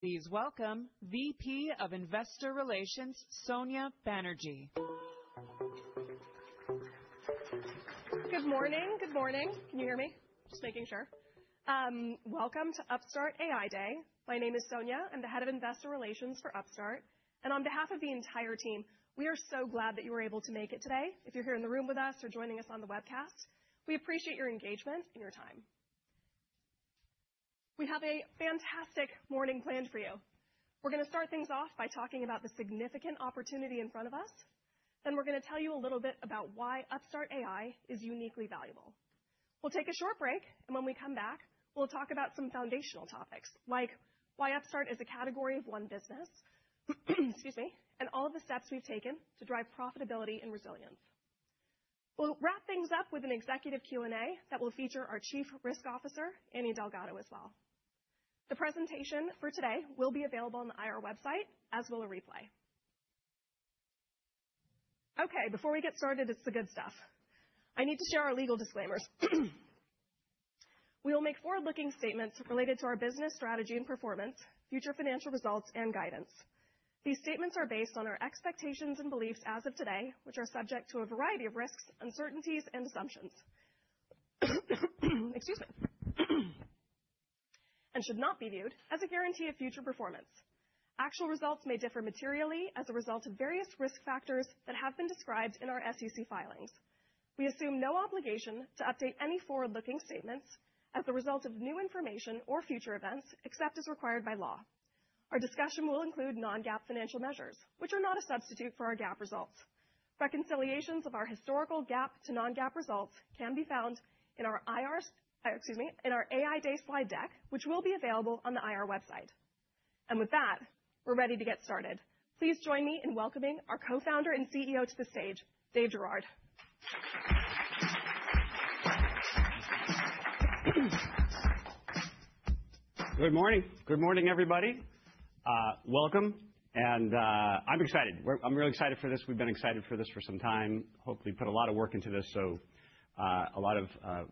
Please welcome VP of Investor Relations, Sonya Banerjee. Good morning. Good morning. Can you hear me? Just making sure. Welcome to Upstart AI Day. My name is Sonya. I'm the Head of Investor Relations for Upstart. On behalf of the entire team, we are so glad that you were able to make it today. If you're here in the room with us or joining us on the webcast, we appreciate your engagement and your time. We have a fantastic morning planned for you. We're going to start things off by talking about the significant opportunity in front of us. We're going to tell you a little bit about why Upstart AI is uniquely valuable. We'll take a short break, and when we come back, we'll talk about some foundational topics, like why Upstart is a category of one business, excuse me, and all of the steps we've taken to drive profitability and resilience. We'll wrap things up with an executive Q&A that will feature our Chief Risk Officer, Annie Delgado, as well. The presentation for today will be available on the IRA website, as will a replay. Okay, before we get started, it's the good stuff. I need to share our legal disclaimers. We will make forward-looking statements related to our business strategy and performance, future financial results, and guidance. These statements are based on our expectations and beliefs as of today, which are subject to a variety of risks, uncertainties, and assumptions. Excuse me. They should not be viewed as a guarantee of future performance. Actual results may differ materially as a result of various risk factors that have been described in our SEC filings. We assume no obligation to update any forward-looking statements as the result of new information or future events, except as required by law. Our discussion will include non-GAAP financial measures, which are not a substitute for our GAAP results. Reconciliations of our historical GAAP to non-GAAP results can be found in our, excuse me, in our AI Day slide deck, which will be available on the IR website. With that, we're ready to get started. Please join me in welcoming our co-founder and CEO to the stage, Dave Girouard. Good morning. Good morning, everybody. Welcome. I'm excited. I'm really excited for this. We've been excited for this for some time. Hopefully, put a lot of work into this. A lot of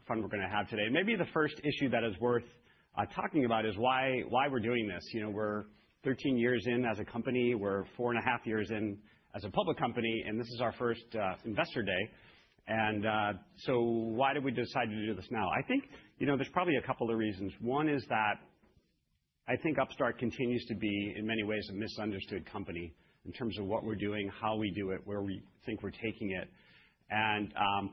fun we're going to have today. Maybe the first issue that is worth talking about is why we're doing this. You know, we're 13 years in as a company. We're four and a half years in as a public company. This is our first Investor Day. Why did we decide to do this now? I think, you know, there's probably a couple of reasons. One is that I think Upstart continues to be, in many ways, a misunderstood company in terms of what we're doing, how we do it, where we think we're taking it.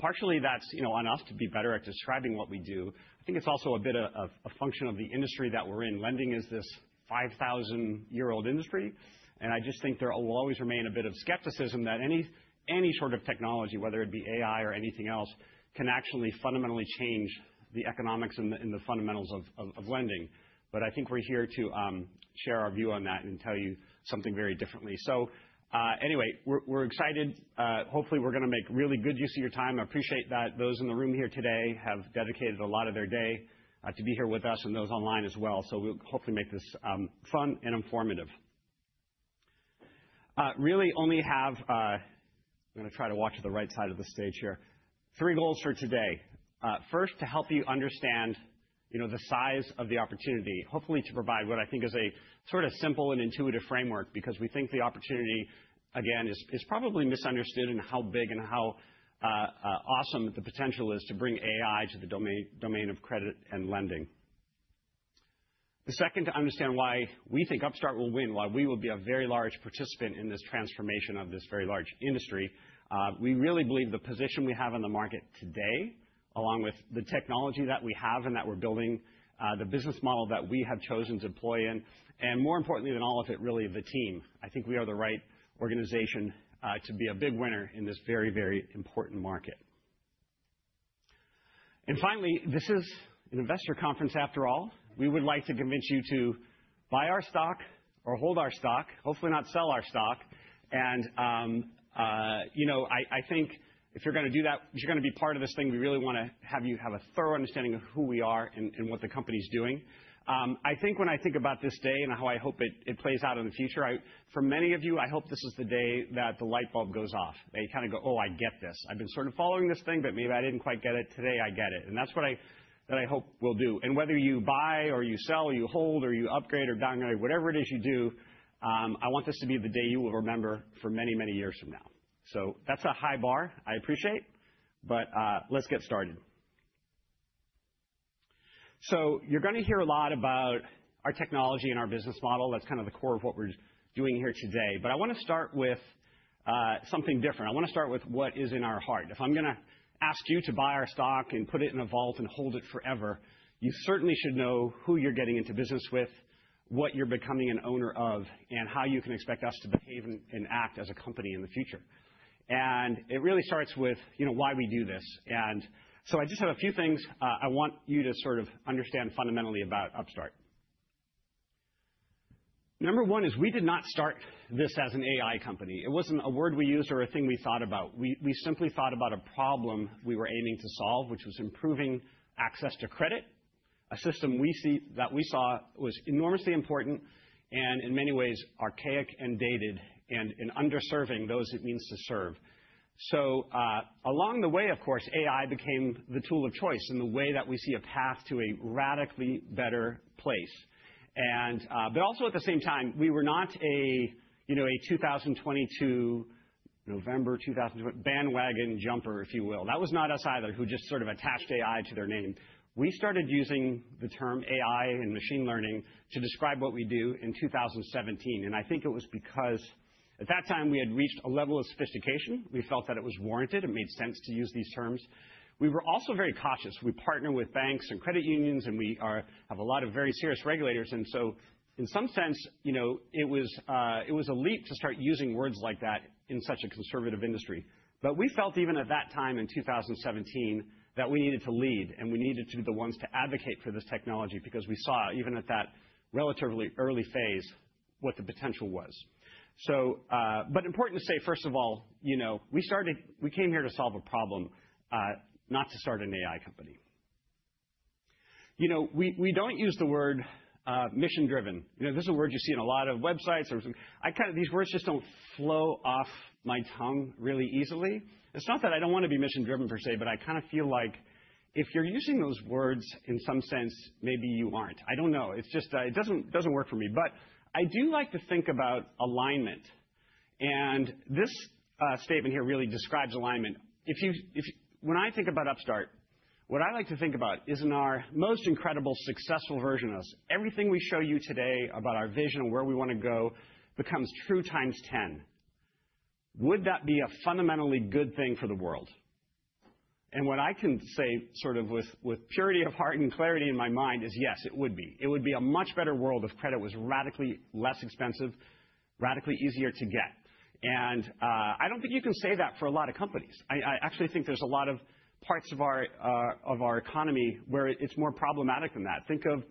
Partially, that's, you know, on us to be better at describing what we do. I think it's also a bit of a function of the industry that we're in. Lending is this 5,000-year-old industry. I just think there will always remain a bit of skepticism that any sort of technology, whether it be AI or anything else, can actually fundamentally change the economics and the fundamentals of lending. I think we're here to share our view on that and tell you something very differently. Anyway, we're excited. Hopefully, we're going to make really good use of your time. I appreciate that those in the room here today have dedicated a lot of their day to be here with us and those online as well. We'll hopefully make this fun and informative. Really only have, I'm going to try to watch the right side of the stage here, three goals for today. First, to help you understand, you know, the size of the opportunity, hopefully to provide what I think is a sort of simple and intuitive framework, because we think the opportunity, again, is probably misunderstood in how big and how awesome the potential is to bring AI to the domain of credit and lending. The second, to understand why we think Upstart will win, why we will be a very large participant in this transformation of this very large industry. We really believe the position we have in the market today, along with the technology that we have and that we're building, the business model that we have chosen to deploy in, and more importantly than all of it, really the team. I think we are the right organization to be a big winner in this very, very important market. Finally, this is an investor conference, after all. We would like to convince you to buy our stock or hold our stock, hopefully not sell our stock. You know, I think if you're going to do that, if you're going to be part of this thing, we really want to have you have a thorough understanding of who we are and what the company's doing. I think when I think about this day and how I hope it plays out in the future, for many of you, I hope this is the day that the light bulb goes off. They kind of go, "Oh, I get this. I've been sort of following this thing, but maybe I didn't quite get it. Today, I get it." That's what I hope we'll do. Whether you buy or you sell or you hold or you upgrade or downgrade, whatever it is you do, I want this to be the day you will remember for many, many years from now. That is a high bar. I appreciate it. Let's get started. You are going to hear a lot about our technology and our business model. That is kind of the core of what we are doing here today. I want to start with something different. I want to start with what is in our heart. If I am going to ask you to buy our stock and put it in a vault and hold it forever, you certainly should know who you are getting into business with, what you are becoming an owner of, and how you can expect us to behave and act as a company in the future. It really starts with, you know, why we do this. I just have a few things I want you to sort of understand fundamentally about Upstart. Number one is we did not start this as an AI company. It was not a word we used or a thing we thought about. We simply thought about a problem we were aiming to solve, which was improving access to credit. A system we see that we saw was enormously important and, in many ways, archaic and dated and in underserving those it means to serve. Along the way, of course, AI became the tool of choice and the way that we see a path to a radically better place. Also at the same time, we were not a, you know, a 2022 November 2022 bandwagon jumper, if you will. That was not us either, who just sort of attached AI to their name. We started using the term AI and machine learning to describe what we do in 2017. I think it was because at that time we had reached a level of sophistication. We felt that it was warranted. It made sense to use these terms. We were also very cautious. We partner with banks and credit unions, and we have a lot of very serious regulators. In some sense, you know, it was a leap to start using words like that in such a conservative industry. We felt even at that time in 2017 that we needed to lead, and we needed to be the ones to advocate for this technology because we saw, even at that relatively early phase, what the potential was. But important to say, first of all, you know, we started, we came here to solve a problem, not to start an AI company. You know, we do not use the word mission-driven. You know, this is a word you see in a lot of websites. I kind of, these words just do not flow off my tongue really easily. It is not that I do not want to be mission-driven per se, but I kind of feel like if you are using those words, in some sense, maybe you are not. I do not know. It is just, it does not work for me. But I do like to think about alignment. And this statement here really describes alignment. If you, when I think about Upstart, what I like to think about is in our most incredible successful version of us, everything we show you today about our vision and where we want to go becomes true times 10. Would that be a fundamentally good thing for the world? What I can say sort of with purity of heart and clarity in my mind is, yes, it would be. It would be a much better world if credit was radically less expensive, radically easier to get. I do not think you can say that for a lot of companies. I actually think there are a lot of parts of our economy where it is more problematic than that. Think of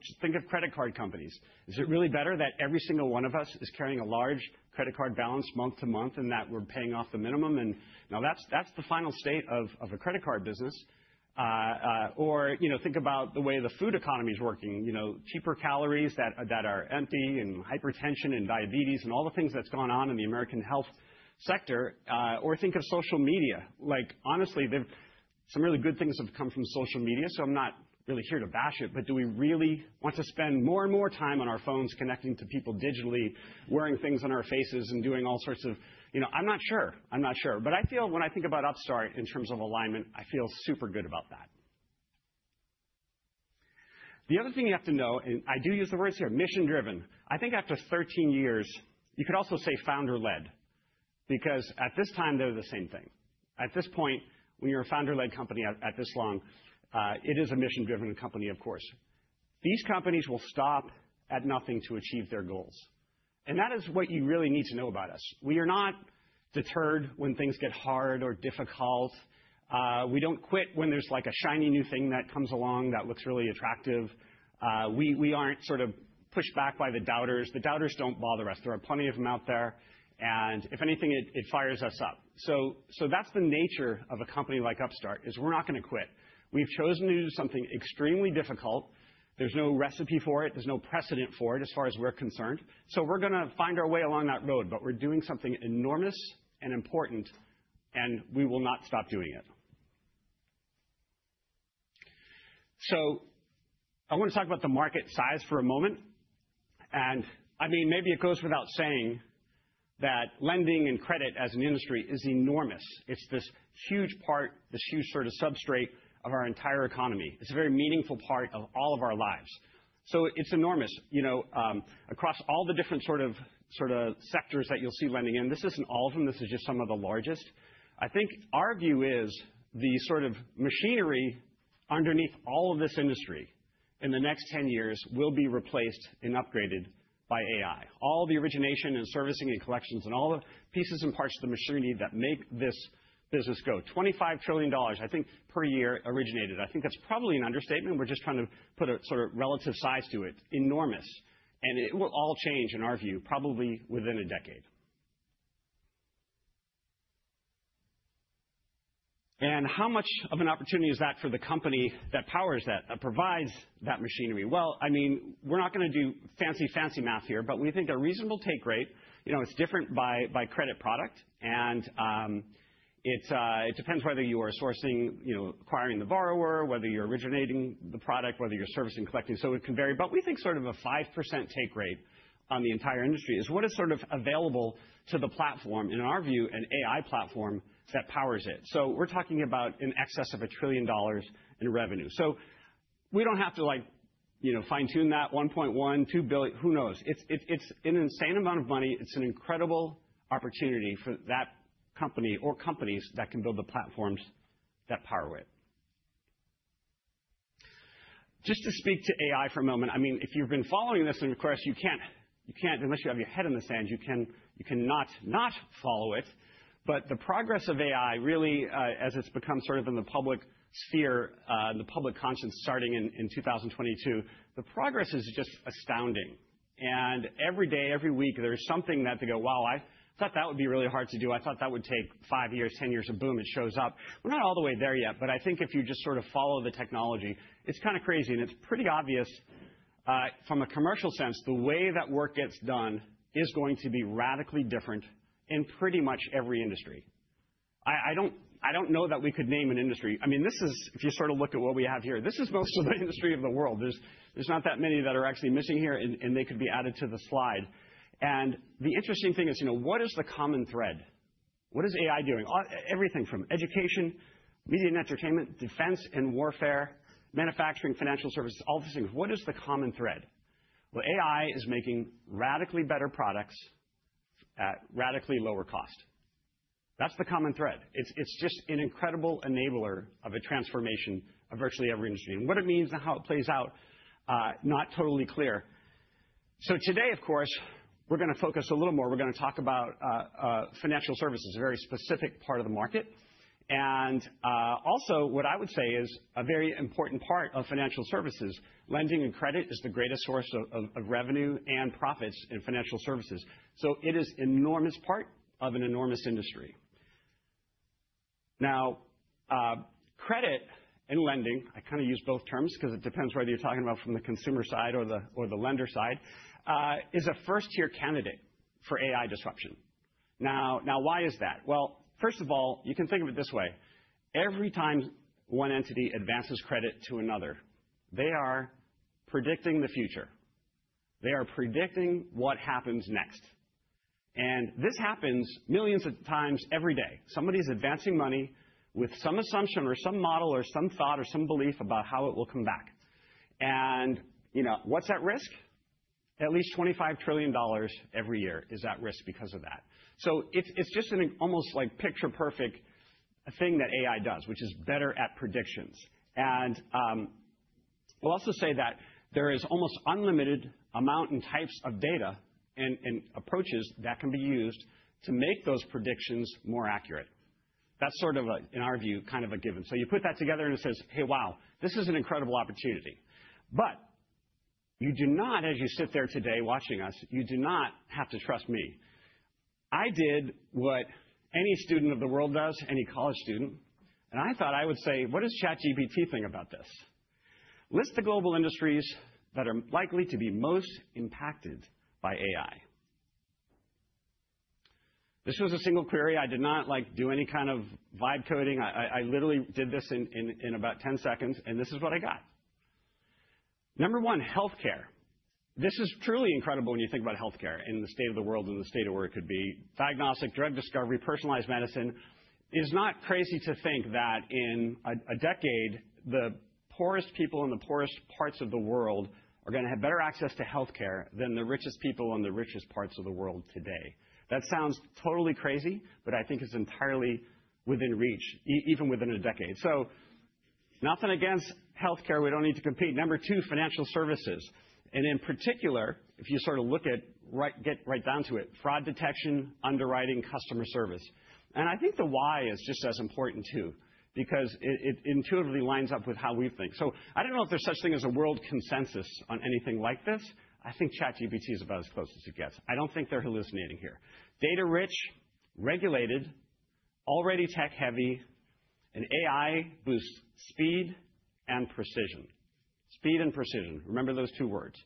credit card companies. Is it really better that every single one of us is carrying a large credit card balance month to month and that we are paying off the minimum? Now, that's the final state of a credit card business. Or, you know, think about the way the food economy is working. You know, cheaper calories that are empty and hypertension and diabetes and all the things that's gone on in the American health sector. Or think of social media. Like, honestly, some really good things have come from social media. So I'm not really here to bash it. Do we really want to spend more and more time on our phones connecting to people digitally, wearing things on our faces and doing all sorts of, you know, I'm not sure. I'm not sure. I feel when I think about Upstart in terms of alignment, I feel super good about that. The other thing you have to know, and I do use the words here, mission-driven. I think after 13 years, you could also say founder-led, because at this time, they're the same thing. At this point, when you're a founder-led company at this long, it is a mission-driven company, of course. These companies will stop at nothing to achieve their goals. That is what you really need to know about us. We are not deterred when things get hard or difficult. We don't quit when there's like a shiny new thing that comes along that looks really attractive. We aren't sort of pushed back by the doubters. The doubters don't bother us. There are plenty of them out there. If anything, it fires us up. That's the nature of a company like Upstart, is we're not going to quit. We've chosen to do something extremely difficult. There's no recipe for it. There's no precedent for it as far as we're concerned. We're going to find our way along that road. But we're doing something enormous and important, and we will not stop doing it. I want to talk about the market size for a moment. I mean, maybe it goes without saying that lending and credit as an industry is enormous. It's this huge part, this huge sort of substrate of our entire economy. It's a very meaningful part of all of our lives. It's enormous. You know, across all the different sort of sectors that you'll see lending in, this isn't all of them. This is just some of the largest. I think our view is the sort of machinery underneath all of this industry in the next 10 years will be replaced and upgraded by AI. All the origination and servicing and collections and all the pieces and parts of the machinery that make this business go. $25 trillion, I think, per year originated. I think that's probably an understatement. We're just trying to put a sort of relative size to it. Enormous. It will all change, in our view, probably within a decade. How much of an opportunity is that for the company that powers that, that provides that machinery? I mean, we're not going to do fancy, fancy math here, but we think a reasonable take rate, you know, it's different by credit product. It depends whether you are sourcing, you know, acquiring the borrower, whether you're originating the product, whether you're servicing, collecting. It can vary. But we think sort of a 5% take rate on the entire industry is what is sort of available to the platform, in our view, an AI platform that powers it. We're talking about in excess of a trillion dollars in revenue. We do not have to, like, you know, fine-tune that $1.1 billion-$2 billion, who knows? It's an insane amount of money. It's an incredible opportunity for that company or companies that can build the platforms that power it. Just to speak to AI for a moment, I mean, if you've been following this, and of course, you cannot, unless you have your head in the sand, you cannot not follow it. The progress of AI, really, as it's become sort of in the public sphere, in the public conscience, starting in 2022, the progress is just astounding. Every day, every week, there is something that they go, "Wow, I thought that would be really hard to do. I thought that would take five years, 10 years." Boom, it shows up. We're not all the way there yet. I think if you just sort of follow the technology, it's kind of crazy. It's pretty obvious from a commercial sense, the way that work gets done is going to be radically different in pretty much every industry. I don't know that we could name an industry. I mean, this is, if you sort of look at what we have here, this is most of the industry of the world. There's not that many that are actually missing here, and they could be added to the slide. The interesting thing is, you know, what is the common thread? What is AI doing? Everything from education, media and entertainment, defense and warfare, manufacturing, financial services, all these things. What is the common thread? AI is making radically better products at radically lower cost. That is the common thread. It is just an incredible enabler of a transformation of virtually every industry. What it means and how it plays out, not totally clear. Today, of course, we are going to focus a little more. We are going to talk about financial services, a very specific part of the market. Also, what I would say is a very important part of financial services. Lending and credit is the greatest source of revenue and profits in financial services. It is an enormous part of an enormous industry. Now, credit and lending, I kind of use both terms because it depends whether you're talking about from the consumer side or the lender side, is a first-tier candidate for AI disruption. Now, why is that? First of all, you can think of it this way. Every time one entity advances credit to another, they are predicting the future. They are predicting what happens next. This happens millions of times every day. Somebody is advancing money with some assumption or some model or some thought or some belief about how it will come back. You know, what's at risk? At least $25 trillion every year is at risk because of that. It's just an almost like picture-perfect thing that AI does, which is better at predictions. We will also say that there is almost unlimited amount and types of data and approaches that can be used to make those predictions more accurate. That is sort of, in our view, kind of a given. You put that together and it says, "Hey, wow, this is an incredible opportunity." You do not, as you sit there today watching us, you do not have to trust me. I did what any student of the world does, any college student. I thought I would say, "What does ChatGPT think about this? List the global industries that are likely to be most impacted by AI." This was a single query. I did not do any kind of vibe coding. I literally did this in about 10 seconds. This is what I got. Number one, healthcare. This is truly incredible when you think about healthcare and the state of the world and the state of where it could be. Diagnostic, drug discovery, personalized medicine. It is not crazy to think that in a decade, the poorest people in the poorest parts of the world are going to have better access to healthcare than the richest people in the richest parts of the world today. That sounds totally crazy, but I think it is entirely within reach, even within a decade. Nothing against healthcare. We do not need to compete. Number two, financial services. In particular, if you sort of look at, get right down to it, fraud detection, underwriting, customer service. I think the why is just as important too, because it intuitively lines up with how we think. I don't know if there's such a thing as a world consensus on anything like this. I think ChatGPT is about as close as it gets. I don't think they're hallucinating here. Data-rich, regulated, already tech-heavy, and AI boosts speed and precision. Speed and precision. Remember those two words.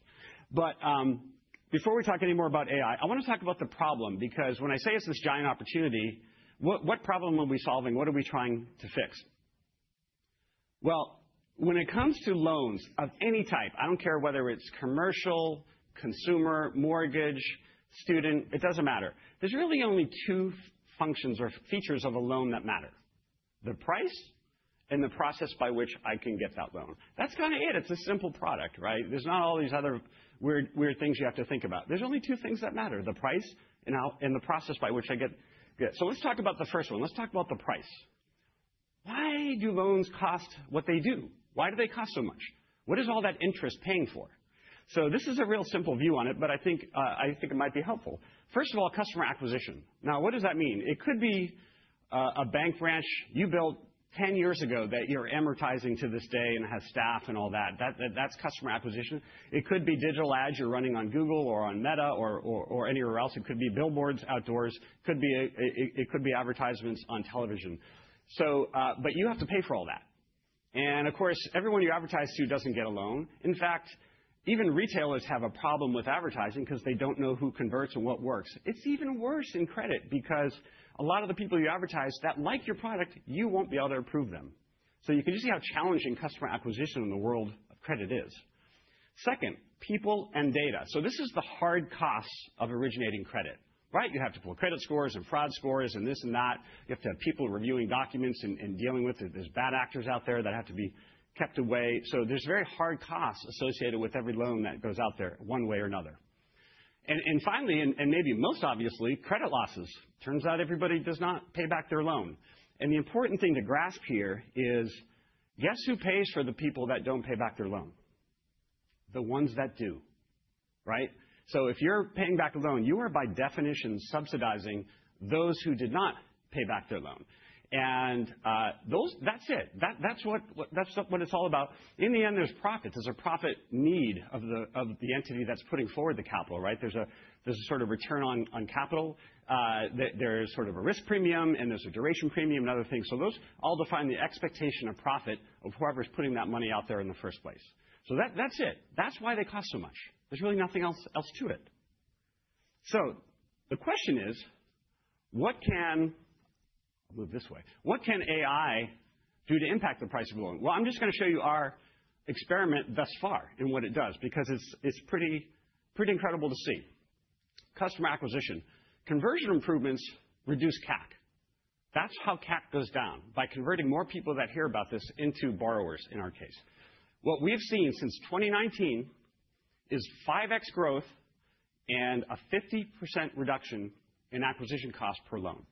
Before we talk any more about AI, I want to talk about the problem, because when I say it's this giant opportunity, what problem are we solving? What are we trying to fix? When it comes to loans of any type, I don't care whether it's commercial, consumer, mortgage, student, it doesn't matter. There's really only two functions or features of a loan that matter: the price and the process by which I can get that loan. That's kind of it. It's a simple product, right? There's not all these other weird things you have to think about. There's only two things that matter: the price and the process by which I get it. Let's talk about the first one. Let's talk about the price. Why do loans cost what they do? Why do they cost so much? What is all that interest paying for? This is a real simple view on it, but I think it might be helpful. First of all, customer acquisition. Now, what does that mean? It could be a bank branch you built 10 years ago that you're amortizing to this day and has staff and all that. That's customer acquisition. It could be digital ads you're running on Google or on Meta or anywhere else. It could be billboards outdoors. It could be advertisements on television. You have to pay for all that. Of course, everyone you advertise to doesn't get a loan. In fact, even retailers have a problem with advertising because they do not know who converts and what works. It is even worse in credit because a lot of the people you advertise that like your product, you will not be able to approve them. You can just see how challenging customer acquisition in the world of credit is. Second, people and data. This is the hard costs of originating credit, right? You have to pull credit scores and fraud scores and this and that. You have to have people reviewing documents and dealing with it. There are bad actors out there that have to be kept away. There are very hard costs associated with every loan that goes out there one way or another. Finally, and maybe most obviously, credit losses. Turns out everybody does not pay back their loan. The important thing to grasp here is, guess who pays for the people that don't pay back their loan? The ones that do, right? If you're paying back a loan, you are by definition subsidizing those who did not pay back their loan. That's it. That's what it's all about. In the end, there's profits. There's a profit need of the entity that's putting forward the capital, right? There's a sort of return on capital. There's sort of a risk premium, and there's a duration premium and other things. Those all define the expectation of profit of whoever's putting that money out there in the first place. That's it. That's why they cost so much. There's really nothing else to it. The question is, what can—I’ll move this way—what can AI do to impact the price of a loan? I'm just going to show you our experiment thus far and what it does, because it's pretty incredible to see. Customer acquisition. Conversion improvements reduce CAC. That's how CAC goes down by converting more people that hear about this into borrowers, in our case. What we've seen since 2019 is 5x growth and a 50% reduction in acquisition cost per loan.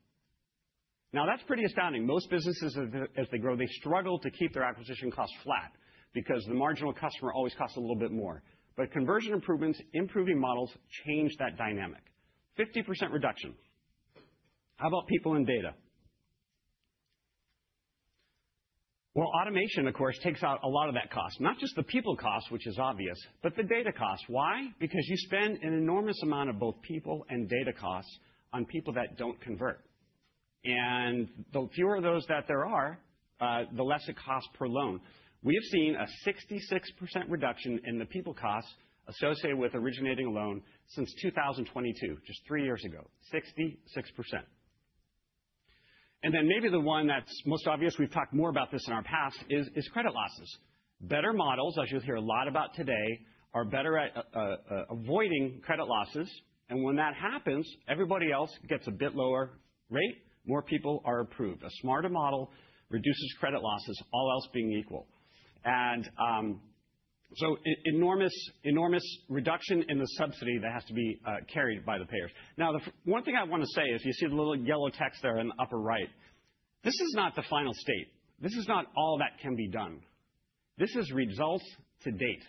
Now, that's pretty astounding. Most businesses, as they grow, they struggle to keep their acquisition costs flat because the marginal customer always costs a little bit more. Conversion improvements, improving models change that dynamic. 50% reduction. How about people and data? Automation, of course, takes out a lot of that cost. Not just the people cost, which is obvious, but the data cost. Why? Because you spend an enormous amount of both people and data costs on people that don't convert. The fewer of those that there are, the less it costs per loan. We have seen a 66% reduction in the people costs associated with originating a loan since 2022, just three years ago. 66%. Maybe the one that is most obvious, we have talked more about this in our past, is credit losses. Better models, as you will hear a lot about today, are better at avoiding credit losses. When that happens, everybody else gets a bit lower rate. More people are approved. A smarter model reduces credit losses, all else being equal. Enormous reduction in the subsidy that has to be carried by the payers. The one thing I want to say is you see the little yellow text there in the upper right. This is not the final state. This is not all that can be done. This is results to date.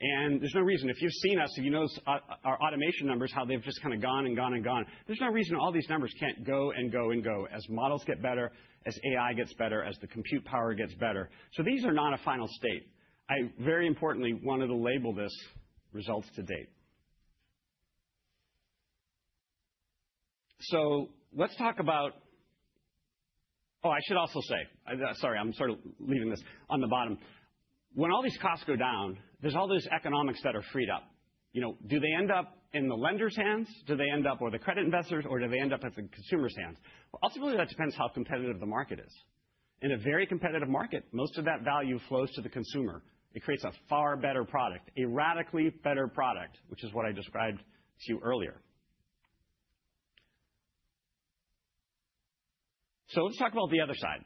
There is no reason. If you have seen us, if you know our automation numbers, how they have just kind of gone and gone and gone, there is no reason all these numbers cannot go and go and go as models get better, as AI gets better, as the compute power gets better. These are not a final state. Very importantly, wanted to label this results to date. Let us talk about, oh, I should also say, sorry, I am sort of leaving this on the bottom. When all these costs go down, there are all these economics that are freed up. You know, do they end up in the lender's hands? Do they end up with the credit investors? Or do they end up at the consumer's hands? Ultimately, that depends how competitive the market is. In a very competitive market, most of that value flows to the consumer. It creates a far better product, a radically better product, which is what I described to you earlier. Let's talk about the other side.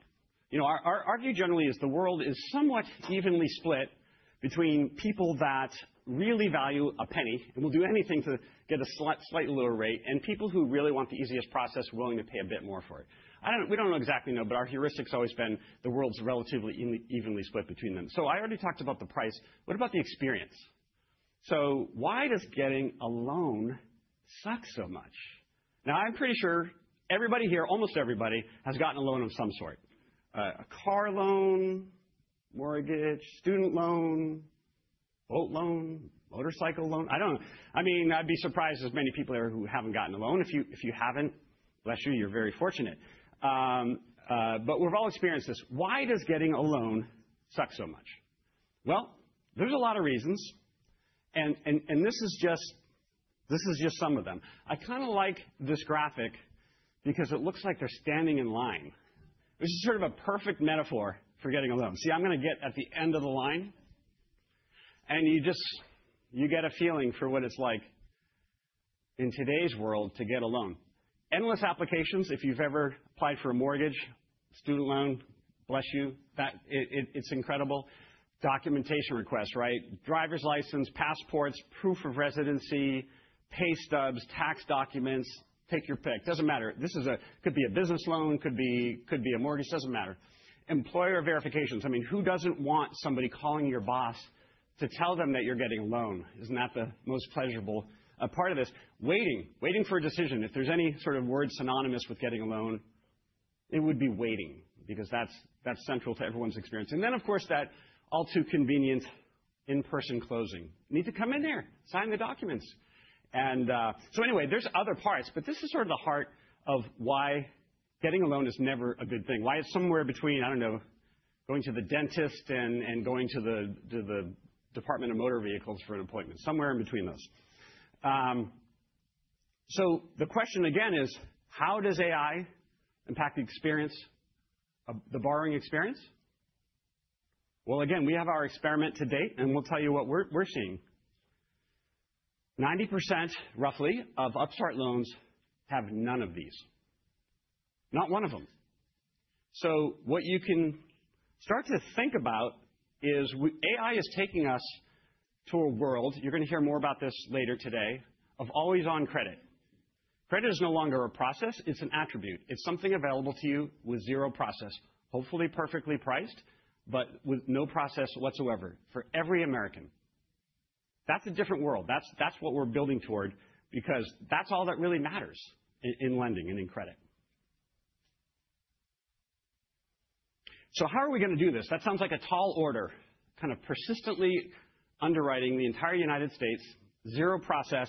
You know, our view generally is the world is somewhat evenly split between people that really value a penny and will do anything to get a slightly lower rate and people who really want the easiest process, willing to pay a bit more for it. We do not know exactly, no, but our heuristics have always been the world's relatively evenly split between them. I already talked about the price. What about the experience? Why does getting a loan suck so much? Now, I'm pretty sure everybody here, almost everybody, has gotten a loan of some sort. A car loan, mortgage, student loan, boat loan, motorcycle loan. I do not know. I mean, I'd be surprised there's many people here who haven't gotten a loan. If you haven't, bless you, you're very fortunate. But we've all experienced this. Why does getting a loan suck so much? There are a lot of reasons. This is just some of them. I kind of like this graphic because it looks like they're standing in line, which is sort of a perfect metaphor for getting a loan. See, I'm going to get at the end of the line. You just get a feeling for what it's like in today's world to get a loan. Endless applications. If you've ever applied for a mortgage, student loan, bless you. It's incredible. Documentation requests, right? Driver's license, passports, proof of residency, pay stubs, tax documents. Pick your pick. Doesn't matter. This could be a business loan, could be a mortgage. Doesn't matter. Employer verifications. I mean, who doesn't want somebody calling your boss to tell them that you're getting a loan? Isn't that the most pleasurable part of this? Waiting. Waiting for a decision. If there's any sort of word synonymous with getting a loan, it would be waiting because that's central to everyone's experience. Then, of course, that all-too-convenient in-person closing. Need to come in there. Sign the documents. Anyway, there's other parts, but this is sort of the heart of why getting a loan is never a good thing. Why it's somewhere between, I don't know, going to the dentist and going to the Department of Motor Vehicles for an appointment. Somewhere in between those. The question again is, how does AI impact the experience, the borrowing experience? Again, we have our experiment to date, and we'll tell you what we're seeing. 90%, roughly, of Upstart loans have none of these. Not one of them. What you can start to think about is AI is taking us to a world, you're going to hear more about this later today, of always on credit. Credit is no longer a process. It's an attribute. It's something available to you with zero process, hopefully perfectly priced, but with no process whatsoever for every American. That's a different world. That's what we're building toward because that's all that really matters in lending and in credit. How are we going to do this? That sounds like a tall order, kind of persistently underwriting the entire United States, zero process,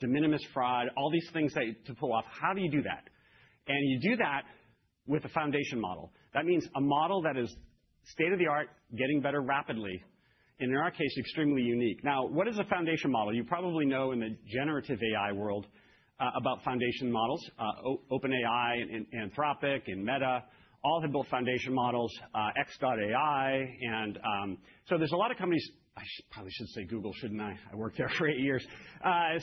de minimis fraud, all these things to pull off. How do you do that? You do that with a foundation model. That means a model that is state of the art, getting better rapidly, and in our case, extremely unique. Now, what is a foundation model? You probably know in the generative AI world about foundation models. OpenAI, Anthropic, and Meta all have built foundation models, X.AI. There are a lot of companies. I probably should not say Google, should I? I worked there for eight years. A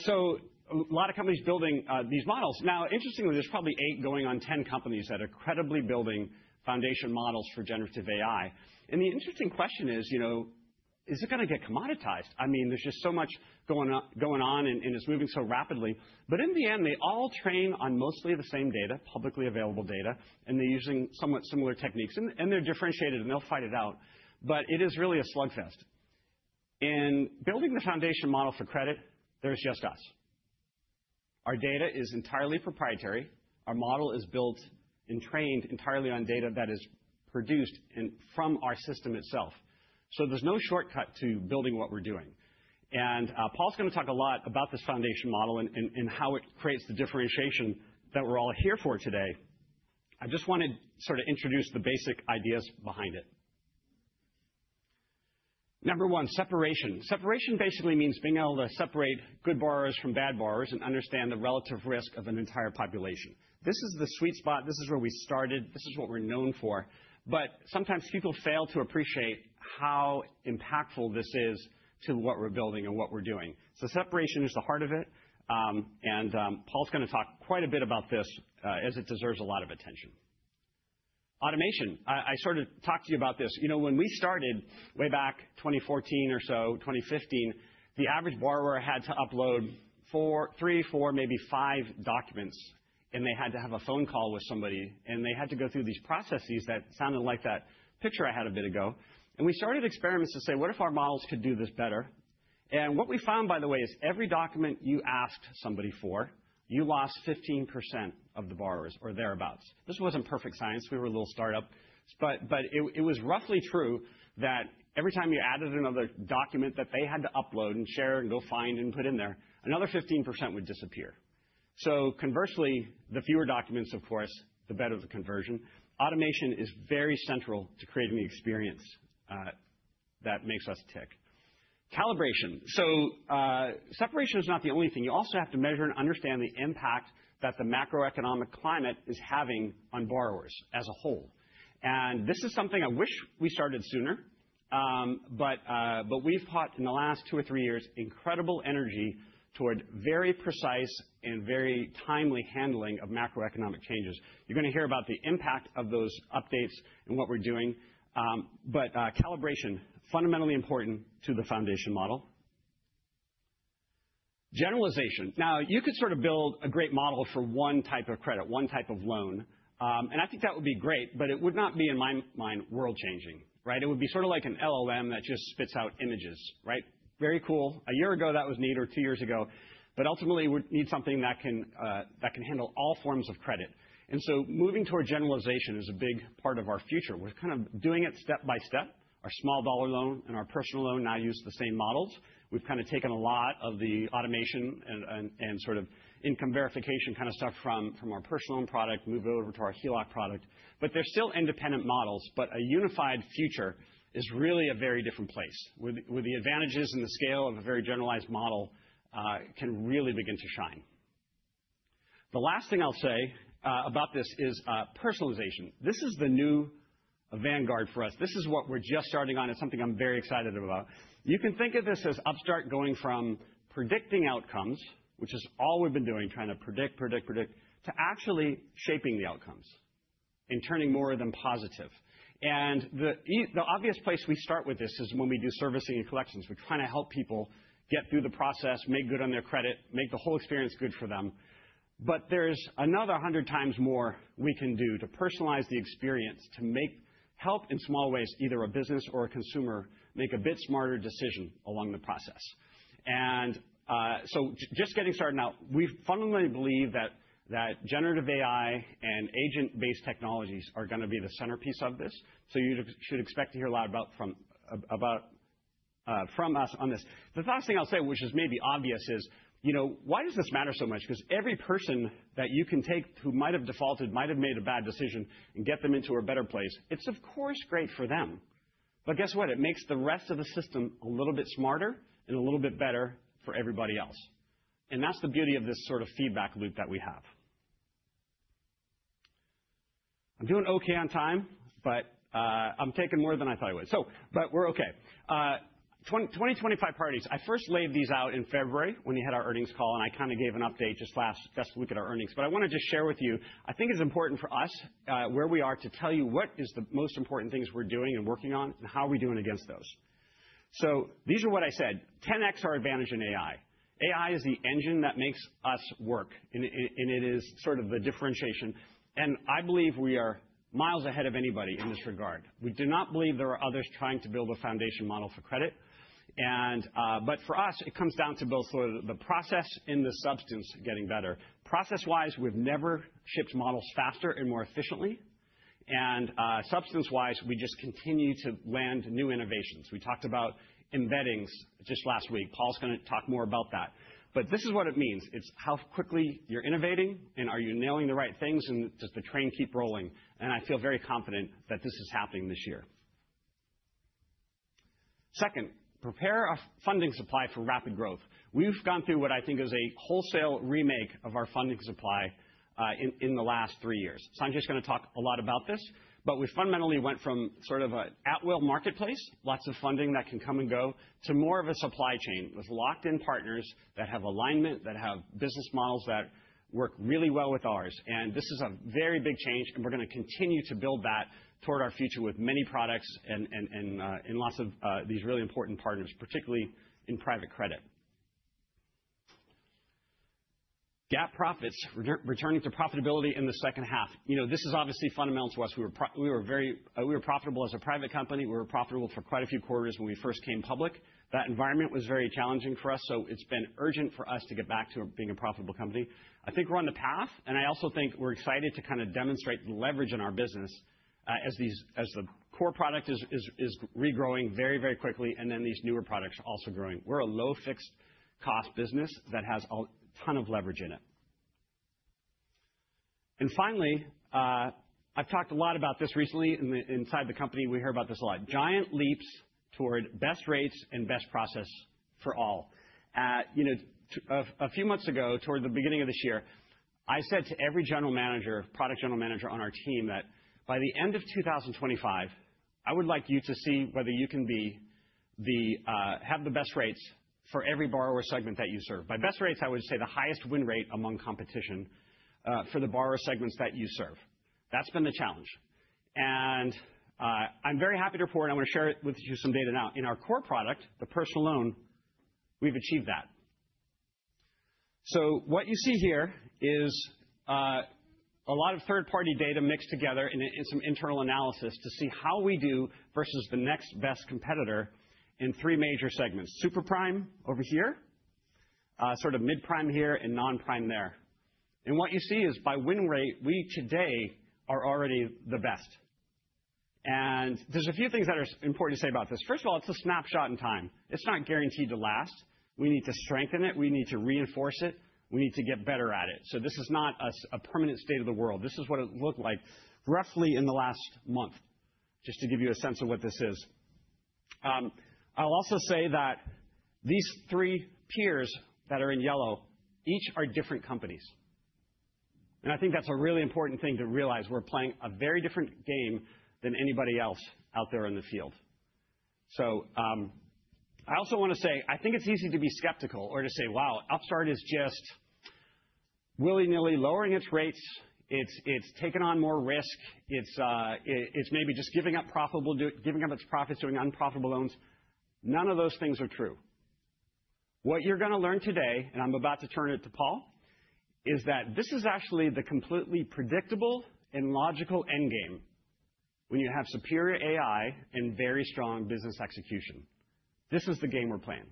lot of companies are building these models. Now, interestingly, there are probably eight going on 10 companies that are credibly building foundation models for generative AI. The interesting question is, you know, is it going to get commoditized? I mean, there is just so much going on and it is moving so rapidly. In the end, they all train on mostly the same data, publicly available data, and they are using somewhat similar techniques. They are differentiated, and they will fight it out. It is really a slugfest. In building the foundation model for credit, there's just us. Our data is entirely proprietary. Our model is built and trained entirely on data that is produced from our system itself. There is no shortcut to building what we're doing. Paul's going to talk a lot about this foundation model and how it creates the differentiation that we're all here for today. I just want to sort of introduce the basic ideas behind it. Number one, separation. Separation basically means being able to separate good borrowers from bad borrowers and understand the relative risk of an entire population. This is the sweet spot. This is where we started. This is what we're known for. Sometimes people fail to appreciate how impactful this is to what we're building and what we're doing. Separation is the heart of it. Paul's going to talk quite a bit about this as it deserves a lot of attention. Automation. I sort of talked to you about this. You know, when we started way back, 2014 or so, 2015, the average borrower had to upload three, four, maybe five documents, and they had to have a phone call with somebody. They had to go through these processes that sounded like that picture I had a bit ago. We started experiments to say, what if our models could do this better? What we found, by the way, is every document you asked somebody for, you lost 15% of the borrowers or thereabouts. This was not perfect science. We were a little startup. It was roughly true that every time you added another document that they had to upload and share and go find and put in there, another 15% would disappear. Conversely, the fewer documents, of course, the better the conversion. Automation is very central to creating the experience that makes us tick. Calibration. Separation is not the only thing. You also have to measure and understand the impact that the macroeconomic climate is having on borrowers as a whole. This is something I wish we started sooner. We have put in the last two or three years incredible energy toward very precise and very timely handling of macroeconomic changes. You are going to hear about the impact of those updates and what we are doing. Calibration, fundamentally important to the foundation model. Generalization. Now, you could sort of build a great model for one type of credit, one type of loan. I think that would be great, but it would not be, in my mind, world-changing, right? It would be sort of like an LLM that just spits out images, right? Very cool. A year ago, that was neat or two years ago. Ultimately, we need something that can handle all forms of credit. Moving toward generalization is a big part of our future. We're kind of doing it step by step. Our Small Dollar loan and our personal loan now use the same models. We've kind of taken a lot of the automation and sort of income verification kind of stuff from our personal loan product, moved over to our HELOC product. They're still independent models. A unified future is really a very different place. With the advantages and the scale of a very generalized model can really begin to shine. The last thing I'll say about this is personalization. This is the new avant-garde for us. This is what we're just starting on. It's something I'm very excited about. You can think of this as Upstart going from predicting outcomes, which is all we've been doing, trying to predict, predict, predict, to actually shaping the outcomes and turning more of them positive. The obvious place we start with this is when we do servicing and collections. We're trying to help people get through the process, make good on their credit, make the whole experience good for them. There's another 100 times more we can do to personalize the experience to help in small ways, either a business or a consumer make a bit smarter decision along the process. Just getting started now, we fundamentally believe that generative AI and agent-based technologies are going to be the centerpiece of this. You should expect to hear a lot from us on this. The last thing I'll say, which is maybe obvious, is, you know, why does this matter so much? Because every person that you can take who might have defaulted, might have made a bad decision, and get them into a better place, it's of course great for them. But guess what? It makes the rest of the system a little bit smarter and a little bit better for everybody else. That's the beauty of this sort of feedback loop that we have. I'm doing okay on time, but I'm taking more than I thought I would. We're okay. 2025 parties. I first laid these out in February when we had our earnings call, and I kind of gave an update just last, just look at our earnings. I wanted to just share with you, I think it's important for us where we are to tell you what is the most important things we're doing and working on and how are we doing against those. These are what I said. 10x our advantage in AI. AI is the engine that makes us work, and it is sort of the differentiation. I believe we are miles ahead of anybody in this regard. We do not believe there are others trying to build a foundation model for credit. For us, it comes down to both sort of the process and the substance getting better. Process-wise, we've never shipped models faster and more efficiently. Substance-wise, we just continue to land new innovations. We talked about embeddings just last week. Paul's going to talk more about that. This is what it means. It's how quickly you're innovating, and are you nailing the right things, and does the train keep rolling? I feel very confident that this is happening this year. Second, prepare a funding supply for rapid growth. We've gone through what I think is a wholesale remake of our funding supply in the last three years. I'm just going to talk a lot about this. We fundamentally went from sort of an at-will marketplace, lots of funding that can come and go, to more of a supply chain with locked-in partners that have alignment, that have business models that work really well with ours. This is a very big change, and we're going to continue to build that toward our future with many products and lots of these really important partners, particularly in private credit. Gap profits, returning to profitability in the second half. You know, this is obviously fundamental to us. We were profitable as a private company. We were profitable for quite a few quarters when we first came public. That environment was very challenging for us, so it's been urgent for us to get back to being a profitable company. I think we're on the path, and I also think we're excited to kind of demonstrate the leverage in our business as the core product is regrowing very, very quickly, and then these newer products are also growing. We're a low-fixed cost business that has a ton of leverage in it. Finally, I've talked a lot about this recently. Inside the company, we hear about this a lot. Giant leaps toward best rates and best process for all. You know, a few months ago, toward the beginning of this year, I said to every general manager, product general manager on our team that by the end of 2025, I would like you to see whether you can have the best rates for every borrower segment that you serve. By best rates, I would say the highest win rate among competition for the borrower segments that you serve. That's been the challenge. I am very happy to report, and I want to share with you some data now. In our core product, the personal loan, we've achieved that. What you see here is a lot of third-party data mixed together and some internal analysis to see how we do versus the next best competitor in three major segments. Super Prime over here, sort of Mid Prime here, and Non-Prime there. What you see is by win rate, we today are already the best. There are a few things that are important to say about this. First of all, it is a snapshot in time. It is not guaranteed to last. We need to strengthen it. We need to reinforce it. We need to get better at it. This is not a permanent state of the world. This is what it looked like roughly in the last month, just to give you a sense of what this is. I will also say that these three peers that are in yellow, each are different companies. I think that is a really important thing to realize. We are playing a very different game than anybody else out there in the field. So I also want to say, I think it's easy to be skeptical or to say, wow, Upstart is just willy-nilly lowering its rates. It's taken on more risk. It's maybe just giving up profitable, giving up its profits, doing unprofitable loans. None of those things are true. What you're going to learn today, and I'm about to turn it to Paul, is that this is actually the completely predictable and logical end game when you have superior AI and very strong business execution. This is the game we're playing.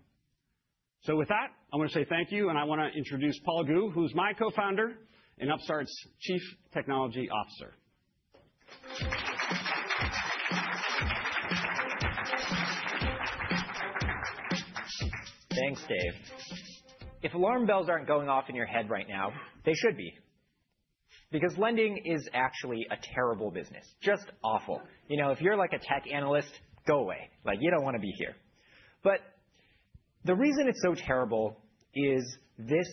With that, I want to say thank you, and I want to introduce Paul Gu, who's my co-founder and Upstart's Chief Technology Officer. Thanks, Dave. If alarm bells aren't going off in your head right now, they should be. Because lending is actually a terrible business, just awful. You know, if you're like a tech analyst, go away. Like, you don't want to be here. The reason it's so terrible is this,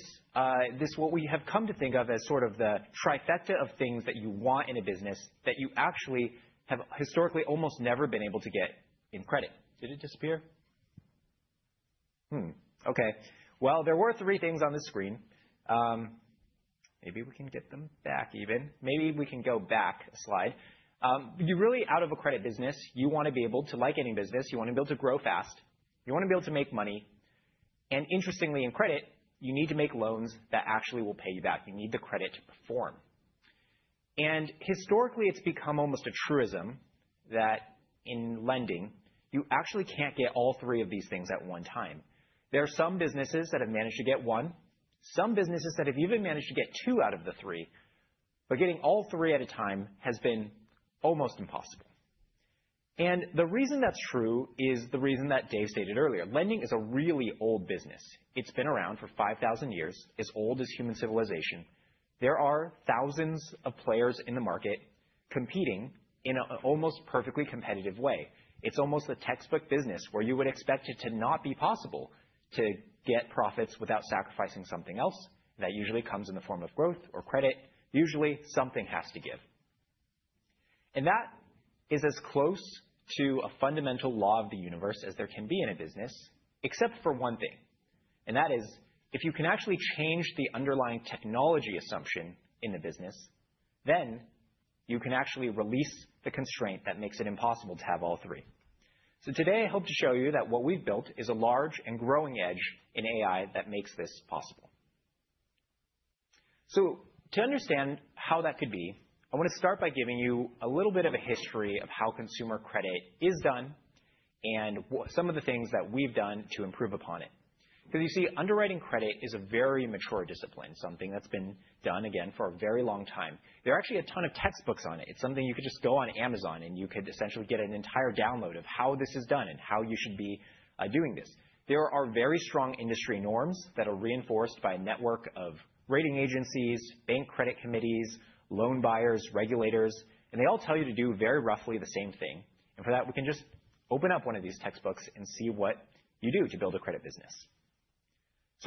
what we have come to think of as sort of the trifecta of things that you want in a business that you actually have historically almost never been able to get in credit. Did it disappear? Okay. There were three things on the screen. Maybe we can get them back even. Maybe we can go back a slide. You're really out of a credit business. You want to be able to, like any business, you want to be able to grow fast. You want to be able to make money. Interestingly, in credit, you need to make loans that actually will pay you back. You need the credit to perform. Historically, it's become almost a truism that in lending, you actually can't get all three of these things at one time. There are some businesses that have managed to get one, some businesses that have even managed to get two out of the three. Getting all three at a time has been almost impossible. The reason that's true is the reason that Dave stated earlier. Lending is a really old business. It's been around for 5,000 years. It's as old as human civilization. There are thousands of players in the market competing in an almost perfectly competitive way. It's almost a textbook business where you would expect it to not be possible to get profits without sacrificing something else that usually comes in the form of growth or credit. Usually, something has to give. That is as close to a fundamental law of the universe as there can be in a business, except for one thing. If you can actually change the underlying technology assumption in the business, then you can actually release the constraint that makes it impossible to have all three. Today, I hope to show you that what we've built is a large and growing edge in AI that makes this possible. To understand how that could be, I want to start by giving you a little bit of a history of how consumer credit is done and some of the things that we've done to improve upon it. You see, underwriting credit is a very mature discipline, something that's been done again for a very long time. There are actually a ton of textbooks on it. It's something you could just go on Amazon, and you could essentially get an entire download of how this is done and how you should be doing this. There are very strong industry norms that are reinforced by a network of rating agencies, bank credit committees, loan buyers, regulators. They all tell you to do very roughly the same thing. For that, we can just open up one of these textbooks and see what you do to build a credit business.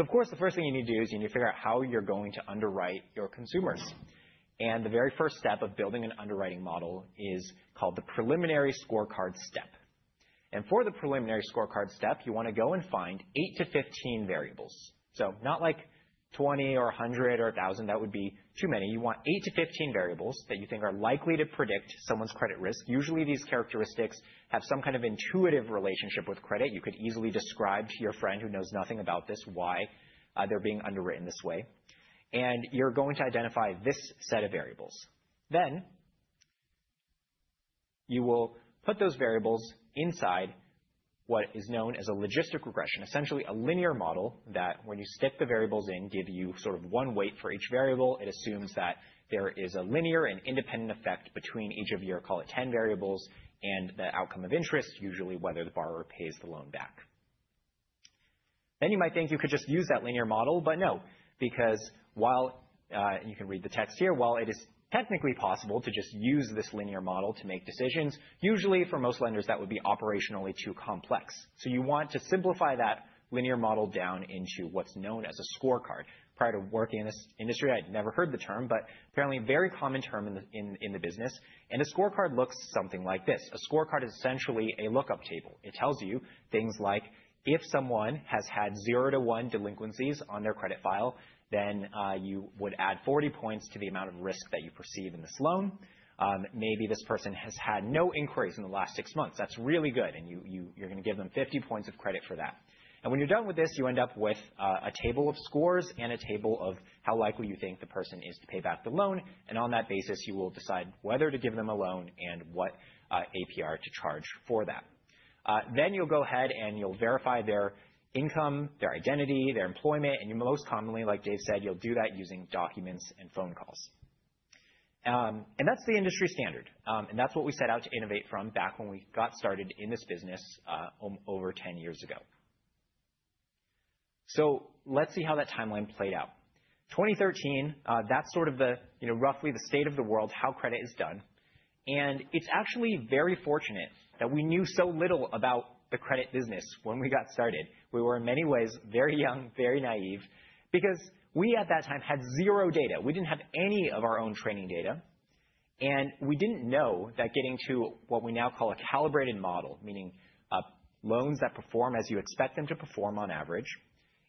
Of course, the first thing you need to do is you need to figure out how you're going to underwrite your consumers. The very first step of building an underwriting model is called the preliminary scorecard step. For the preliminary scorecard step, you want to go and find 8-15 variables. Not like 20 or 100 or 1,000, that would be too many. You want 8-15 variables that you think are likely to predict someone's credit risk. Usually, these characteristics have some kind of intuitive relationship with credit. You could easily describe to your friend who knows nothing about this why they're being underwritten this way. You are going to identify this set of variables. Then you will put those variables inside what is known as a logistic regression, essentially a linear model that when you stick the variables in, gives you sort of one weight for each variable. It assumes that there is a linear and independent effect between each of your, call it, 10 variables and the outcome of interest, usually whether the borrower pays the loan back. You might think you could just use that linear model, but no, because while you can read the text here, while it is technically possible to just use this linear model to make decisions, usually for most lenders, that would be operationally too complex. You want to simplify that linear model down into what's known as a scorecard. Prior to working in this industry, I'd never heard the term, but apparently a very common term in the business. A scorecard looks something like this. A scorecard is essentially a lookup table. It tells you things like, if someone has had zero to one delinquencies on their credit file, then you would add 40 points to the amount of risk that you perceive in this loan. Maybe this person has had no inquiries in the last six months. That's really good. You're going to give them 50 points of credit for that. When you're done with this, you end up with a table of scores and a table of how likely you think the person is to pay back the loan. On that basis, you will decide whether to give them a loan and what APR to charge for that. You will go ahead and verify their income, their identity, their employment. Most commonly, like Dave said, you will do that using documents and phone calls. That is the industry standard. That is what we set out to innovate from back when we got started in this business over 10 years ago. Let us see how that timeline played out. In 2013, that is sort of roughly the state of the world, how credit is done. It is actually very fortunate that we knew so little about the credit business when we got started. We were in many ways very young, very naive, because we at that time had zero data. We did not have any of our own training data. We did not know that getting to what we now call a calibrated model, meaning loans that perform as you expect them to perform on average,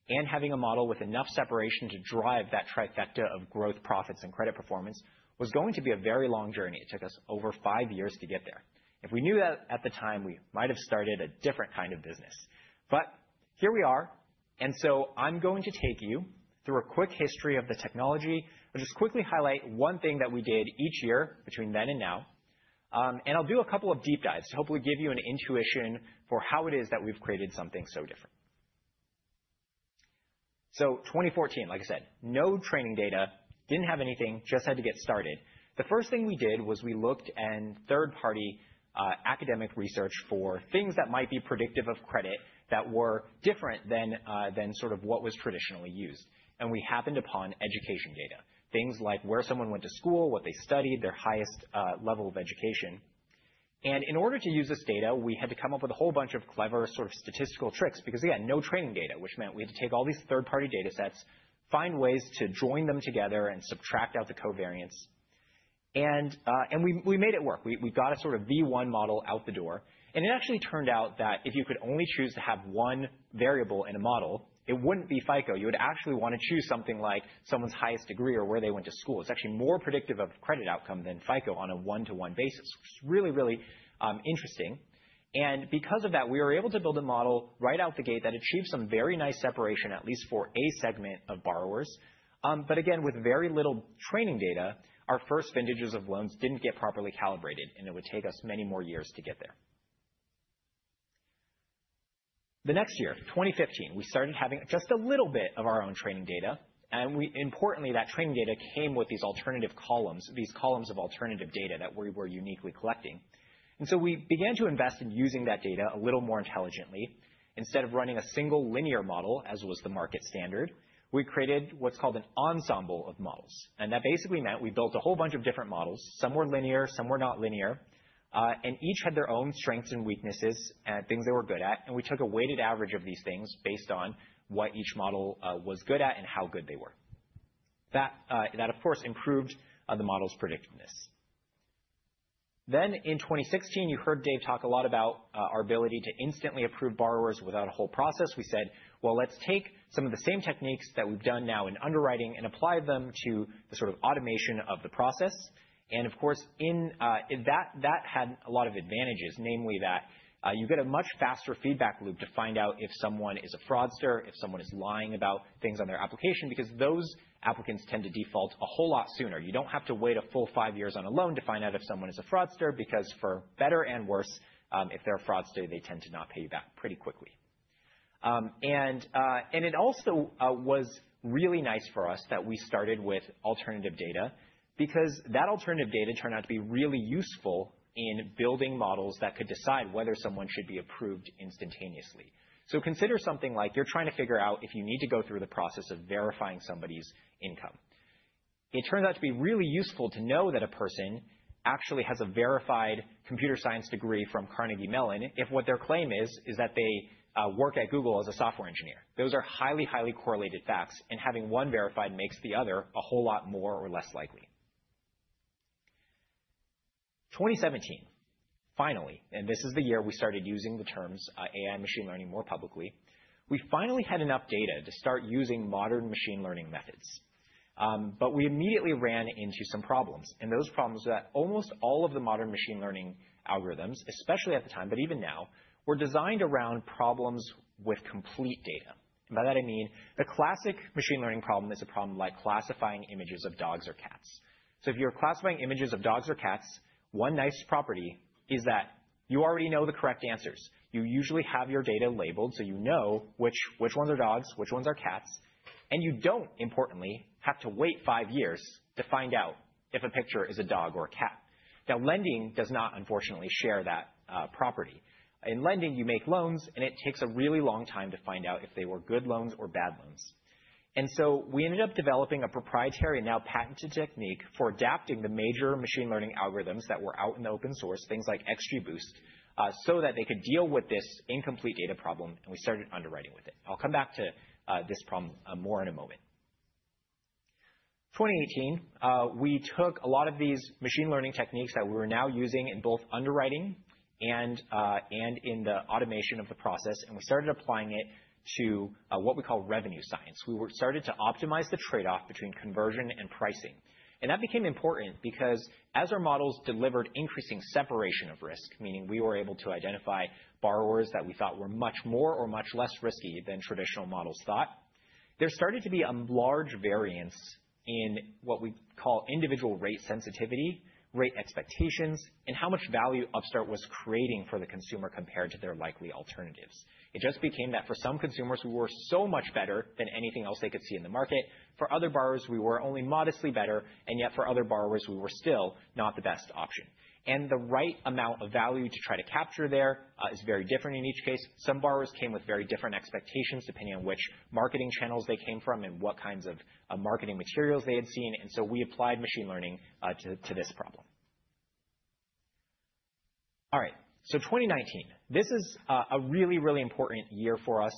and having a model with enough separation to drive that trifecta of growth, profits, and credit performance was going to be a very long journey. It took us over five years to get there. If we knew that at the time, we might have started a different kind of business. Here we are. I am going to take you through a quick history of the technology. I will just quickly highlight one thing that we did each year between then and now. I will do a couple of deep dives to hopefully give you an intuition for how it is that we have created something so different. In 2014, like I said, no training data, did not have anything, just had to get started. The first thing we did was we looked at third-party academic research for things that might be predictive of credit that were different than sort of what was traditionally used. We happened upon education data, things like where someone went to school, what they studied, their highest level of education. In order to use this data, we had to come up with a whole bunch of clever sort of statistical tricks because, again, no training data, which meant we had to take all these third-party data sets, find ways to join them together, and subtract out the covariance. We made it work. We got a sort of V1 model out the door. It actually turned out that if you could only choose to have one variable in a model, it would not be FICO. You would actually want to choose something like someone's highest degree or where they went to school. It's actually more predictive of credit outcome than FICO on a one-to-one basis, which is really, really interesting. Because of that, we were able to build a model right out the gate that achieved some very nice separation, at least for a segment of borrowers. Again, with very little training data, our first vintages of loans did not get properly calibrated, and it would take us many more years to get there. The next year, 2015, we started having just a little bit of our own training data. Importantly, that training data came with these alternative columns, these columns of alternative data that we were uniquely collecting. We began to invest in using that data a little more intelligently. Instead of running a single linear model, as was the market standard, we created what's called an ensemble of models. That basically meant we built a whole bunch of different models. Some were linear, some were not linear, and each had their own strengths and weaknesses and things they were good at. We took a weighted average of these things based on what each model was good at and how good they were. That, of course, improved the model's predictiveness. In 2016, you heard Dave talk a lot about our ability to instantly approve borrowers without a whole process. We said, let's take some of the same techniques that we've done now in underwriting and apply them to the sort of automation of the process. Of course, that had a lot of advantages, namely that you get a much faster feedback loop to find out if someone is a fraudster, if someone is lying about things on their application, because those applicants tend to default a whole lot sooner. You do not have to wait a full five years on a loan to find out if someone is a fraudster, because for better and worse, if they are a fraudster, they tend to not pay you back pretty quickly. It also was really nice for us that we started with alternative data because that alternative data turned out to be really useful in building models that could decide whether someone should be approved instantaneously. Consider something like you are trying to figure out if you need to go through the process of verifying somebody's income. It turns out to be really useful to know that a person actually has a verified computer science degree from Carnegie Mellon if what their claim is is that they work at Google as a software engineer. Those are highly, highly correlated facts. Having one verified makes the other a whole lot more or less likely. In 2017, finally, and this is the year we started using the terms AI and machine learning more publicly, we finally had enough data to start using modern machine learning methods. We immediately ran into some problems. Those problems were that almost all of the modern machine learning algorithms, especially at the time, but even now, were designed around problems with complete data. By that, I mean the classic machine learning problem is a problem like classifying images of dogs or cats. If you're classifying images of dogs or cats, one nice property is that you already know the correct answers. You usually have your data labeled so you know which ones are dogs, which ones are cats. You do not, importantly, have to wait five years to find out if a picture is a dog or a cat. Now, lending does not, unfortunately, share that property. In lending, you make loans, and it takes a really long time to find out if they were good loans or bad loans. We ended up developing a proprietary, now patented technique for adapting the major machine learning algorithms that were out in the open source, things like XGBoost, so that they could deal with this incomplete data problem. We started underwriting with it. I'll come back to this problem more in a moment. 2018, we took a lot of these machine learning techniques that we were now using in both underwriting and in the automation of the process. We started applying it to what we call revenue science. We started to optimize the trade-off between conversion and pricing. That became important because as our models delivered increasing separation of risk, meaning we were able to identify borrowers that we thought were much more or much less risky than traditional models thought, there started to be a large variance in what we call individual rate sensitivity, rate expectations, and how much value Upstart was creating for the consumer compared to their likely alternatives. It just became that for some consumers, we were so much better than anything else they could see in the market. For other borrowers, we were only modestly better. Yet for other borrowers, we were still not the best option. The right amount of value to try to capture there is very different in each case. Some borrowers came with very different expectations depending on which marketing channels they came from and what kinds of marketing materials they had seen. We applied machine learning to this problem. All right. In 2019, this is a really, really important year for us.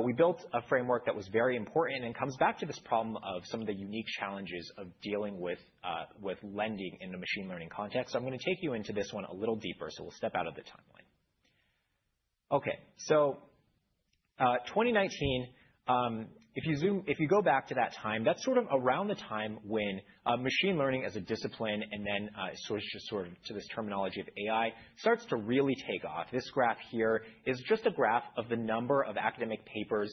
We built a framework that was very important and comes back to this problem of some of the unique challenges of dealing with lending in the machine learning context. I'm going to take you into this one a little deeper. We will step out of the timeline. Okay. 2019, if you go back to that time, that's sort of around the time when machine learning as a discipline and then sort of to this terminology of AI starts to really take off. This graph here is just a graph of the number of academic papers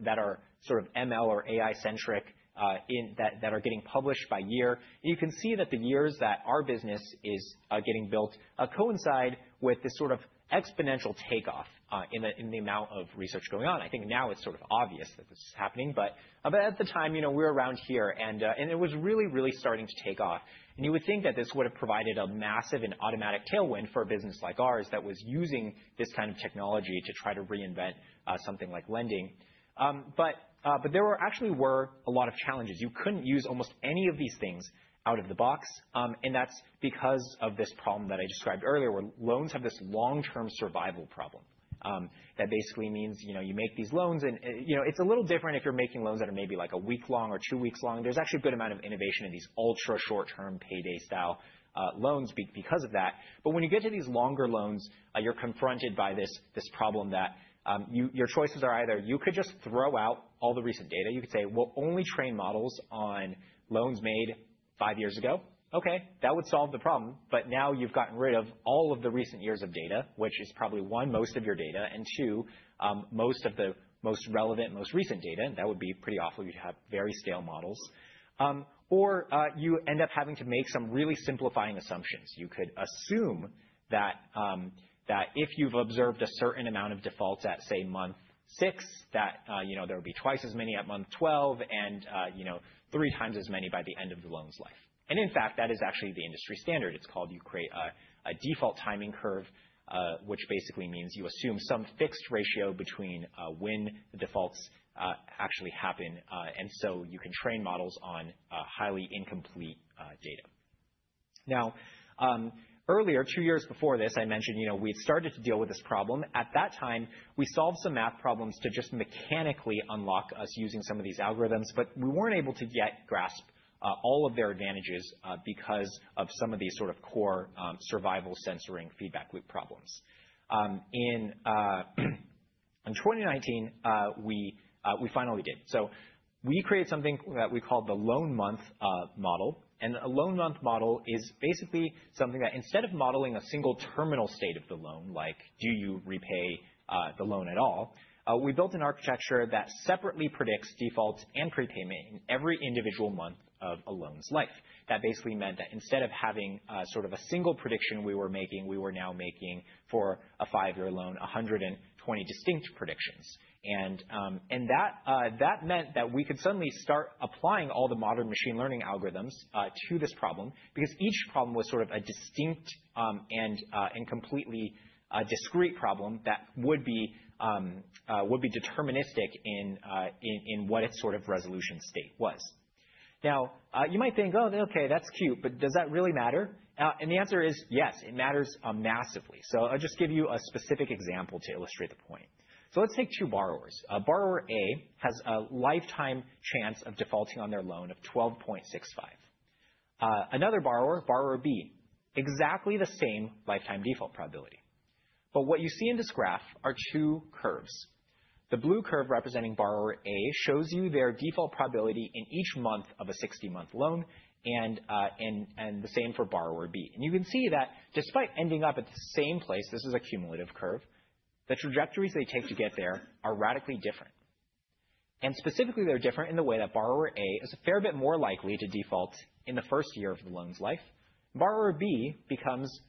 that are sort of ML or AI-centric that are getting published by year. You can see that the years that our business is getting built coincide with this sort of exponential takeoff in the amount of research going on. I think now it's sort of obvious that this is happening. At the time, we were around here. It was really, really starting to take off. You would think that this would have provided a massive and automatic tailwind for a business like ours that was using this kind of technology to try to reinvent something like lending. There actually were a lot of challenges. You could not use almost any of these things out of the box. That is because of this problem that I described earlier, where loans have this long-term survival problem. That basically means you make these loans. It is a little different if you are making loans that are maybe like a week long or two weeks long. There is actually a good amount of innovation in these ultra short-term payday style loans because of that. When you get to these longer loans, you are confronted by this problem that your choices are either you could just throw out all the recent data. You could say, "We will only train models on loans made five years ago." That would solve the problem. Now you've gotten rid of all of the recent years of data, which is probably, one, most of your data, and two, most of the most relevant, most recent data. That would be pretty awful. You'd have very stale models. Or you end up having to make some really simplifying assumptions. You could assume that if you've observed a certain amount of defaults at, say, month six, that there would be twice as many at month 12 and three times as many by the end of the loan's life. In fact, that is actually the industry standard. It's called you create a default timing curve, which basically means you assume some fixed ratio between when the defaults actually happen. You can train models on highly incomplete data. Now, earlier, two years before this, I mentioned we'd started to deal with this problem. At that time, we solved some math problems to just mechanically unlock us using some of these algorithms. But we were not able to yet grasp all of their advantages because of some of these sort of core survival censoring feedback loop problems. In 2019, we finally did. We created something that we called the loan month model. A loan month model is basically something that instead of modeling a single terminal state of the loan, like do you repay the loan at all, we built an architecture that separately predicts defaults and prepayment in every individual month of a loan's life. That basically meant that instead of having sort of a single prediction we were making, we were now making for a five-year loan 120 distinct predictions. That meant that we could suddenly start applying all the modern machine learning algorithms to this problem because each problem was sort of a distinct and completely discrete problem that would be deterministic in what its sort of resolution state was. Now, you might think, "Oh, okay, that's cute. Does that really matter?" The answer is yes, it matters massively. I'll just give you a specific example to illustrate the point. Let's take two borrowers. Borrower A has a lifetime chance of defaulting on their loan of 12.65%. Another borrower, Borrower B, exactly the same lifetime default probability. What you see in this graph are two curves. The blue curve representing Borrower A shows you their default probability in each month of a 60-month loan and the same for Borrower B. You can see that despite ending up at the same place, this is a cumulative curve, the trajectories they take to get there are radically different. Specifically, they are different in the way that Borrower A is a fair bit more likely to default in the first year of the loan's life. Borrower B becomes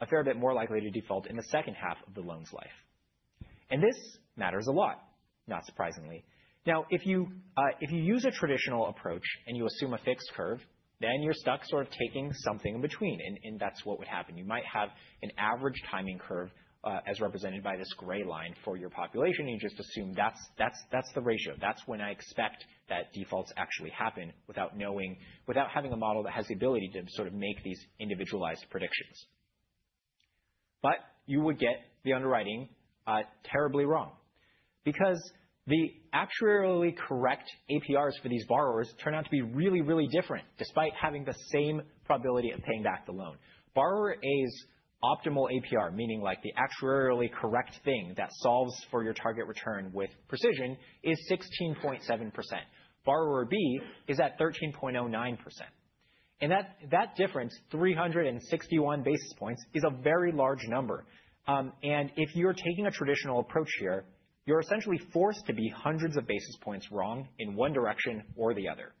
a fair bit more likely to default in the second half of the loan's life. This matters a lot, not surprisingly. Now, if you use a traditional approach and you assume a fixed curve, then you are stuck sort of taking something in between. That is what would happen. You might have an average timing curve as represented by this gray line for your population. You just assume that is the ratio. That is when I expect that defaults actually happen without having a model that has the ability to sort of make these individualized predictions. You would get the underwriting terribly wrong because the actuarially correct APRs for these borrowers turn out to be really, really different despite having the same probability of paying back the loan. Borrower A's optimal APR, meaning like the actuarially correct thing that solves for your target return with precision, is 16.7%. Borrower B is at 13.09%. That difference, 361 basis points, is a very large number. If you're taking a traditional approach here, you're essentially forced to be hundreds of basis points wrong in one direction or the other.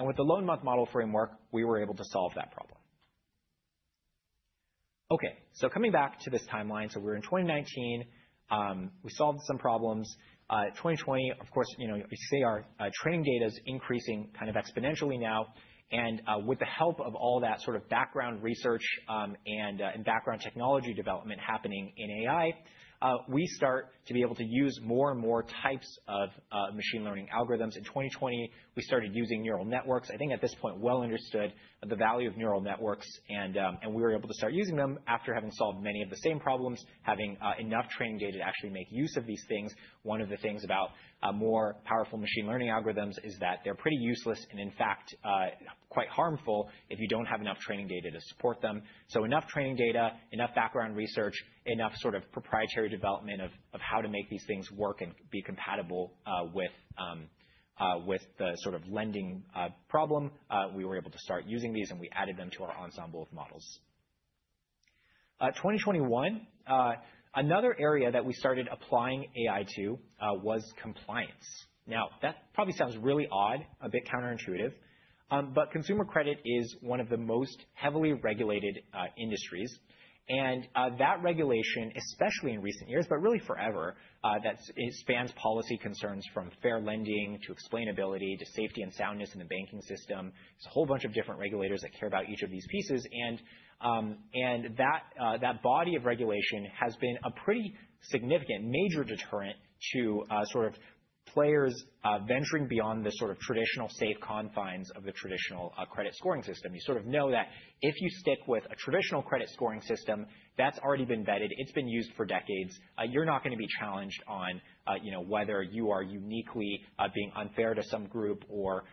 With the loan month model framework, we were able to solve that problem. Okay. Coming back to this timeline, we're in 2019. We solved some problems. 2020, of course, you see our training data is increasing kind of exponentially now. With the help of all that sort of background research and background technology development happening in AI, we start to be able to use more and more types of machine learning algorithms. In 2020, we started using neural networks. I think at this point, well understood the value of neural networks. We were able to start using them after having solved many of the same problems, having enough training data to actually make use of these things. One of the things about more powerful machine learning algorithms is that they're pretty useless and, in fact, quite harmful if you don't have enough training data to support them. Enough training data, enough background research, enough sort of proprietary development of how to make these things work and be compatible with the sort of lending problem, we were able to start using these. We added them to our ensemble of models. In 2021, another area that we started applying AI to was compliance. That probably sounds really odd, a bit counterintuitive. Consumer credit is one of the most heavily regulated industries. That regulation, especially in recent years, but really forever, spans policy concerns from fair lending to explainability to safety and soundness in the banking system. There is a whole bunch of different regulators that care about each of these pieces. That body of regulation has been a pretty significant, major deterrent to players venturing beyond the traditional safe confines of the traditional credit scoring system. You know that if you stick with a traditional credit scoring system, that has already been vetted. It has been used for decades. You're not going to be challenged on whether you are uniquely being unfair to some group or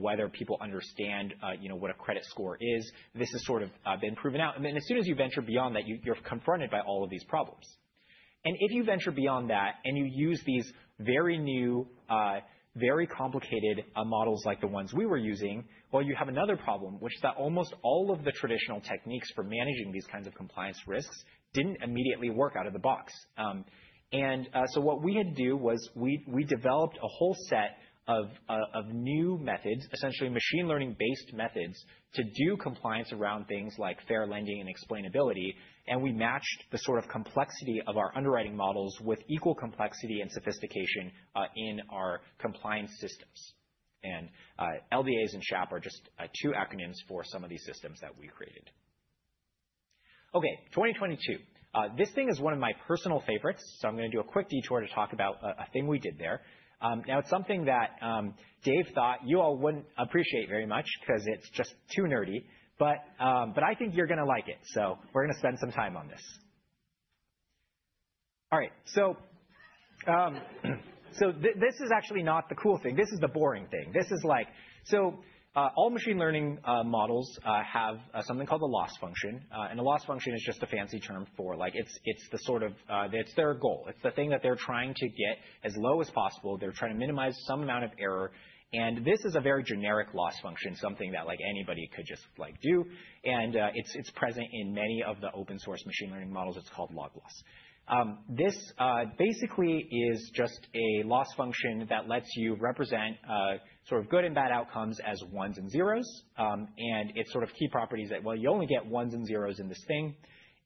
whether people understand what a credit score is. This has sort of been proven out. As soon as you venture beyond that, you're confronted by all of these problems. If you venture beyond that and you use these very new, very complicated models like the ones we were using, you have another problem, which is that almost all of the traditional techniques for managing these kinds of compliance risks did not immediately work out of the box. What we had to do was we developed a whole set of new methods, essentially machine learning-based methods to do compliance around things like fair lending and explainability. We matched the sort of complexity of our underwriting models with equal complexity and sophistication in our compliance systems. And LDAs and SHAP are just two acronyms for some of these systems that we created. Okay. 2022. This thing is one of my personal favorites. I'm going to do a quick detour to talk about a thing we did there. Now, it's something that Dave thought you all wouldn't appreciate very much because it's just too nerdy. I think you're going to like it. We're going to spend some time on this. All right. This is actually not the cool thing. This is the boring thing. All machine learning models have something called the loss function. A loss function is just a fancy term for it's the sort of it's their goal. It's the thing that they're trying to get as low as possible. They're trying to minimize some amount of error. This is a very generic loss function, something that anybody could just do. It is present in many of the open-source machine learning models. It is called log loss. This basically is just a loss function that lets you represent sort of good and bad outcomes as ones and zeros. Its sort of key property is that, well, you only get ones and zeros in this thing.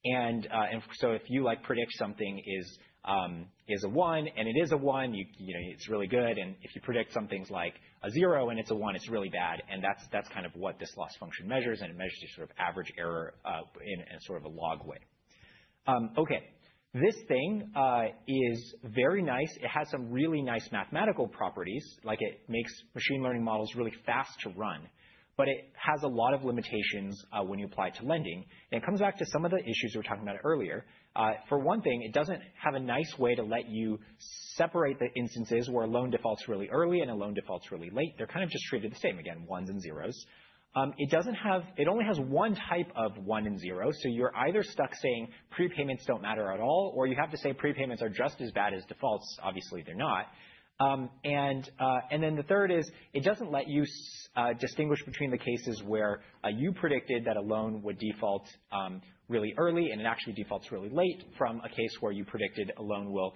If you predict something is a one and it is a one, it is really good. If you predict something is like a zero and it is a one, it is really bad. That is kind of what this loss function measures. It measures your sort of average error in sort of a log way. This thing is very nice. It has some really nice mathematical properties. It makes machine learning models really fast to run. It has a lot of limitations when you apply it to lending. It comes back to some of the issues we were talking about earlier. For one thing, it does not have a nice way to let you separate the instances where a loan defaults really early and a loan defaults really late. They are kind of just treated the same, again, ones and zeros. It only has one type of one and zero. You are either stuck saying prepayments do not matter at all, or you have to say prepayments are just as bad as defaults. Obviously, they are not. The third is it does not let you distinguish between the cases where you predicted that a loan would default really early and it actually defaults really late from a case where you predicted a loan will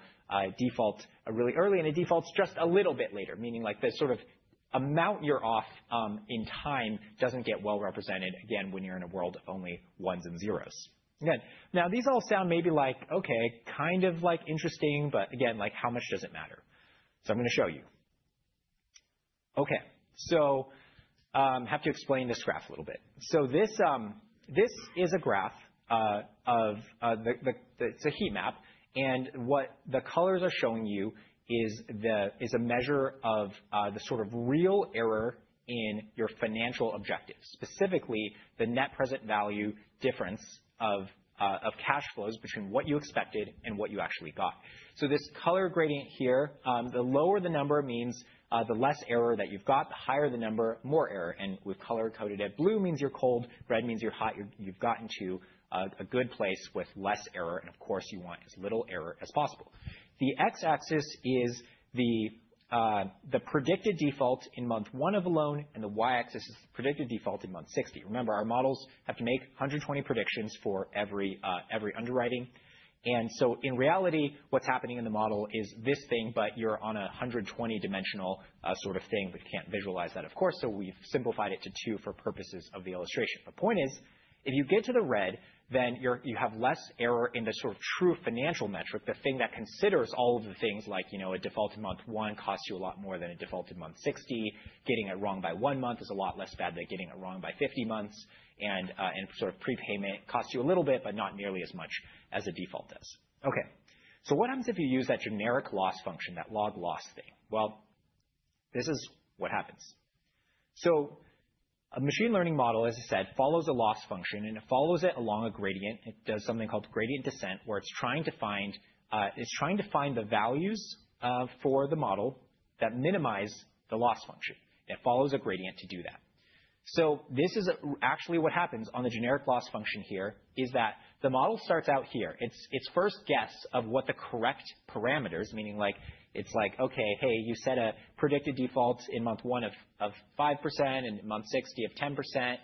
default really early and it defaults just a little bit later, meaning the sort of amount you are off in time does not get well represented, again, when you are in a world of only ones and zeros. Now, these all sound maybe like, okay, kind of like interesting. Again, how much does it matter? I am going to show you. Okay. I have to explain this graph a little bit. This is a graph of, it is a heat map. What the colors are showing you is a measure of the sort of real error in your financial objectives, specifically the net present value difference of cash flows between what you expected and what you actually got. This color gradient here, the lower the number means the less error that you've got. The higher the number, more error. We've color-coded it. Blue means you're cold. Red means you're hot. You've gotten to a good place with less error. Of course, you want as little error as possible. The x-axis is the predicted default in month one of the loan. The y-axis is the predicted default in month 60. Remember, our models have to make 120 predictions for every underwriting. In reality, what's happening in the model is this thing, but you're on a 120-dimensional sort of thing. We can't visualize that, of course. We have simplified it to two for purposes of the illustration. The point is, if you get to the red, then you have less error in the sort of true financial metric, the thing that considers all of the things like a default in month one costs you a lot more than a default in month 60. Getting it wrong by one month is a lot less bad than getting it wrong by 50 months. And sort of prepayment costs you a little bit, but not nearly as much as a default does. Okay. What happens if you use that generic loss function, that log loss thing? This is what happens. A machine learning model, as I said, follows a loss function. It follows it along a gradient. It does something called gradient descent, where it's trying to find the values for the model that minimize the loss function. It follows a gradient to do that. This is actually what happens on the generic loss function here: the model starts out here. Its first guess of what the correct parameters are, meaning it's like, "Okay, hey, you said a predicted default in month one of 5% and in month 60 of 10%."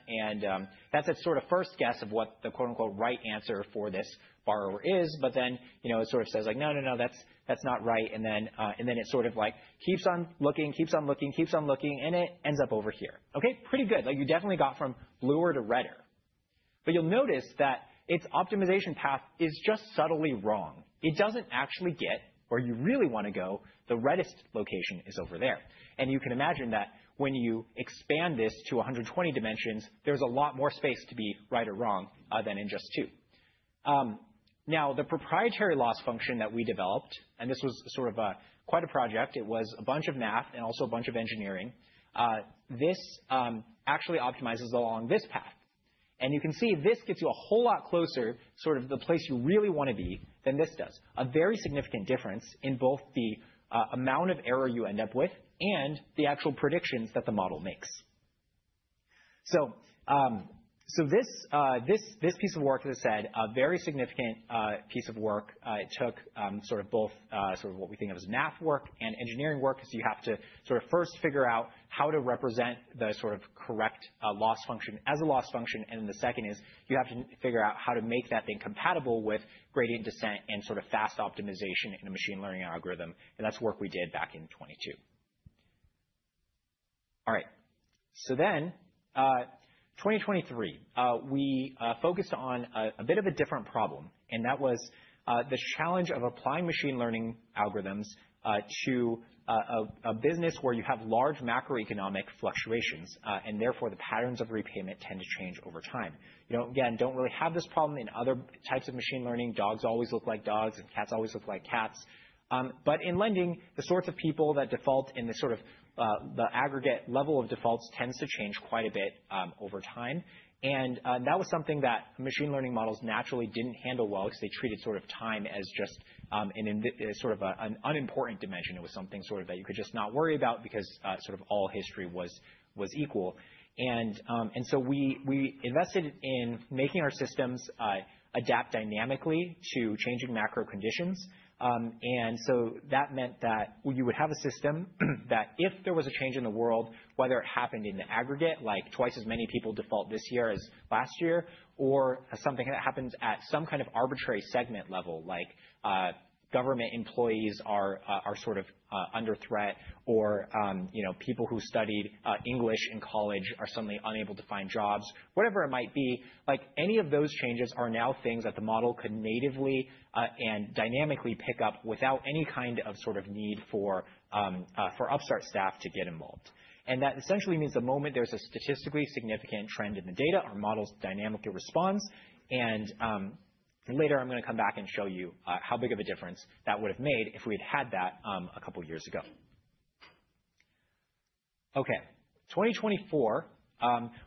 That's its sort of first guess of what the "right answer" for this borrower is. Then it sort of says like, "No, no, no, that's not right." It sort of keeps on looking, keeps on looking, keeps on looking. It ends up over here. Okay. Pretty good. You definitely got from bluer to redder. You'll notice that its optimization path is just subtly wrong. It doesn't actually get where you really want to go. The reddest location is over there. You can imagine that when you expand this to 120 dimensions, there's a lot more space to be right or wrong than in just two. Now, the proprietary loss function that we developed, and this was sort of quite a project. It was a bunch of math and also a bunch of engineering. This actually optimizes along this path. You can see this gets you a whole lot closer to the place you really want to be than this does, a very significant difference in both the amount of error you end up with and the actual predictions that the model makes. This piece of work, as I said, a very significant piece of work. It took sort of both sort of what we think of as math work and engineering work. You have to sort of first figure out how to represent the sort of correct loss function as a loss function. The second is you have to figure out how to make that thing compatible with gradient descent and sort of fast optimization in a machine learning algorithm. That is work we did back in 2022. All right. In 2023, we focused on a bit of a different problem. That was the challenge of applying machine learning algorithms to a business where you have large macroeconomic fluctuations. Therefore, the patterns of repayment tend to change over time. Again, you do not really have this problem in other types of machine learning. Dogs always look like dogs, and cats always look like cats. In lending, the sorts of people that default and the aggregate level of defaults tends to change quite a bit over time. That was something that machine learning models naturally did not handle well because they treated time as just an unimportant dimension. It was something that you could just not worry about because all history was equal. We invested in making our systems adapt dynamically to changing macro conditions. That meant that you would have a system that if there was a change in the world, whether it happened in the aggregate, like twice as many people default this year as last year, or something that happens at some kind of arbitrary segment level, like government employees are sort of under threat, or people who studied English in college are suddenly unable to find jobs, whatever it might be, any of those changes are now things that the model could natively and dynamically pick up without any kind of sort of need for Upstart staff to get involved. That essentially means the moment there is a statistically significant trend in the data, our models dynamically respond. Later, I am going to come back and show you how big of a difference that would have made if we had had that a couple of years ago. Okay. 2024,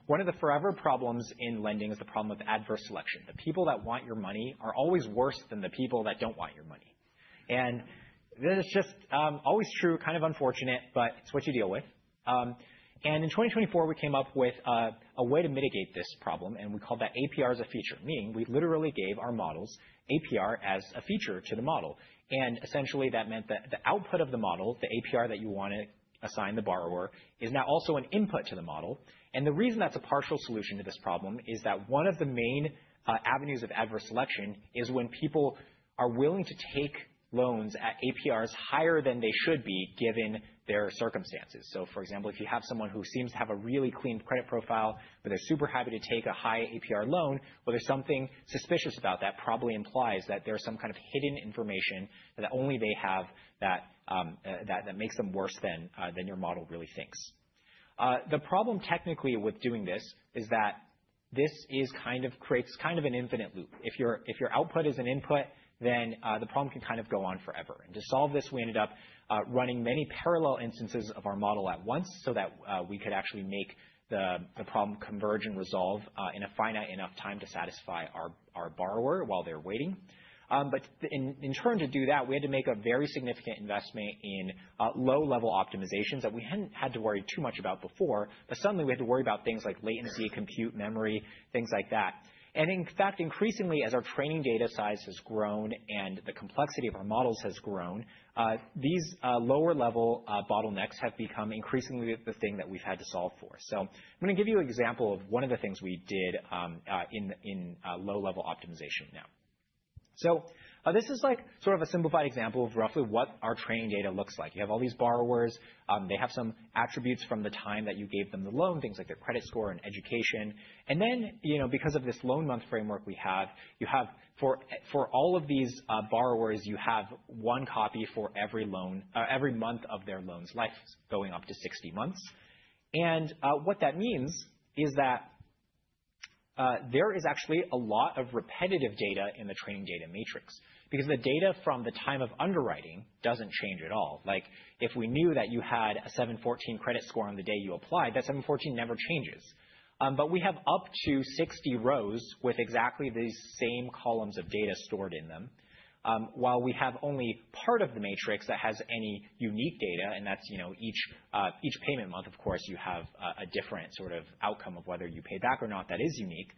one of the forever problems in lending is the problem of adverse selection. The people that want your money are always worse than the people that do not want your money. This is just always true, kind of unfortunate, but it is what you deal with. In 2024, we came up with a way to mitigate this problem. We called that APR as a feature, meaning we literally gave our models APR as a feature to the model. Essentially, that meant that the output of the model, the APR that you want to assign the borrower, is now also an input to the model. The reason that is a partial solution to this problem is that one of the main avenues of adverse selection is when people are willing to take loans at APRs higher than they should be given their circumstances. For example, if you have someone who seems to have a really clean credit profile, but they're super happy to take a high APR loan, well, there's something suspicious about that. That probably implies that there's some kind of hidden information that only they have that makes them worse than your model really thinks. The problem technically with doing this is that this kind of creates an infinite loop. If your output is an input, then the problem can go on forever. To solve this, we ended up running many parallel instances of our model at once so that we could actually make the problem converge and resolve in a finite enough time to satisfy our borrower while they're waiting. In trying to do that, we had to make a very significant investment in low-level optimizations that we had not had to worry too much about before. Suddenly, we had to worry about things like latency, compute, memory, things like that. In fact, increasingly, as our training data size has grown and the complexity of our models has grown, these lower-level bottlenecks have become increasingly the thing that we have had to solve for. I am going to give you an example of one of the things we did in low-level optimization now. This is sort of a simplified example of roughly what our training data looks like. You have all these borrowers. They have some attributes from the time that you gave them the loan, things like their credit score and education. Because of this loan month framework we have, for all of these borrowers, you have one copy for every month of their loan's life going up to 60 months. What that means is that there is actually a lot of repetitive data in the training data matrix because the data from the time of underwriting does not change at all. If we knew that you had a 714 credit score on the day you applied, that 714 never changes. We have up to 60 rows with exactly the same columns of data stored in them, while we have only part of the matrix that has any unique data. Each payment month, of course, you have a different sort of outcome of whether you pay back or not that is unique.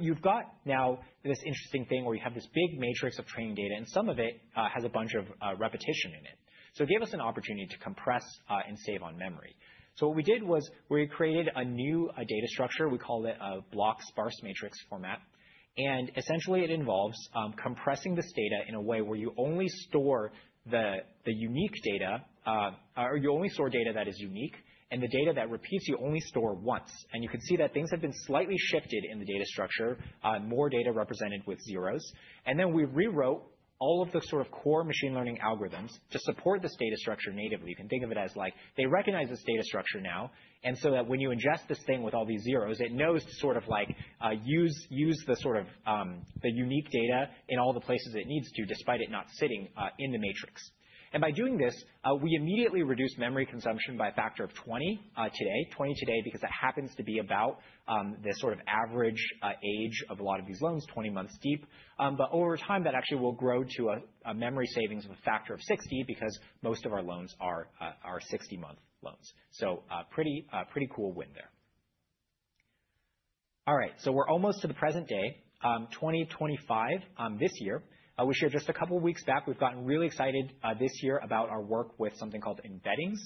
You've got now this interesting thing where you have this big matrix of training data. Some of it has a bunch of repetition in it. It gave us an opportunity to compress and save on memory. What we did was we created a new data structure. We call it a block sparse matrix format. Essentially, it involves compressing this data in a way where you only store the unique data or you only store data that is unique. The data that repeats, you only store once. You can see that things have been slightly shifted in the data structure, more data represented with zeros. We rewrote all of the sort of core machine learning algorithms to support this data structure natively. You can think of it as they recognize this data structure now. That way, when you ingest this thing with all these zeros, it knows to sort of use the sort of unique data in all the places it needs to despite it not sitting in the matrix. By doing this, we immediately reduced memory consumption by a factor of 20 today, 20 today because it happens to be about the sort of average age of a lot of these loans, 20 months deep. Over time, that actually will grow to a memory savings of a factor of 60 because most of our loans are 60-month loans. Pretty cool win there. All right. We're almost to the present day, 2025 this year. We shared just a couple of weeks back. We've gotten really excited this year about our work with something called embeddings.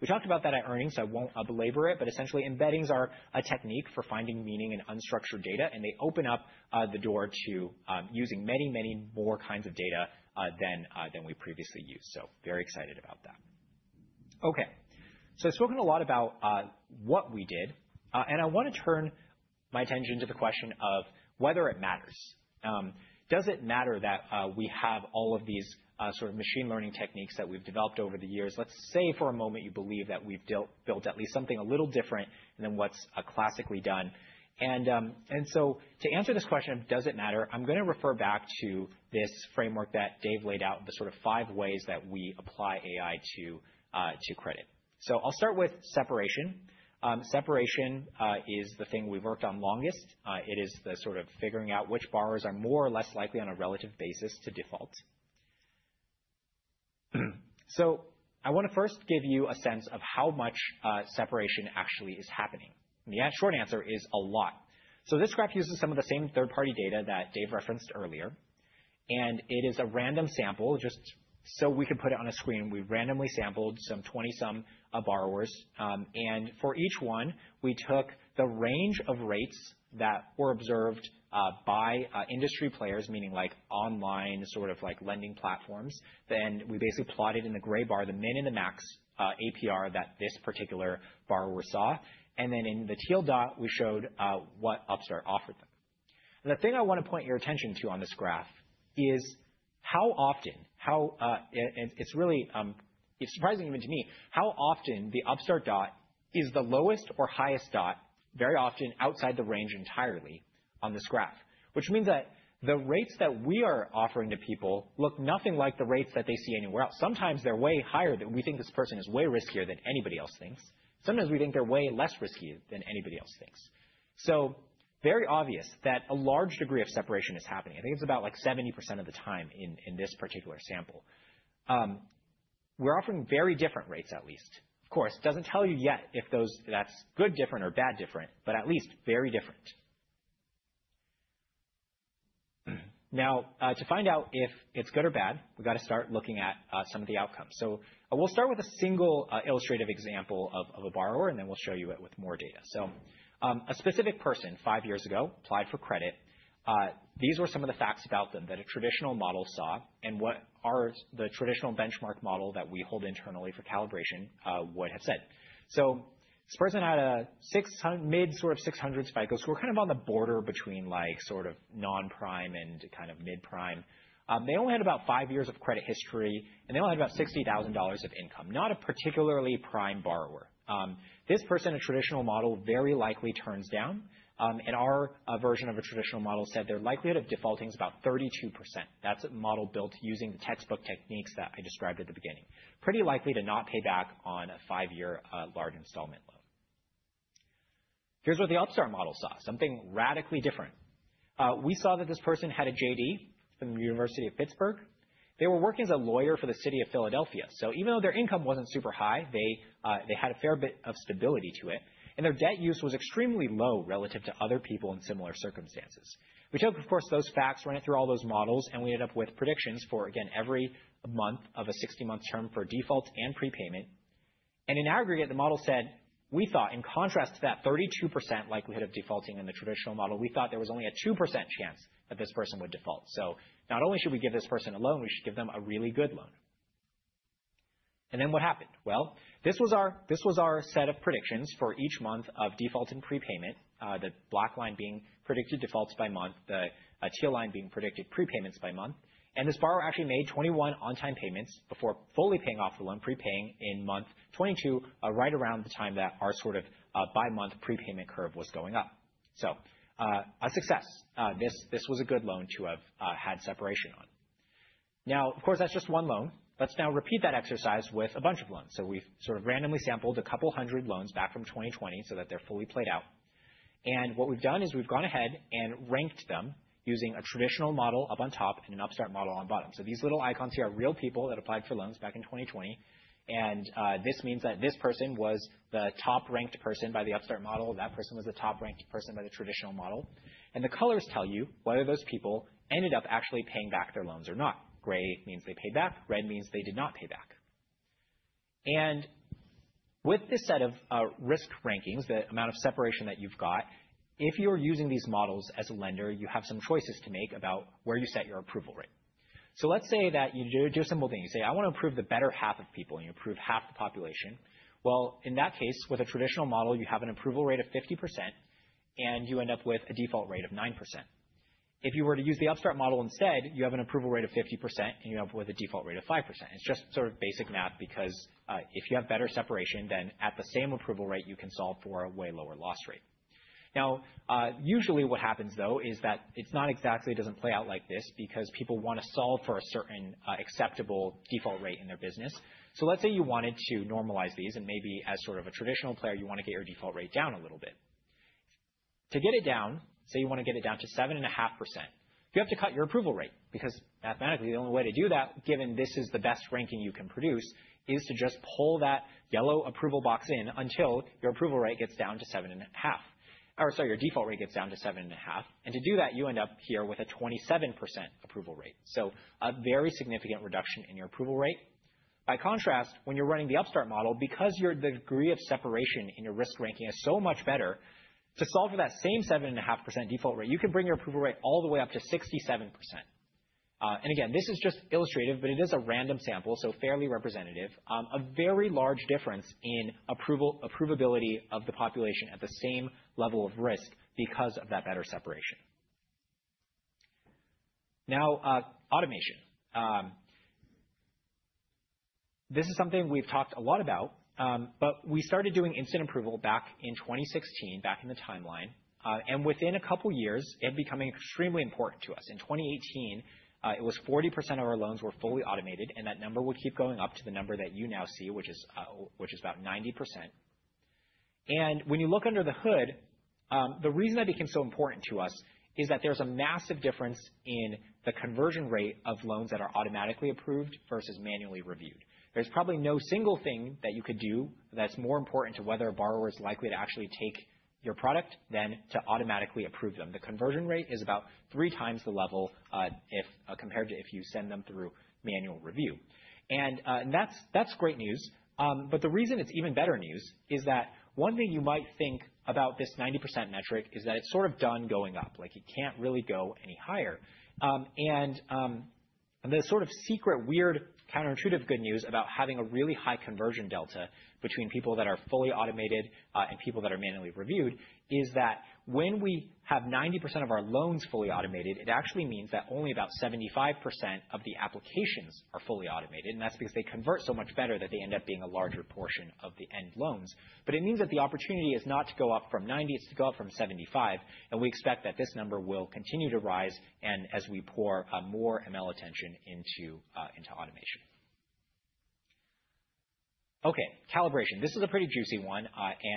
We talked about that at earnings, so I won't belabor it. Essentially, embeddings are a technique for finding meaning in unstructured data. They open up the door to using many, many more kinds of data than we previously used. Very excited about that. Okay. I've spoken a lot about what we did. I want to turn my attention to the question of whether it matters. Does it matter that we have all of these sort of machine learning techniques that we've developed over the years? Let's say for a moment you believe that we've built at least something a little different than what's classically done. To answer this question, does it matter, I'm going to refer back to this framework that Dave laid out, the sort of five ways that we apply AI to credit. I'll start with separation. Separation is the thing we've worked on longest. It is the sort of figuring out which borrowers are more or less likely on a relative basis to default. I want to first give you a sense of how much separation actually is happening. The short answer is a lot. This graph uses some of the same third-party data that Dave referenced earlier. It is a random sample. Just so we could put it on a screen, we randomly sampled some 20-some borrowers. For each one, we took the range of rates that were observed by industry players, meaning online sort of lending platforms. We basically plotted in the gray bar the min and the max APR that this particular borrower saw. In the teal dot, we showed what Upstart offered them. The thing I want to point your attention to on this graph is how often it is really surprising, even to me, how often the Upstart dot is the lowest or highest dot, very often outside the range entirely on this graph, which means that the rates that we are offering to people look nothing like the rates that they see anywhere else. Sometimes they are way higher, that we think this person is way riskier than anybody else thinks. Sometimes we think they are way less risky than anybody else thinks. It is very obvious that a large degree of separation is happening. I think it is about 70% of the time in this particular sample. We are offering very different rates at least. Of course, it does not tell you yet if that is good different or bad different, but at least very different. Now, to find out if it's good or bad, we've got to start looking at some of the outcomes. We'll start with a single illustrative example of a borrower, and then we'll show you it with more data. A specific person five years ago applied for credit. These were some of the facts about them that a traditional model saw and what the traditional benchmark model that we hold internally for calibration would have said. This person had a mid sort of 600s FICO score, kind of on the border between sort of non-prime and kind of mid-prime. They only had about five years of credit history, and they only had about $60,000 of income, not a particularly prime borrower. This person, a traditional model, very likely turns down. Our version of a traditional model said their likelihood of defaulting is about 32%. That's a model built using the textbook techniques that I described at the beginning, pretty likely to not pay back on a five-year large installment loan. Here's what the Upstart model saw, something radically different. We saw that this person had a JD from the University of Pittsburgh. They were working as a lawyer for the city of Philadelphia. Even though their income wasn't super high, they had a fair bit of stability to it. Their debt use was extremely low relative to other people in similar circumstances. We took, of course, those facts, ran it through all those models, and we ended up with predictions for, again, every month of a 60-month term for default and prepayment. In aggregate, the model said, we thought, in contrast to that 32% likelihood of defaulting in the traditional model, we thought there was only a 2% chance that this person would default. Not only should we give this person a loan, we should give them a really good loan. What happened? This was our set of predictions for each month of default and prepayment, the black line being predicted defaults by month, the teal line being predicted prepayments by month. This borrower actually made 21 on-time payments before fully paying off the loan, prepaying in month 22, right around the time that our sort of by-month prepayment curve was going up. A success. This was a good loan to have had separation on. Of course, that's just one loan. Let's now repeat that exercise with a bunch of loans. We've sort of randomly sampled a couple hundred loans back from 2020 so that they're fully played out. What we've done is we've gone ahead and ranked them using a traditional model up on top and an Upstart model on bottom. These little icons here are real people that applied for loans back in 2020. This means that this person was the top-ranked person by the Upstart model. That person was the top-ranked person by the traditional model. The colors tell you whether those people ended up actually paying back their loans or not. Gray means they paid back. Red means they did not pay back. With this set of risk rankings, the amount of separation that you've got, if you're using these models as a lender, you have some choices to make about where you set your approval rate. Let's say that you do a simple thing. You say, "I want to improve the better half of people," and you improve half the population. In that case, with a traditional model, you have an approval rate of 50%, and you end up with a default rate of 9%. If you were to use the Upstart model instead, you have an approval rate of 50%, and you end up with a default rate of 5%. It's just sort of basic math because if you have better separation, then at the same approval rate, you can solve for a way lower loss rate. Now, usually what happens, though, is that it does not exactly play out like this because people want to solve for a certain acceptable default rate in their business. Let's say you wanted to normalize these. Maybe as sort of a traditional player, you want to get your default rate down a little bit. To get it down, say you want to get it down to 7.5%, you have to cut your approval rate because mathematically, the only way to do that, given this is the best ranking you can produce, is to just pull that yellow approval box in until your approval rate gets down to 7.5% or sorry, your default rate gets down to 7.5%. To do that, you end up here with a 27% approval rate. A very significant reduction in your approval rate. By contrast, when you're running the Upstart model, because the degree of separation in your risk ranking is so much better, to solve for that same 7.5% default rate, you can bring your approval rate all the way up to 67%. Again, this is just illustrative, but it is a random sample, so fairly representative, a very large difference in approval, approvability of the population at the same level of risk because of that better separation. Now, automation. This is something we've talked a lot about, but we started doing instant approval back in 2016, back in the timeline. Within a couple of years, it became extremely important to us. In 2018, it was 40% of our loans were fully automated. That number would keep going up to the number that you now see, which is about 90%. When you look under the hood, the reason that became so important to us is that there's a massive difference in the conversion rate of loans that are automatically approved versus manually reviewed. There's probably no single thing that you could do that's more important to whether a borrower is likely to actually take your product than to automatically approve them. The conversion rate is about three times the level compared to if you send them through manual review. That's great news. The reason it's even better news is that one thing you might think about this 90% metric is that it's sort of done going up. It can't really go any higher. The sort of secret, weird, counterintuitive good news about having a really high conversion delta between people that are fully automated and people that are manually reviewed is that when we have 90% of our loans fully automated, it actually means that only about 75% of the applications are fully automated. That is because they convert so much better that they end up being a larger portion of the end loans. It means that the opportunity is not to go up from 90%. It is to go up from 75%. We expect that this number will continue to rise as we pour more ML attention into automation. Okay. Calibration. This is a pretty juicy one,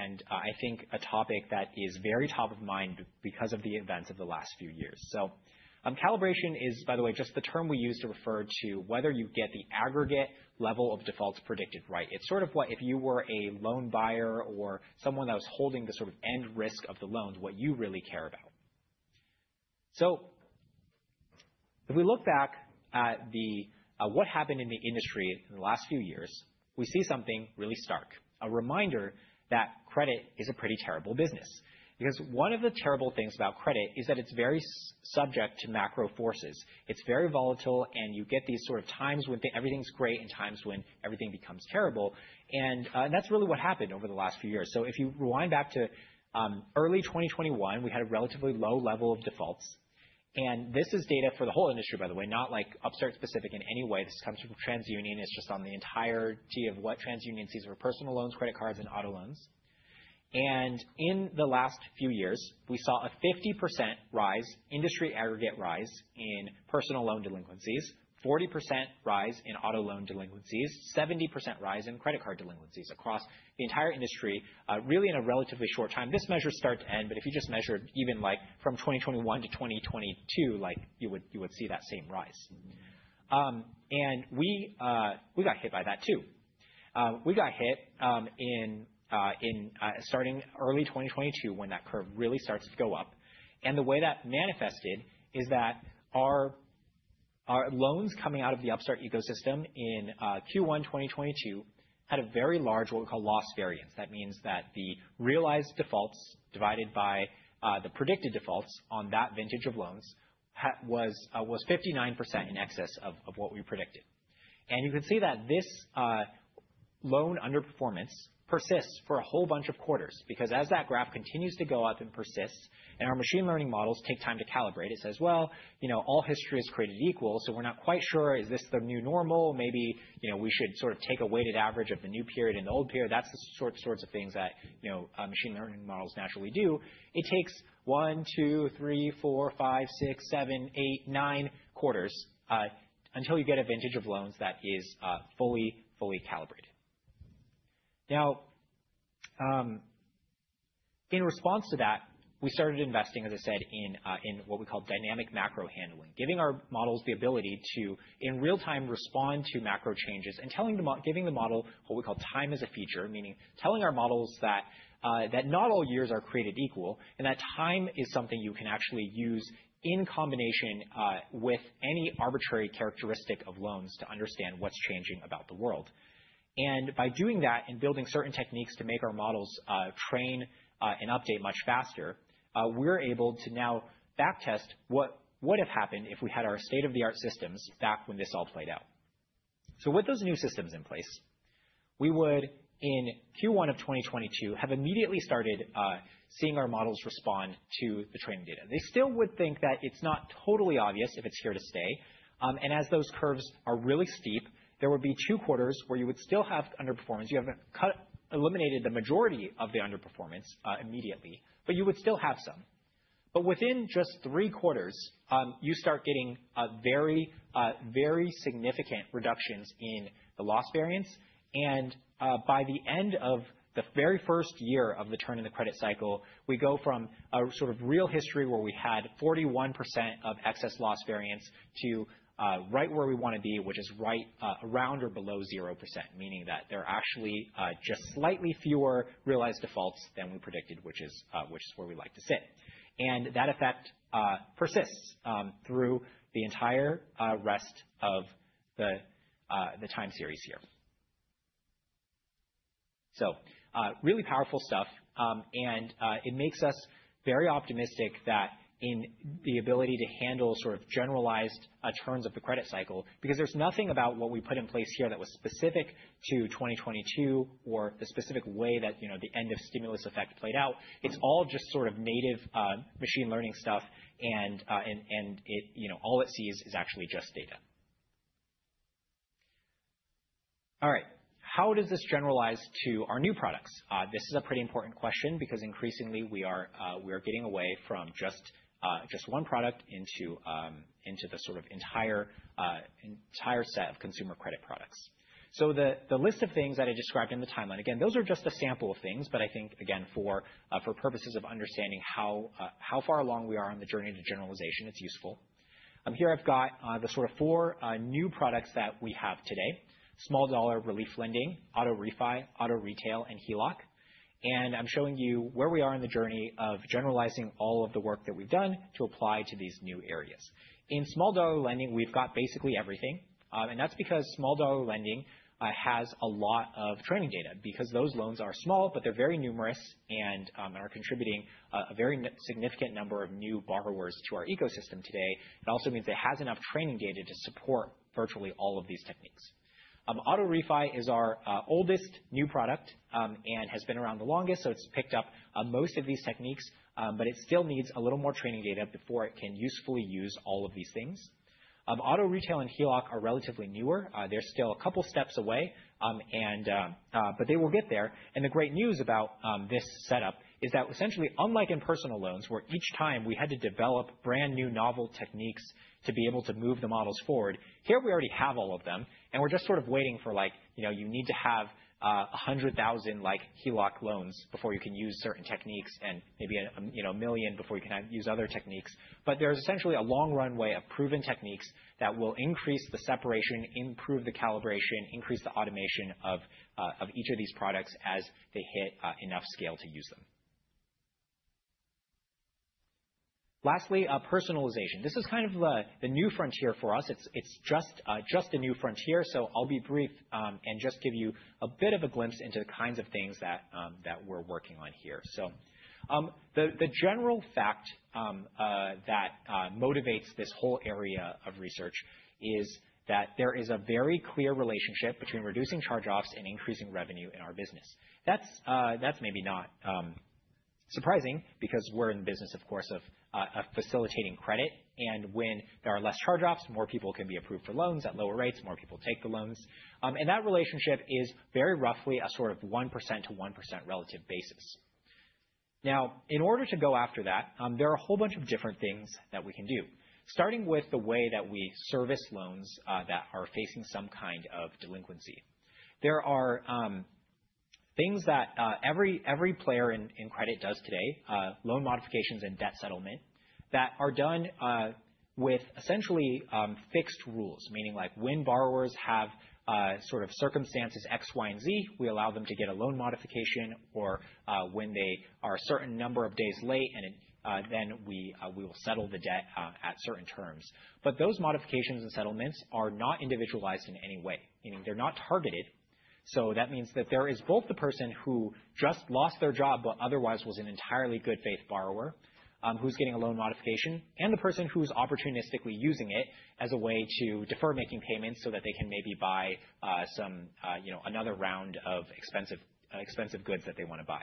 and I think a topic that is very top of mind because of the events of the last few years. Calibration is, by the way, just the term we use to refer to whether you get the aggregate level of defaults predicted right. It is sort of what if you were a loan buyer or someone that was holding the sort of end risk of the loans, what you really care about. If we look back at what happened in the industry in the last few years, we see something really stark, a reminder that credit is a pretty terrible business. Because one of the terrible things about credit is that it's very subject to macro forces. It's very volatile, and you get these sort of times when everything's great and times when everything becomes terrible. That's really what happened over the last few years. If you rewind back to early 2021, we had a relatively low level of defaults. This is data for the whole industry, by the way, not Upstart-specific in any way. This comes from TransUnion. It's just on the entirety of what TransUnion sees for personal loans, credit cards, and auto loans. In the last few years, we saw a 50% rise, industry aggregate rise in personal loan delinquencies, 40% rise in auto loan delinquencies, 70% rise in credit card delinquencies across the entire industry really in a relatively short time. This measure's start to end, but if you just measured even from 2021 to 2022, you would see that same rise. We got hit by that too. We got hit in starting early 2022 when that curve really starts to go up. The way that manifested is that our loans coming out of the Upstart ecosystem in Q1 2022 had a very large what we call loss variance. That means that the realized defaults divided by the predicted defaults on that vintage of loans was 59% in excess of what we predicted. You can see that this loan underperformance persists for a whole bunch of quarters because as that graph continues to go up and persists, and our machine learning models take time to calibrate, it says, "Well, all history is created equal, so we're not quite sure. Is this the new normal? Maybe we should sort of take a weighted average of the new period and the old period." That is the sort of thing that machine learning models naturally do. It takes one, two, three, four, five, six, seven, eight, nine quarters until you get a vintage of loans that is fully, fully calibrated. Now, in response to that, we started investing, as I said, in what we call dynamic macro handling, giving our models the ability to, in real time, respond to macro changes and giving the model what we call time as a feature, meaning telling our models that not all years are created equal and that time is something you can actually use in combination with any arbitrary characteristic of loans to understand what's changing about the world. By doing that and building certain techniques to make our models train and update much faster, we're able to now backtest what would have happened if we had our state-of-the-art systems back when this all played out. With those new systems in place, we would, in Q1 of 2022, have immediately started seeing our models respond to the training data. They still would think that it's not totally obvious if it's here to stay. As those curves are really steep, there would be two quarters where you would still have underperformance. You have eliminated the majority of the underperformance immediately, but you would still have some. Within just three quarters, you start getting very, very significant reductions in the loss variance. By the end of the very first year of the turn in the credit cycle, we go from a sort of real history where we had 41% of excess loss variance to right where we want to be, which is right around or below 0%, meaning that there are actually just slightly fewer realized defaults than we predicted, which is where we like to sit. That effect persists through the entire rest of the time series here. Really powerful stuff. It makes us very optimistic that in the ability to handle sort of generalized turns of the credit cycle, because there is nothing about what we put in place here that was specific to 2022 or the specific way that the end of stimulus effect played out. It is all just sort of native machine learning stuff, and all it sees is actually just data. All right. How does this generalize to our new products? This is a pretty important question because increasingly we are getting away from just one product into the sort of entire set of consumer credit products. The list of things that I described in the timeline, again, those are just a sample of things, but I think, again, for purposes of understanding how far along we are on the journey to generalization, it is useful. Here I've got the sort of four new products that we have today: Small Dollar Relief Lending, Auto Refi, Auto Retail, and HELOC. I am showing you where we are in the journey of generalizing all of the work that we've done to apply to these new areas. In Small Dollar Lending, we've got basically everything. That is because Small Dollar Lending has a lot of training data because those loans are small, but they are very numerous and are contributing a very significant number of new borrowers to our ecosystem today. It also means it has enough training data to support virtually all of these techniques. Auto Refi is our oldest new product and has been around the longest, so it has picked up most of these techniques, but it still needs a little more training data before it can usefully use all of these things. Auto Retail and HELOC are relatively newer. They're still a couple of steps away, but they will get there. The great news about this setup is that essentially, unlike in personal loans, where each time we had to develop brand new novel techniques to be able to move the models forward, here we already have all of them. We're just sort of waiting for you need to have 100,000 HELOC loans before you can use certain techniques and maybe a million before you can use other techniques. There's essentially a long runway of proven techniques that will increase the separation, improve the calibration, increase the automation of each of these products as they hit enough scale to use them. Lastly, personalization. This is kind of the new frontier for us. It's just a new frontier, so I'll be brief and just give you a bit of a glimpse into the kinds of things that we're working on here. The general fact that motivates this whole area of research is that there is a very clear relationship between reducing charge-offs and increasing revenue in our business. That's maybe not surprising because we're in the business, of course, of facilitating credit. When there are less charge-offs, more people can be approved for loans at lower rates. More people take the loans. That relationship is very roughly a sort of 1% to 1% relative basis. In order to go after that, there are a whole bunch of different things that we can do, starting with the way that we service loans that are facing some kind of delinquency. There are things that every player in credit does today, loan modifications and debt settlement, that are done with essentially fixed rules, meaning when borrowers have sort of circumstances X, Y, and Z, we allow them to get a loan modification, or when they are a certain number of days late, we will settle the debt at certain terms. Those modifications and settlements are not individualized in any way, meaning they're not targeted. That means that there is both the person who just lost their job but otherwise was an entirely good faith borrower who's getting a loan modification and the person who's opportunistically using it as a way to defer making payments so that they can maybe buy another round of expensive goods that they want to buy.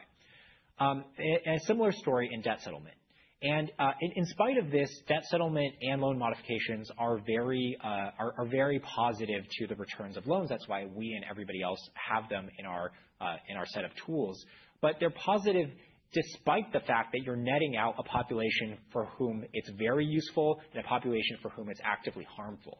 A similar story in debt settlement. In spite of this, debt settlement and loan modifications are very positive to the returns of loans. That is why we and everybody else have them in our set of tools. They are positive despite the fact that you are netting out a population for whom it is very useful and a population for whom it is actively harmful.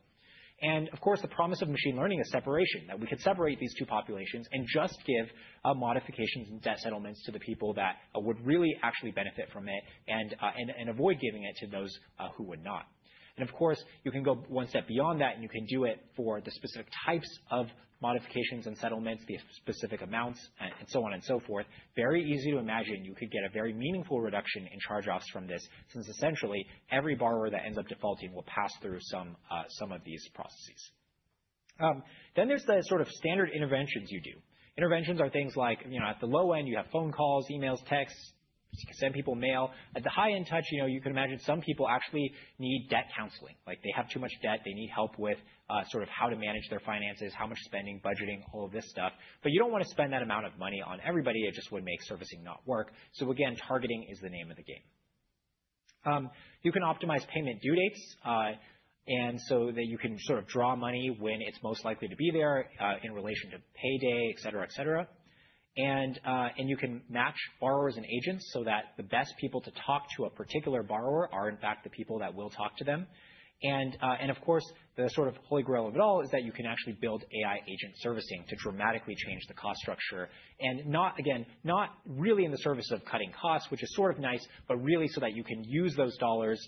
Of course, the promise of machine learning is separation, that we could separate these two populations and just give modifications and debt settlements to the people that would really actually benefit from it and avoid giving it to those who would not. You can go one step beyond that, and you can do it for the specific types of modifications and settlements, the specific amounts, and so on and so forth. Very easy to imagine you could get a very meaningful reduction in charge-offs from this since essentially every borrower that ends up defaulting will pass through some of these processes. Then there is the sort of standard interventions you do. Interventions are things like at the low end, you have phone calls, emails, texts, send people mail. At the high-end touch, you could imagine some people actually need debt counseling. They have too much debt. They need help with sort of how to manage their finances, how much spending, budgeting, all of this stuff. You do not want to spend that amount of money on everybody. It just would make servicing not work. Again, targeting is the name of the game. You can optimize payment due dates so that you can sort of draw money when it is most likely to be there in relation to payday, etc., etc. You can match borrowers and agents so that the best people to talk to a particular borrower are, in fact, the people that will talk to them. The sort of holy grail of it all is that you can actually build AI agent servicing to dramatically change the cost structure and, again, not really in the service of cutting costs, which is sort of nice, but really so that you can use those dollars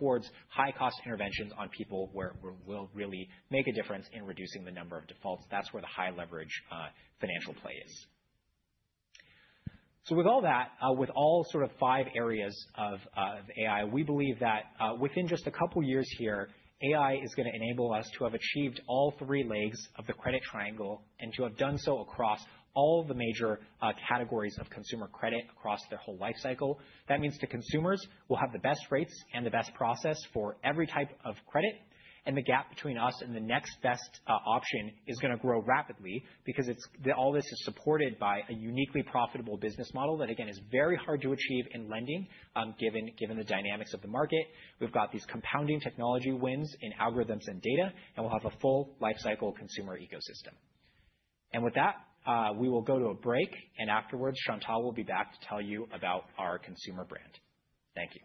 towards high-cost interventions on people where it will really make a difference in reducing the number of defaults. That is where the high-leverage financial play is. With all that, with all sort of five areas of AI, we believe that within just a couple of years here, AI is going to enable us to have achieved all three legs of the credit triangle and to have done so across all the major categories of consumer credit across their whole life cycle. That means to consumers, we'll have the best rates and the best process for every type of credit. The gap between us and the next best option is going to grow rapidly because all this is supported by a uniquely profitable business model that, again, is very hard to achieve in lending given the dynamics of the market. We've got these compounding technology wins in algorithms and data, and we'll have a full lifecycle consumer ecosystem. With that, we will go to a break, and afterwards, Chantal will be back to tell you about our consumer brand. Thank you.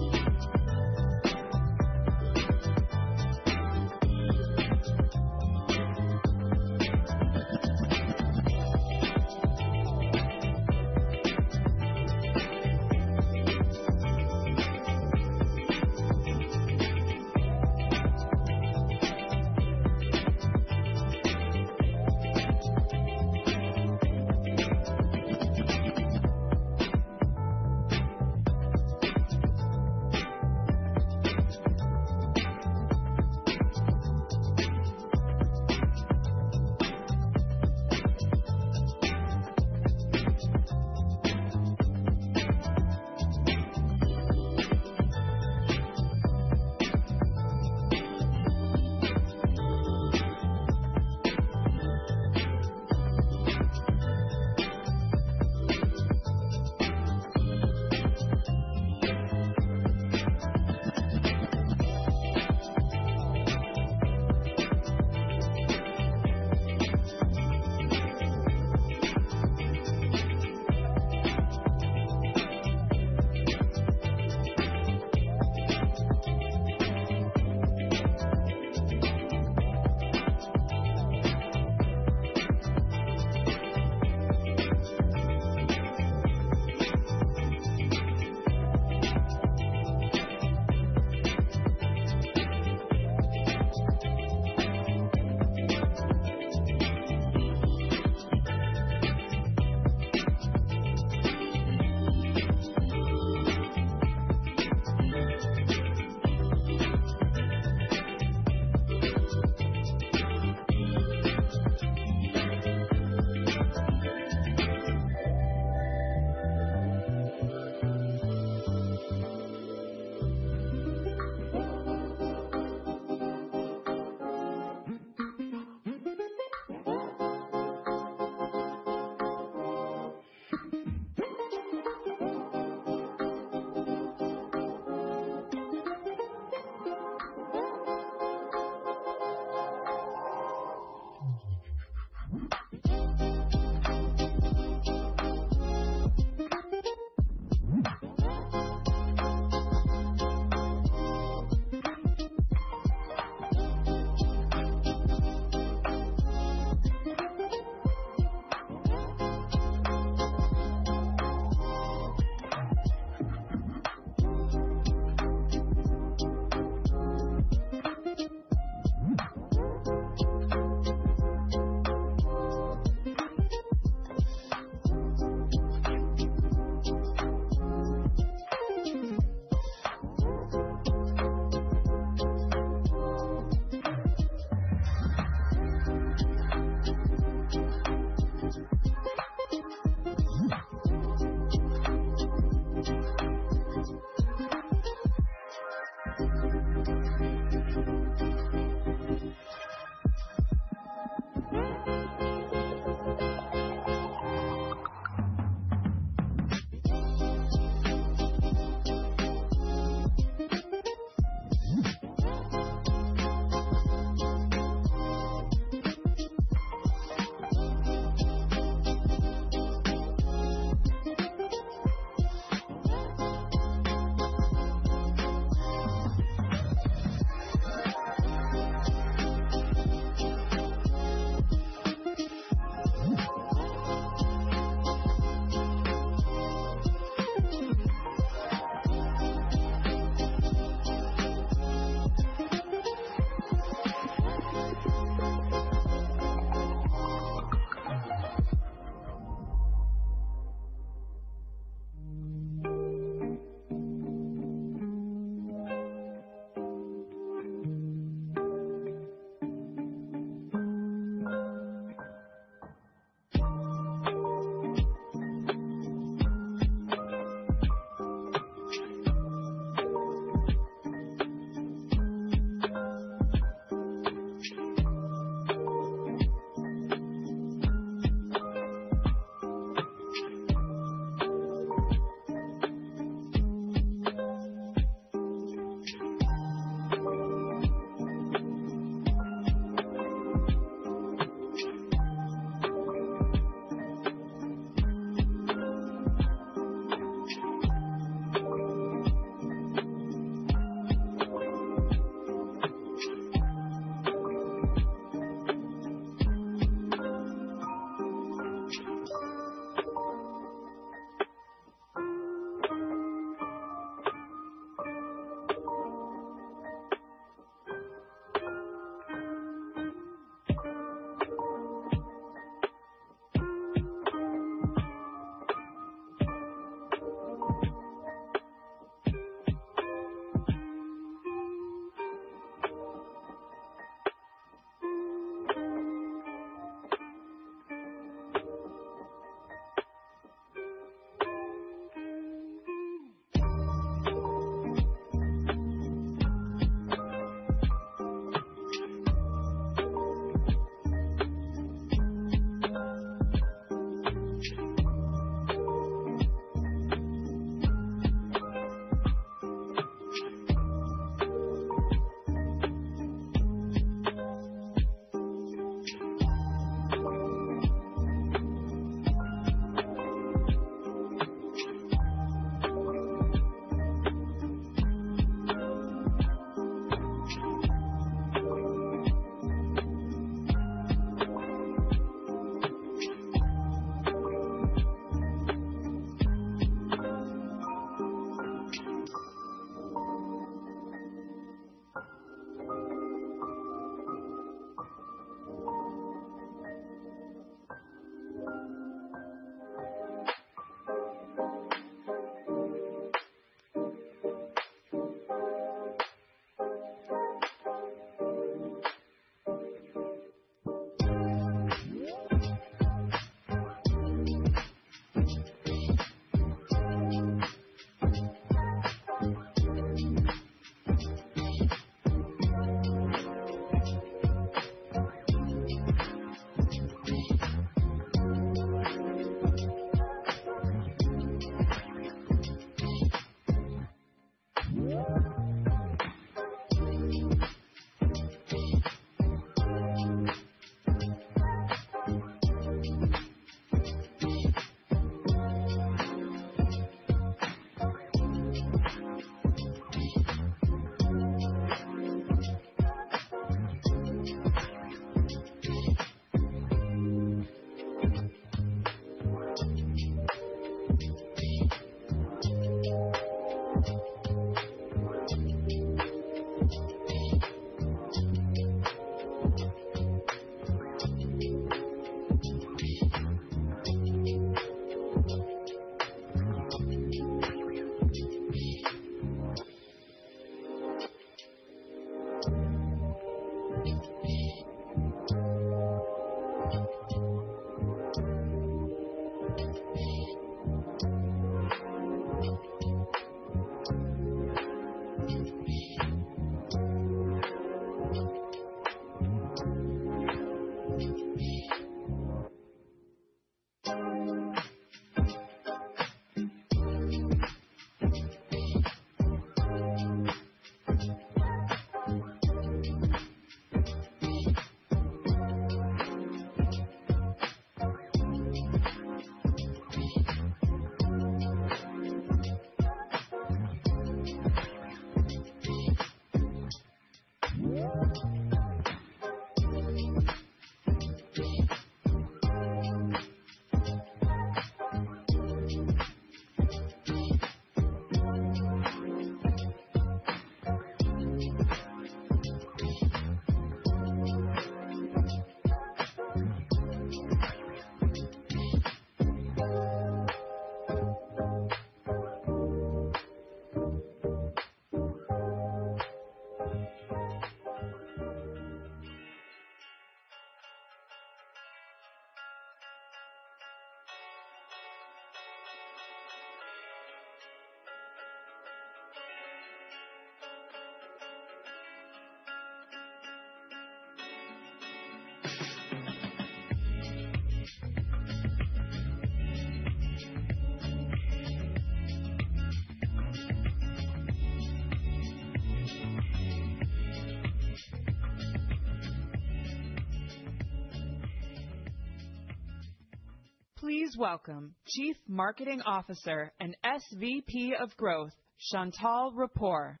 Please welcome Chief Marketing Officer and SVP of Growth, Chantal Rapport.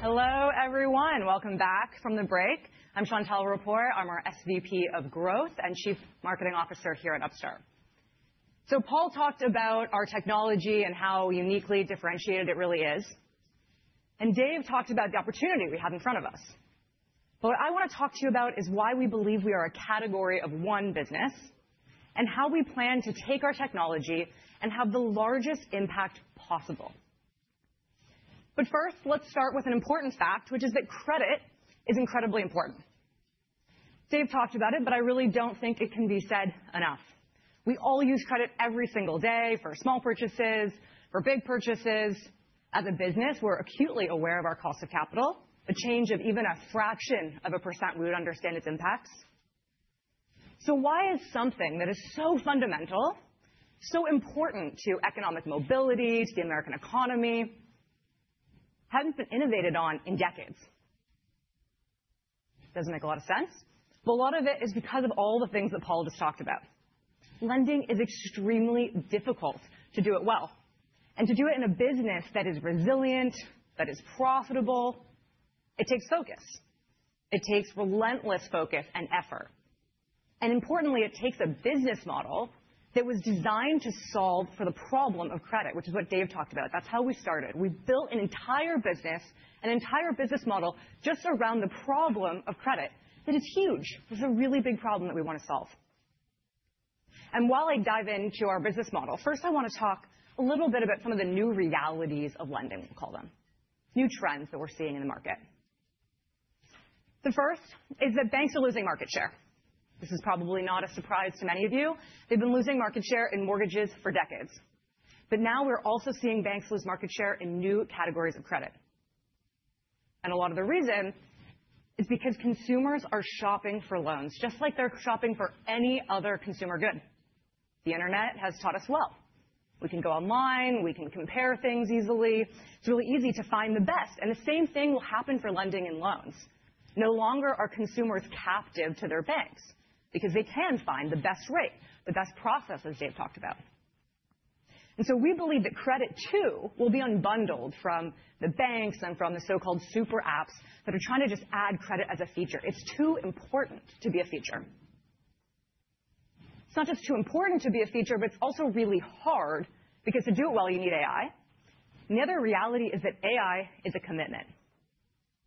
Hello, everyone. Welcome back from the break. I'm Chantal Rapport. I'm our SVP of Growth and Chief Marketing Officer here at Upstart. Paul talked about our technology and how uniquely differentiated it really is. Dave talked about the opportunity we have in front of us. What I want to talk to you about is why we believe we are a category of one business and how we plan to take our technology and have the largest impact possible. First, let's start with an important fact, which is that credit is incredibly important. Dave talked about it, but I really do not think it can be said enough. We all use credit every single day for small purchases, for big purchases. As a business, we're acutely aware of our cost of capital. A change of even a fraction of a percent, we would understand its impacts. Why is something that is so fundamental, so important to economic mobility, to the American economy, had not been innovated on in decades? Does not make a lot of sense. A lot of it is because of all the things that Paul just talked about. Lending is extremely difficult to do it well. To do it in a business that is resilient, that is profitable, it takes focus. It takes relentless focus and effort. Importantly, it takes a business model that was designed to solve for the problem of credit, which is what Dave talked about. That is how we started. We built an entire business, an entire business model just around the problem of credit that is huge. It's a really big problem that we want to solve. While I dive into our business model, first I want to talk a little bit about some of the new realities of lending, we'll call them, new trends that we're seeing in the market. The first is that banks are losing market share. This is probably not a surprise to many of you. They've been losing market share in mortgages for decades. Now we're also seeing banks lose market share in new categories of credit. A lot of the reason is because consumers are shopping for loans, just like they're shopping for any other consumer good. The internet has taught us well. We can go online. We can compare things easily. It's really easy to find the best. The same thing will happen for lending and loans. No longer are consumers captive to their banks because they can find the best rate, the best process, as Dave talked about. We believe that credit, too, will be unbundled from the banks and from the so-called super apps that are trying to just add credit as a feature. It is too important to be a feature. It is not just too important to be a feature, but it is also really hard because to do it well, you need AI. The other reality is that AI is a commitment.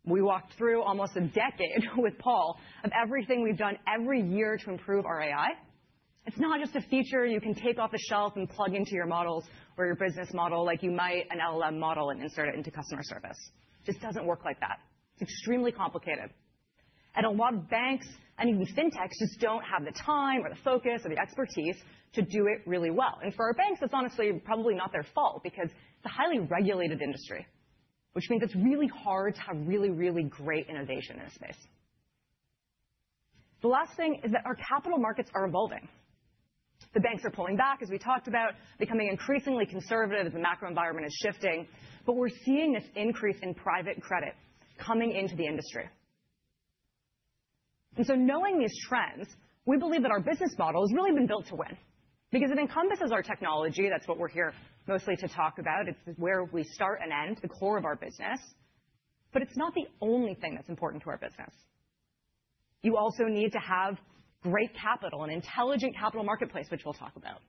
We walked through almost a decade with Paul of everything we have done every year to improve our AI. It is not just a feature you can take off the shelf and plug into your models or your business model like you might an LLM model and insert it into customer service. It just doesn't work like that. It's extremely complicated. A lot of banks and even fintechs just don't have the time or the focus or the expertise to do it really well. For our banks, that's honestly probably not their fault because it's a highly regulated industry, which means it's really hard to have really, really great innovation in this space. The last thing is that our capital markets are evolving. The banks are pulling back, as we talked about, becoming increasingly conservative as the macro environment is shifting. We're seeing this increase in private credit coming into the industry. Knowing these trends, we believe that our business model has really been built to win because it encompasses our technology. That's what we're here mostly to talk about. It's where we start and end, the core of our business. But it's not the only thing that's important to our business. You also need to have great capital, an intelligent capital marketplace, which we'll talk about.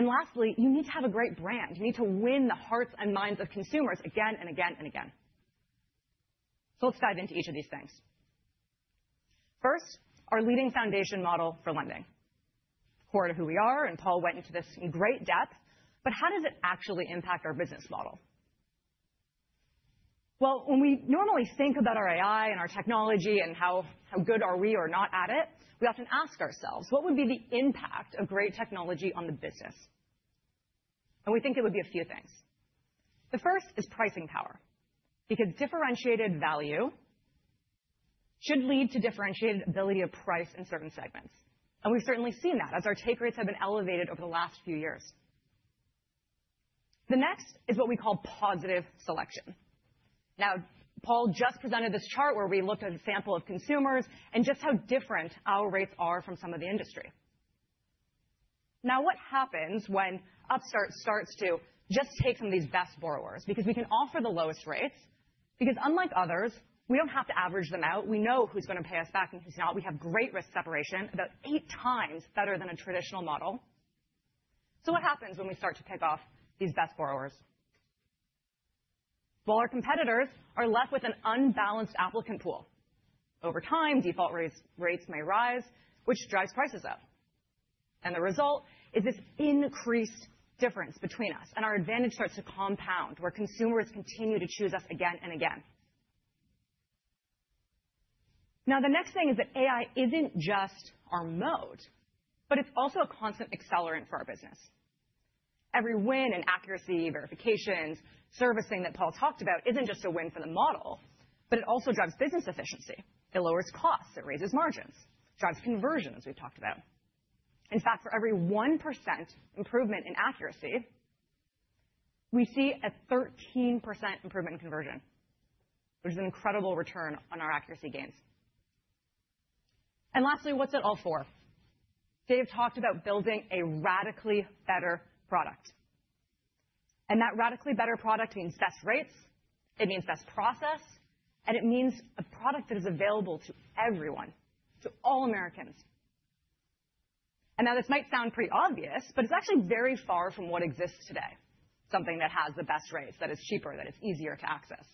Lastly, you need to have a great brand. You need to win the hearts and minds of consumers again and again and again. Let's dive into each of these things. First, our leading foundation model for lending, core to who we are. Paul went into this in great depth. How does it actually impact our business model? When we normally think about our AI and our technology and how good are we or not at it, we often ask ourselves, what would be the impact of great technology on the business? We think it would be a few things. The first is pricing power because differentiated value should lead to differentiated ability to price in certain segments. We have certainly seen that as our take rates have been elevated over the last few years. The next is what we call positive selection. Now, Paul just presented this chart where we looked at a sample of consumers and just how different our rates are from some of the industry. Now, what happens when Upstart starts to just take some of these best borrowers? Because we can offer the lowest rates, because unlike others, we do not have to average them out. We know who is going to pay us back and who is not. We have great risk separation, about eight times better than a traditional model. What happens when we start to pick off these best borrowers? Our competitors are left with an unbalanced applicant pool. Over time, default rates may rise, which drives prices up. The result is this increased difference between us. Our advantage starts to compound where consumers continue to choose us again and again. Now, the next thing is that AI is not just our mode, but it is also a constant accelerant for our business. Every win in accuracy, verifications, servicing that Paul talked about is not just a win for the model, but it also drives business efficiency. It lowers costs. It raises margins, drives conversion, as we have talked about. In fact, for every 1% improvement in accuracy, we see a 13% improvement in conversion, which is an incredible return on our accuracy gains. Lastly, what is it all for? Dave talked about building a radically better product. That radically better product means best rates. It means best process. It means a product that is available to everyone, to all Americans. This might sound pretty obvious, but it's actually very far from what exists today, something that has the best rates, that is cheaper, that is easier to access,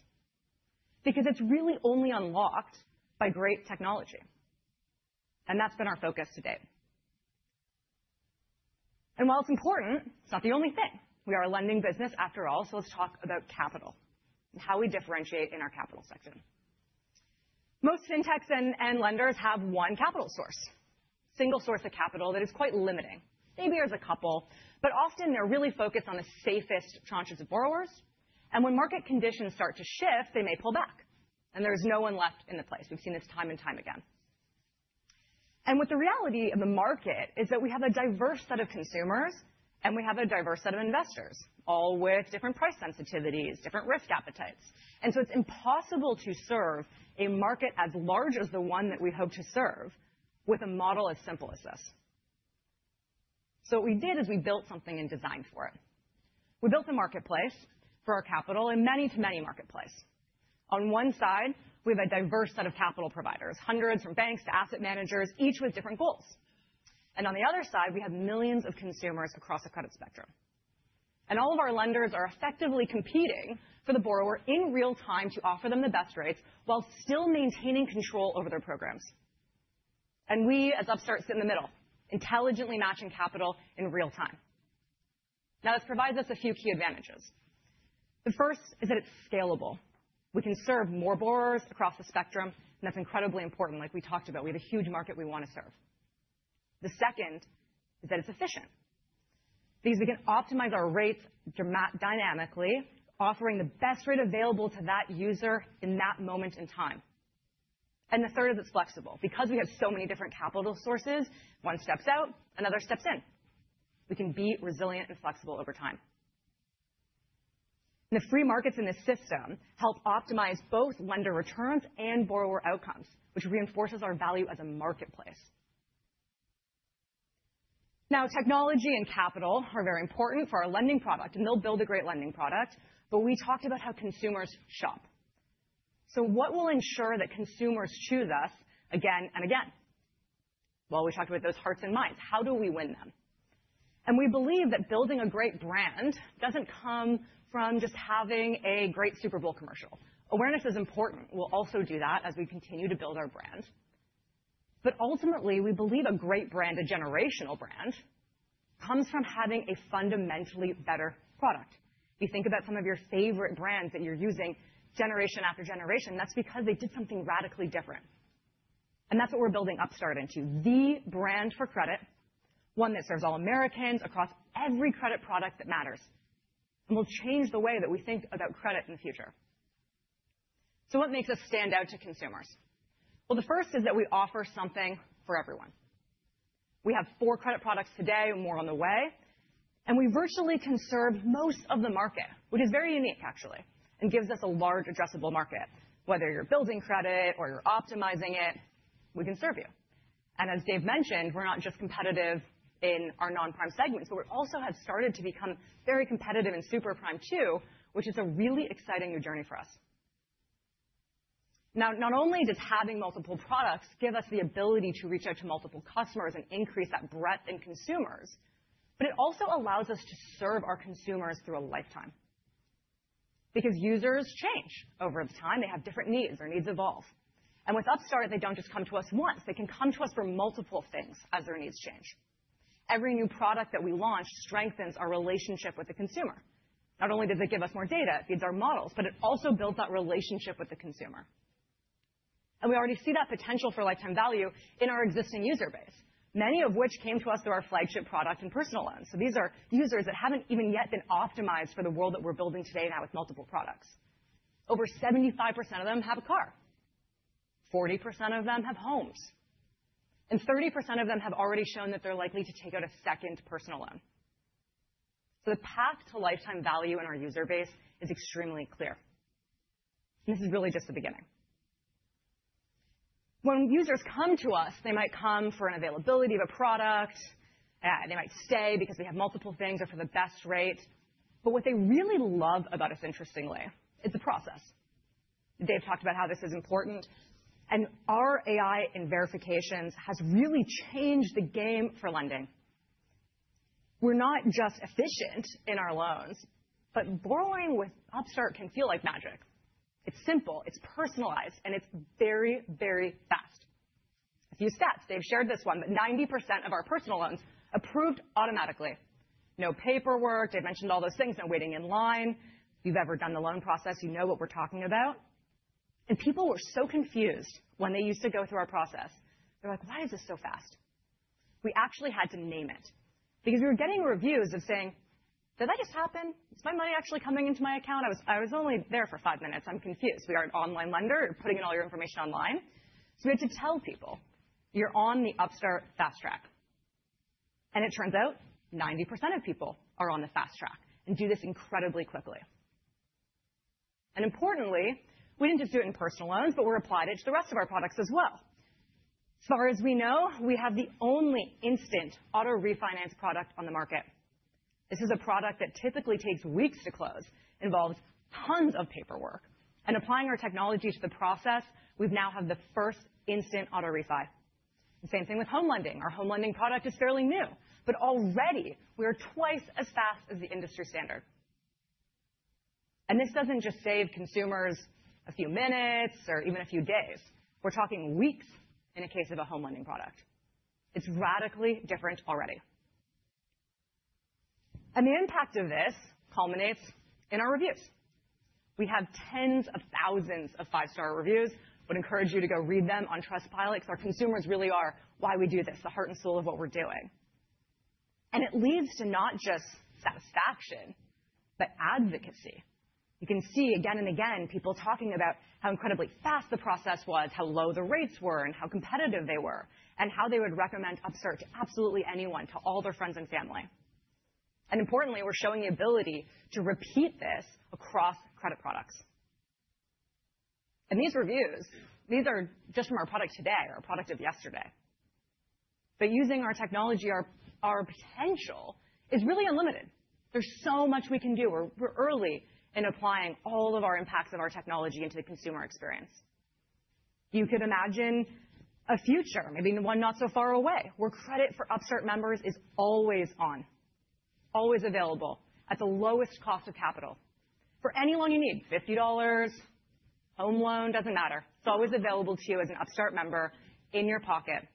because it's really only unlocked by great technology. That's been our focus today. While it's important, it's not the only thing. We are a lending business, after all. Let's talk about capital and how we differentiate in our capital section. Most fintechs and lenders have one capital source, a single source of capital that is quite limiting. Maybe there are a couple, but often they're really focused on the safest tranches of borrowers. When market conditions start to shift, they may pull back. There is no one left in the place. We've seen this time and time again. The reality of the market is that we have a diverse set of consumers and we have a diverse set of investors, all with different price sensitivities, different risk appetites. It is impossible to serve a market as large as the one that we hope to serve with a model as simple as this. What we did is we built something and designed for it. We built a marketplace for our capital and many-to-many marketplace. On one side, we have a diverse set of capital providers, hundreds from banks to asset managers, each with different goals. On the other side, we have millions of consumers across the credit spectrum. All of our lenders are effectively competing for the borrower in real time to offer them the best rates while still maintaining control over their programs. We as Upstart sit in the middle, intelligently matching capital in real time. This provides us a few key advantages. The first is that it's scalable. We can serve more borrowers across the spectrum. That's incredibly important. Like we talked about, we have a huge market we want to serve. The second is that it's efficient because we can optimize our rates dynamically, offering the best rate available to that user in that moment in time. The third is it's flexible. Because we have so many different capital sources, one steps out, another steps in. We can be resilient and flexible over time. The free markets in this system help optimize both lender returns and borrower outcomes, which reinforces our value as a marketplace. Technology and capital are very important for our lending product, and they'll build a great lending product. We talked about how consumers shop. What will ensure that consumers choose us again and again? We talked about those hearts and minds. How do we win them? We believe that building a great brand does not come from just having a great Super Bowl commercial. Awareness is important. We will also do that as we continue to build our brand. Ultimately, we believe a great brand, a generational brand, comes from having a fundamentally better product. You think about some of your favorite brands that you are using generation after generation. That is because they did something radically different. That is what we are building Upstart into, the brand for credit, one that serves all Americans across every credit product that matters and will change the way that we think about credit in the future. What makes us stand out to consumers? The first is that we offer something for everyone. We have four credit products today, more on the way. We virtually conserve most of the market, which is very unique, actually, and gives us a large addressable market. Whether you're building credit or you're optimizing it, we can serve you. As Dave mentioned, we're not just competitive in our non-prime segments, but we also have started to become very competitive in super prime too, which is a really exciting new journey for us. Not only does having multiple products give us the ability to reach out to multiple customers and increase that breadth in consumers, but it also allows us to serve our consumers through a lifetime because users change over time. They have different needs. Their needs evolve. With Upstart, they do not just come to us once. They can come to us for multiple things as their needs change. Every new product that we launch strengthens our relationship with the consumer. Not only does it give us more data, it feeds our models, but it also builds that relationship with the consumer. We already see that potential for lifetime value in our existing user base, many of which came to us through our flagship product in personal loans. These are users that have not even yet been optimized for the world that we are building today now with multiple products. Over 75% of them have a car. 40% of them have homes. 30% of them have already shown that they are likely to take out a second personal loan. The path to lifetime value in our user base is extremely clear. This is really just the beginning. When users come to us, they might come for an availability of a product. They might stay because we have multiple things or for the best rate. What they really love about us, interestingly, is the process. Dave talked about how this is important. Our AI in verifications has really changed the game for lending. We're not just efficient in our loans, but borrowing with Upstart can feel like magic. It's simple. It's personalized. It's very, very fast. A few stats. Dave shared this one, but 90% of our personal loans approved automatically. No paperwork. Dave mentioned all those things. No waiting in line. If you've ever done the loan process, you know what we're talking about. People were so confused when they used to go through our process. They're like, "Why is this so fast?" We actually had to name it because we were getting reviews of saying, "Did that just happen? Is my money actually coming into my account? I was only there for five minutes. I'm confused. We are an online lender. You're putting in all your information online." We had to tell people, "You're on the Upstart fast track." It turns out 90% of people are on the fast track and do this incredibly quickly. Importantly, we didn't just do it in personal loans, but we're applying it to the rest of our products as well. As far as we know, we have the only instant auto refinance product on the market. This is a product that typically takes weeks to close, involves tons of paperwork. Applying our technology to the process, we now have the first instant auto refi. Same thing with home lending. Our home lending product is fairly new, but already we are twice as fast as the industry standard. This does not just save consumers a few minutes or even a few days. We are talking weeks in the case of a home lending product. It is radically different already. The impact of this culminates in our reviews. We have tens of thousands of five-star reviews. I would encourage you to go read them on Trustpilot because our consumers really are why we do this, the heart and soul of what we are doing. It leads to not just satisfaction, but advocacy. You can see again and again people talking about how incredibly fast the process was, how low the rates were, how competitive they were, and how they would recommend Upstart to absolutely anyone, to all their friends and family. Importantly, we're showing the ability to repeat this across credit products. These reviews, these are just from our product today, our product of yesterday. Using our technology, our potential is really unlimited. There's so much we can do. We're early in applying all of our impacts of our technology into the consumer experience. You could imagine a future, maybe one not so far away, where credit for Upstart members is always on, always available at the lowest cost of capital. For any loan you need, $50, home loan, doesn't matter. It's always available to you as an Upstart member in your pocket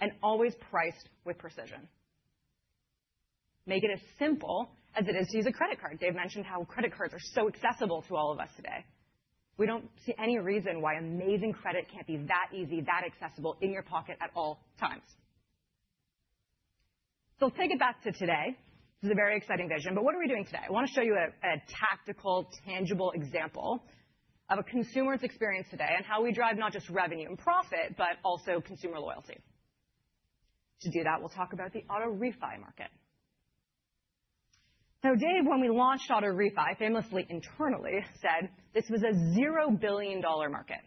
and always priced with precision. Make it as simple as it is to use a credit card. Dave mentioned how credit cards are so accessible to all of us today. We don't see any reason why amazing credit can't be that easy, that accessible in your pocket at all times. I'll take it back to today. This is a very exciting vision. What are we doing today? I want to show you a tactical, tangible example of a consumer's experience today and how we drive not just revenue and profit, but also consumer loyalty. To do that, we'll talk about the auto refi market. Dave, when we launched auto refi, famously internally said this was a $0 billion market.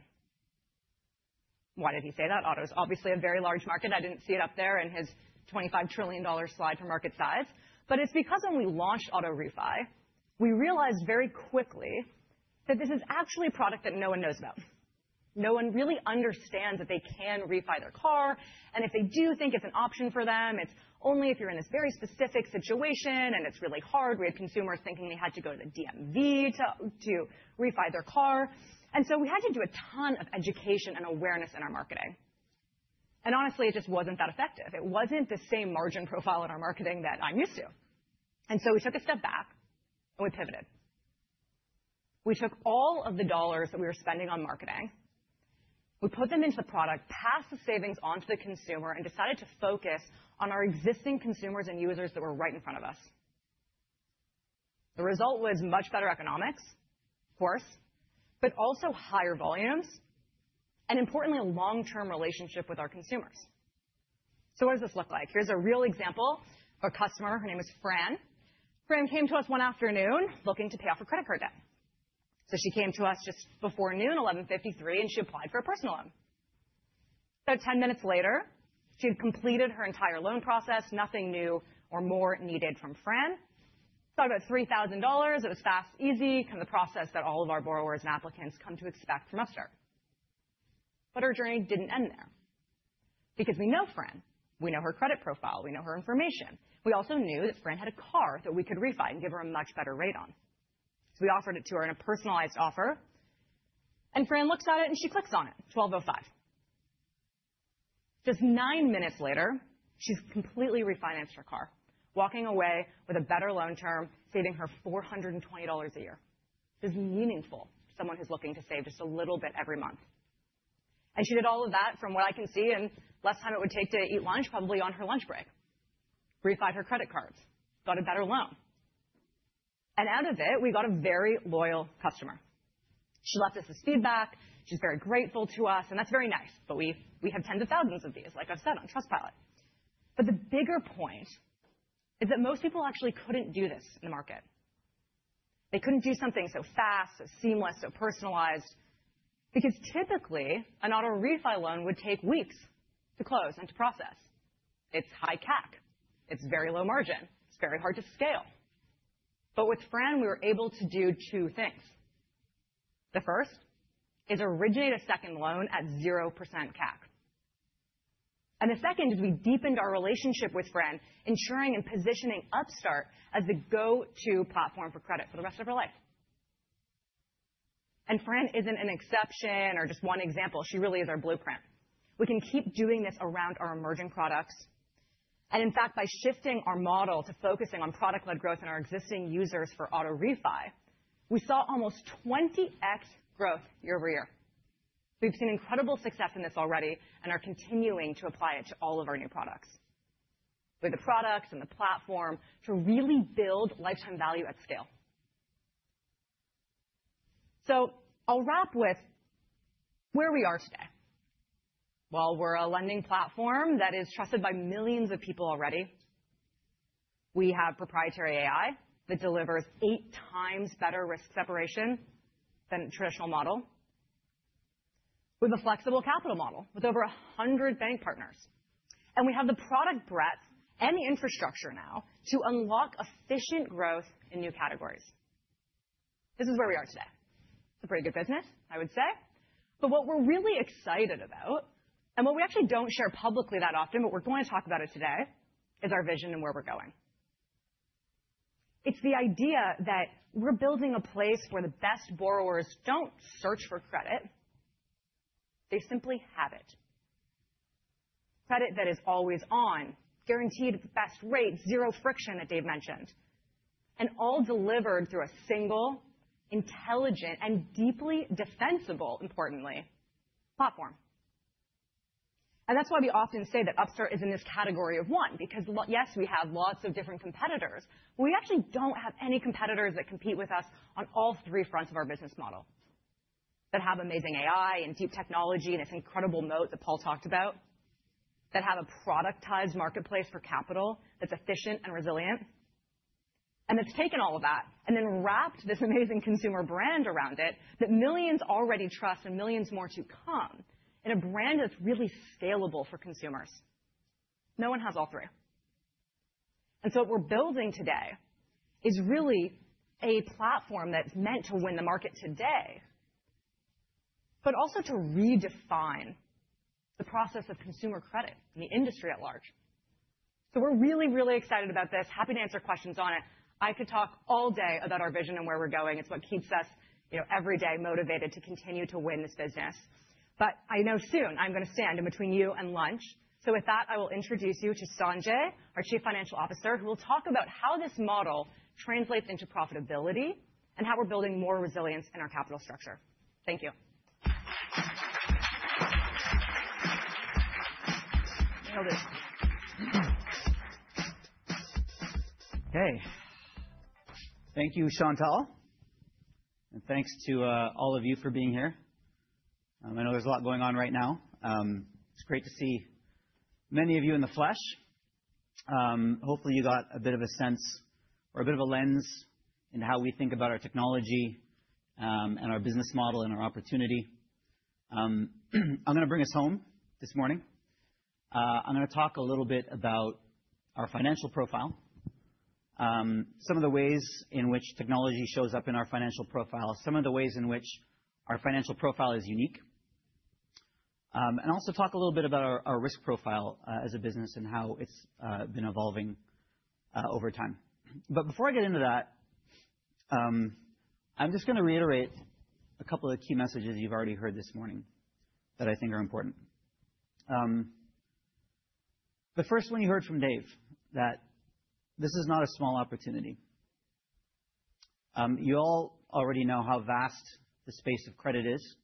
Why did he say that? Auto is obviously a very large market. I didn't see it up there in his $25 trillion slide for market size. It's because when we launched auto refi, we realized very quickly that this is actually a product that no one knows about. No one really understands that they can refi their car. If they do think it's an option for them, it's only if you're in this very specific situation and it's really hard. We had consumers thinking they had to go to the DMV to refi their car. We had to do a ton of education and awareness in our marketing. Honestly, it just wasn't that effective. It wasn't the same margin profile in our marketing that I'm used to. We took a step back and we pivoted. We took all of the dollars that we were spending on marketing, we put them into the product, passed the savings on to the consumer, and decided to focus on our existing consumers and users that were right in front of us. The result was much better economics, of course, but also higher volumes and, importantly, a long-term relationship with our consumers. What does this look like? Here is a real example of a customer. Her name is Fran. Fran came to us one afternoon looking to pay off her credit card debt. She came to us just before noon, 11:53 A.M., and she applied for a personal loan. About 10 minutes later, she had completed her entire loan process. Nothing new or more needed from Fran. It is about $3,000. It was fast, easy, kind of the process that all of our borrowers and applicants come to expect from Upstart. Her journey did not end there because we know Fran. We know her credit profile. We know her information. We also knew that Fran had a car that we could refi and give her a much better rate on. We offered it to her in a personalized offer. Fran looks at it and she clicks on it, 12:05 P.M. Just nine minutes later, she's completely refinanced her car, walking away with a better loan term, saving her $420 a year. This is meaningful to someone who's looking to save just a little bit every month. She did all of that from what I can see in less time it would take to eat lunch, probably on her lunch break, refied her credit cards, got a better loan. Out of it, we got a very loyal customer. She left us this feedback. She's very grateful to us. That's very nice. We have tens of thousands of these, like I've said, on TrustPilot. The bigger point is that most people actually couldn't do this in the market. They couldn't do something so fast, so seamless, so personalized because typically an auto refi loan would take weeks to close and to process. It's high CAC. It's very low margin. It's very hard to scale. With Fran, we were able to do two things. The first is originate a second loan at 0% CAC. The second is we deepened our relationship with Fran, ensuring and positioning Upstart as the go-to platform for credit for the rest of her life. Fran isn't an exception or just one example. She really is our blueprint. We can keep doing this around our emerging products. In fact, by shifting our model to focusing on product-led growth in our existing users for auto refi, we saw almost 20x growth year over year. We've seen incredible success in this already and are continuing to apply it to all of our new products with the products and the platform to really build lifetime value at scale. I'll wrap with where we are today. While we're a lending platform that is trusted by millions of people already, we have proprietary AI that delivers eight times better risk separation than a traditional model. We have a flexible capital model with over 100 bank partners. We have the product breadth and the infrastructure now to unlock efficient growth in new categories. This is where we are today. It's a pretty good business, I would say. What we're really excited about, and what we actually don't share publicly that often, but we're going to talk about it today, is our vision and where we're going. It's the idea that we're building a place where the best borrowers don't search for credit. They simply have it. Credit that is always on, guaranteed at the best rates, zero friction that Dave mentioned, and all delivered through a single, intelligent, and deeply defensible, importantly, platform. That is why we often say that Upstart is in this category of one, because yes, we have lots of different competitors, but we actually don't have any competitors that compete with us on all three fronts of our business model that have amazing AI and deep technology and this incredible moat that Paul talked about, that have a productized marketplace for capital that's efficient and resilient, and that's taken all of that and then wrapped this amazing consumer brand around it that millions already trust and millions more to come in a brand that's really scalable for consumers. No one has all three. What we're building today is really a platform that's meant to win the market today, but also to redefine the process of consumer credit and the industry at large. We're really, really excited about this. Happy to answer questions on it. I could talk all day about our vision and where we're going. It's what keeps us every day motivated to continue to win this business. I know soon I'm going to stand in between you and lunch. With that, I will introduce you to Sanjay, our Chief Financial Officer, who will talk about how this model translates into profitability and how we're building more resilience in our capital structure. Thank you. Hey. Thank you, Chantal. Thanks to all of you for being here. I know there's a lot going on right now. It's great to see many of you in the flesh. Hopefully, you got a bit of a sense or a bit of a lens into how we think about our technology and our business model and our opportunity. I'm going to bring us home this morning. I'm going to talk a little bit about our financial profile, some of the ways in which technology shows up in our financial profile, some of the ways in which our financial profile is unique, and also talk a little bit about our risk profile as a business and how it's been evolving over time. Before I get into that, I'm just going to reiterate a couple of key messages you've already heard this morning that I think are important. The first one you heard from Dave, that this is not a small opportunity. You all already know how vast the space of credit is.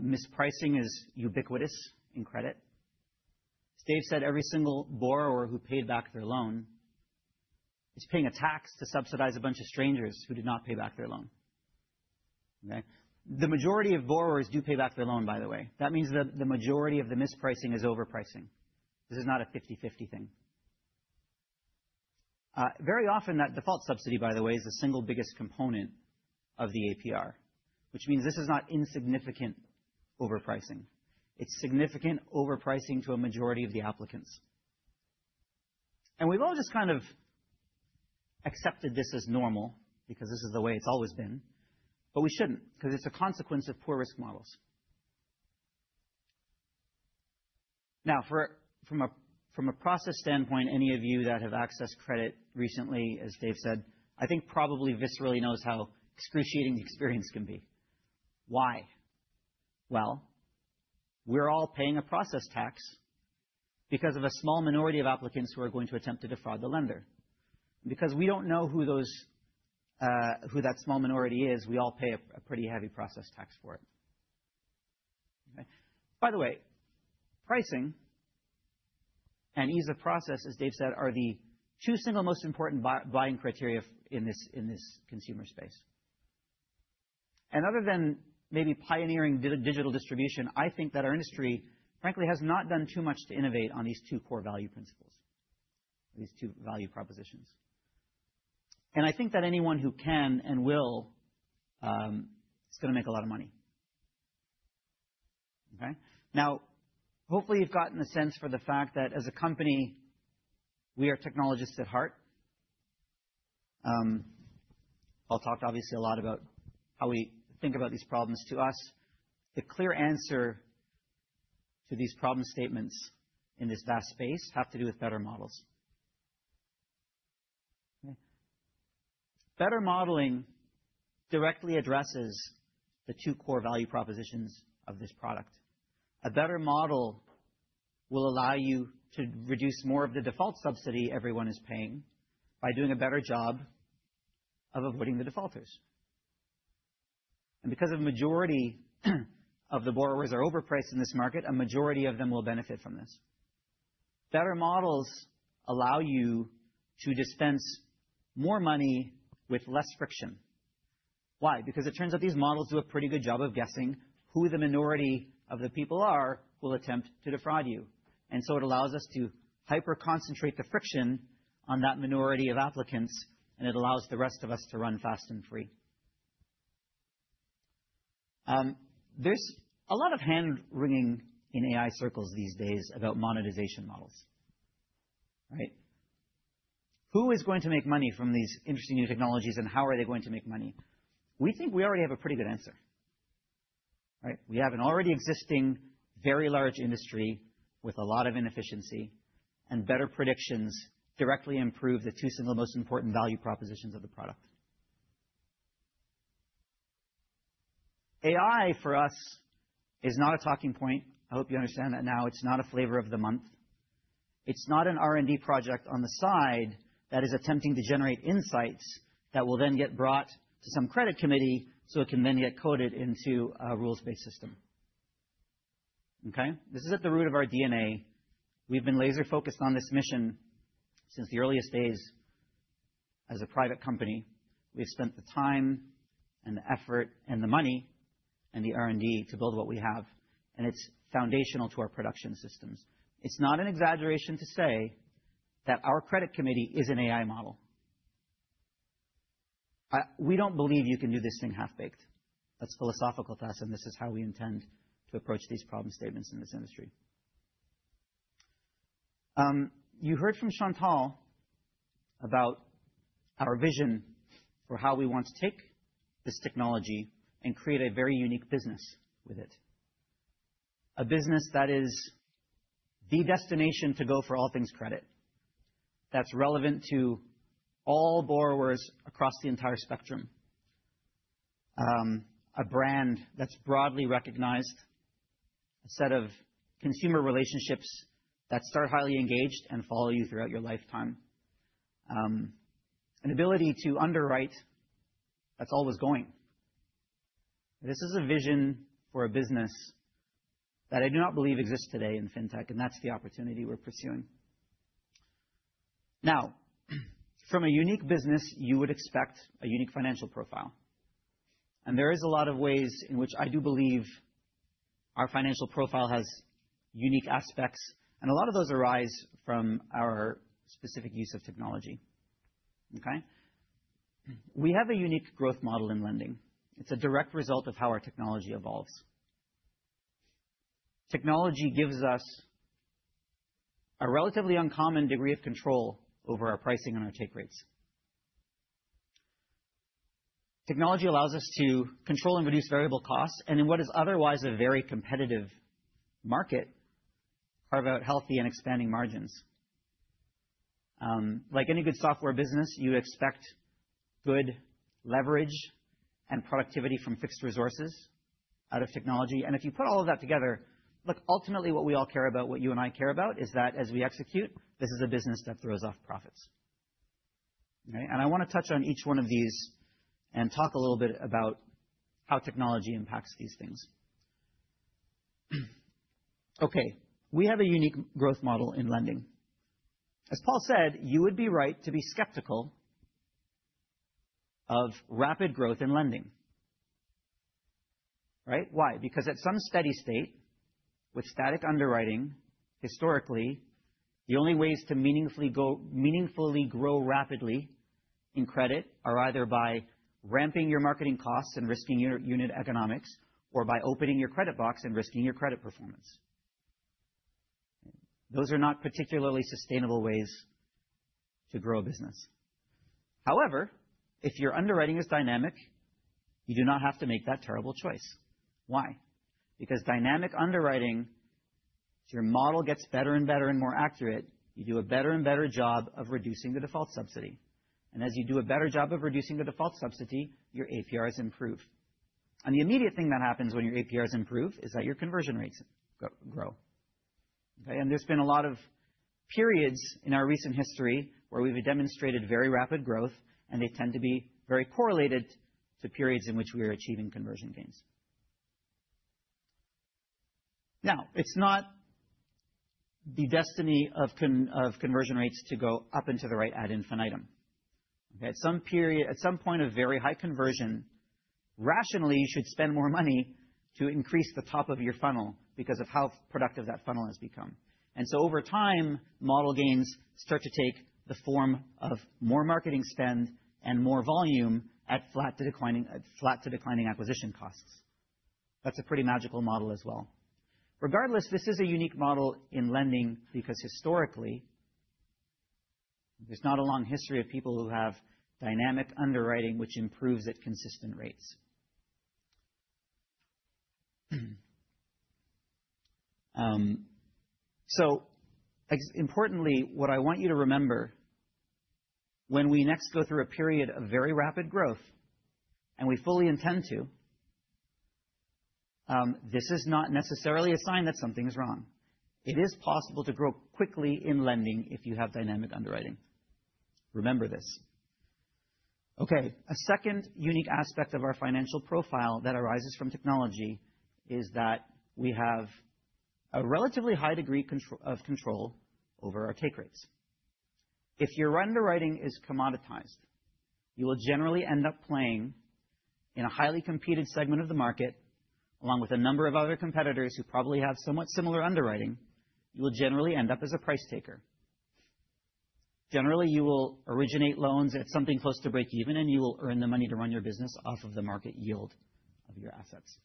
Mispricing is ubiquitous in credit. As Dave said, every single borrower who paid back their loan is paying a tax to subsidize a bunch of strangers who did not pay back their loan. The majority of borrowers do pay back their loan, by the way. That means that the majority of the mispricing is overpricing. This is not a 50/50 thing. Very often, that default subsidy, by the way, is the single biggest component of the APR, which means this is not insignificant overpricing. It is significant overpricing to a majority of the applicants. We have all just accepted this as normal because this is the way it has always been, but we should not because it is a consequence of poor risk models. Now, from a process standpoint, any of you that have accessed credit recently, as Dave said, I think probably viscerally knows how excruciating the experience can be. Why? We are all paying a process tax because of a small minority of applicants who are going to attempt to defraud the lender. And because we do not know who that small minority is, we all pay a pretty heavy process tax for it. By the way, pricing and ease of process, as Dave said, are the two single most important buying criteria in this consumer space. Other than maybe pioneering digital distribution, I think that our industry, frankly, has not done too much to innovate on these two core value principles, these two value propositions. I think that anyone who can and will is going to make a lot of money. Now, hopefully, you've gotten a sense for the fact that as a company, we are technologists at heart. Paul talked obviously a lot about how we think about these problems. To us, the clear answer to these problem statements in this vast space has to do with better models. Better modeling directly addresses the two core value propositions of this product. A better model will allow you to reduce more of the default subsidy everyone is paying by doing a better job of avoiding the defaulters. Because a majority of the borrowers are overpriced in this market, a majority of them will benefit from this. Better models allow you to dispense more money with less friction. Why? Because it turns out these models do a pretty good job of guessing who the minority of the people are who will attempt to defraud you. It allows us to hyper-concentrate the friction on that minority of applicants, and it allows the rest of us to run fast and free. There is a lot of hand-wringing in AI circles these days about monetization models. Who is going to make money from these interesting new technologies, and how are they going to make money? We think we already have a pretty good answer. We have an already existing very large industry with a lot of inefficiency, and better predictions directly improve the two single most important value propositions of the product. AI for us is not a talking point. I hope you understand that now. It is not a flavor of the month. It is not an R&D project on the side that is attempting to generate insights that will then get brought to some credit committee so it can then get coded into a rules-based system. This is at the root of our DNA. We've been laser-focused on this mission since the earliest days as a private company. We've spent the time and the effort and the money and the R&D to build what we have, and it's foundational to our production systems. It's not an exaggeration to say that our credit committee is an AI model. We don't believe you can do this thing half-baked. That's philosophical to us, and this is how we intend to approach these problem statements in this industry. You heard from Chantal about our vision for how we want to take this technology and create a very unique business with it. A business that is the destination to go for all things credit, that's relevant to all borrowers across the entire spectrum. A brand that's broadly recognized, a set of consumer relationships that start highly engaged and follow you throughout your lifetime. An ability to underwrite that's always going. This is a vision for a business that I do not believe exists today in fintech, and that's the opportunity we're pursuing. Now, from a unique business, you would expect a unique financial profile. There is a lot of ways in which I do believe our financial profile has unique aspects, and a lot of those arise from our specific use of technology. We have a unique growth model in lending. It's a direct result of how our technology evolves. Technology gives us a relatively uncommon degree of control over our pricing and our take rates. Technology allows us to control and reduce variable costs and, in what is otherwise a very competitive market, carve out healthy and expanding margins. Like any good software business, you expect good leverage and productivity from fixed resources out of technology. If you put all of that together, look, ultimately, what we all care about, what you and I care about, is that as we execute, this is a business that throws off profits. I want to touch on each one of these and talk a little bit about how technology impacts these things. Okay. We have a unique growth model in lending. As Paul said, you would be right to be skeptical of rapid growth in lending. Why? Because at some steady state with static underwriting, historically, the only ways to meaningfully grow rapidly in credit are either by ramping your marketing costs and risking your unit economics or by opening your credit box and risking your credit performance. Those are not particularly sustainable ways to grow a business. However, if your underwriting is dynamic, you do not have to make that terrible choice. Why? Because dynamic underwriting, as your model gets better and better and more accurate, you do a better and better job of reducing the default subsidy. As you do a better job of reducing the default subsidy, your APRs improve. The immediate thing that happens when your APRs improve is that your conversion rates grow. There have been a lot of periods in our recent history where we have demonstrated very rapid growth, and they tend to be very correlated to periods in which we are achieving conversion gains. It is not the destiny of conversion rates to go up and to the right ad infinitum. At some point of very high conversion, rationally, you should spend more money to increase the top of your funnel because of how productive that funnel has become. Over time, model gains start to take the form of more marketing spend and more volume at flat to declining acquisition costs. That is a pretty magical model as well. Regardless, this is a unique model in lending because historically, there is not a long history of people who have dynamic underwriting which improves at consistent rates. Importantly, what I want you to remember, when we next go through a period of very rapid growth and we fully intend to, this is not necessarily a sign that something is wrong. It is possible to grow quickly in lending if you have dynamic underwriting. Remember this. A second unique aspect of our financial profile that arises from technology is that we have a relatively high degree of control over our take rates. If your underwriting is commoditized, you will generally end up playing in a highly competed segment of the market along with a number of other competitors who probably have somewhat similar underwriting. You will generally end up as a price taker. Generally, you will originate loans at something close to breakeven, and you will earn the money to run your business off of the market yield of your assets.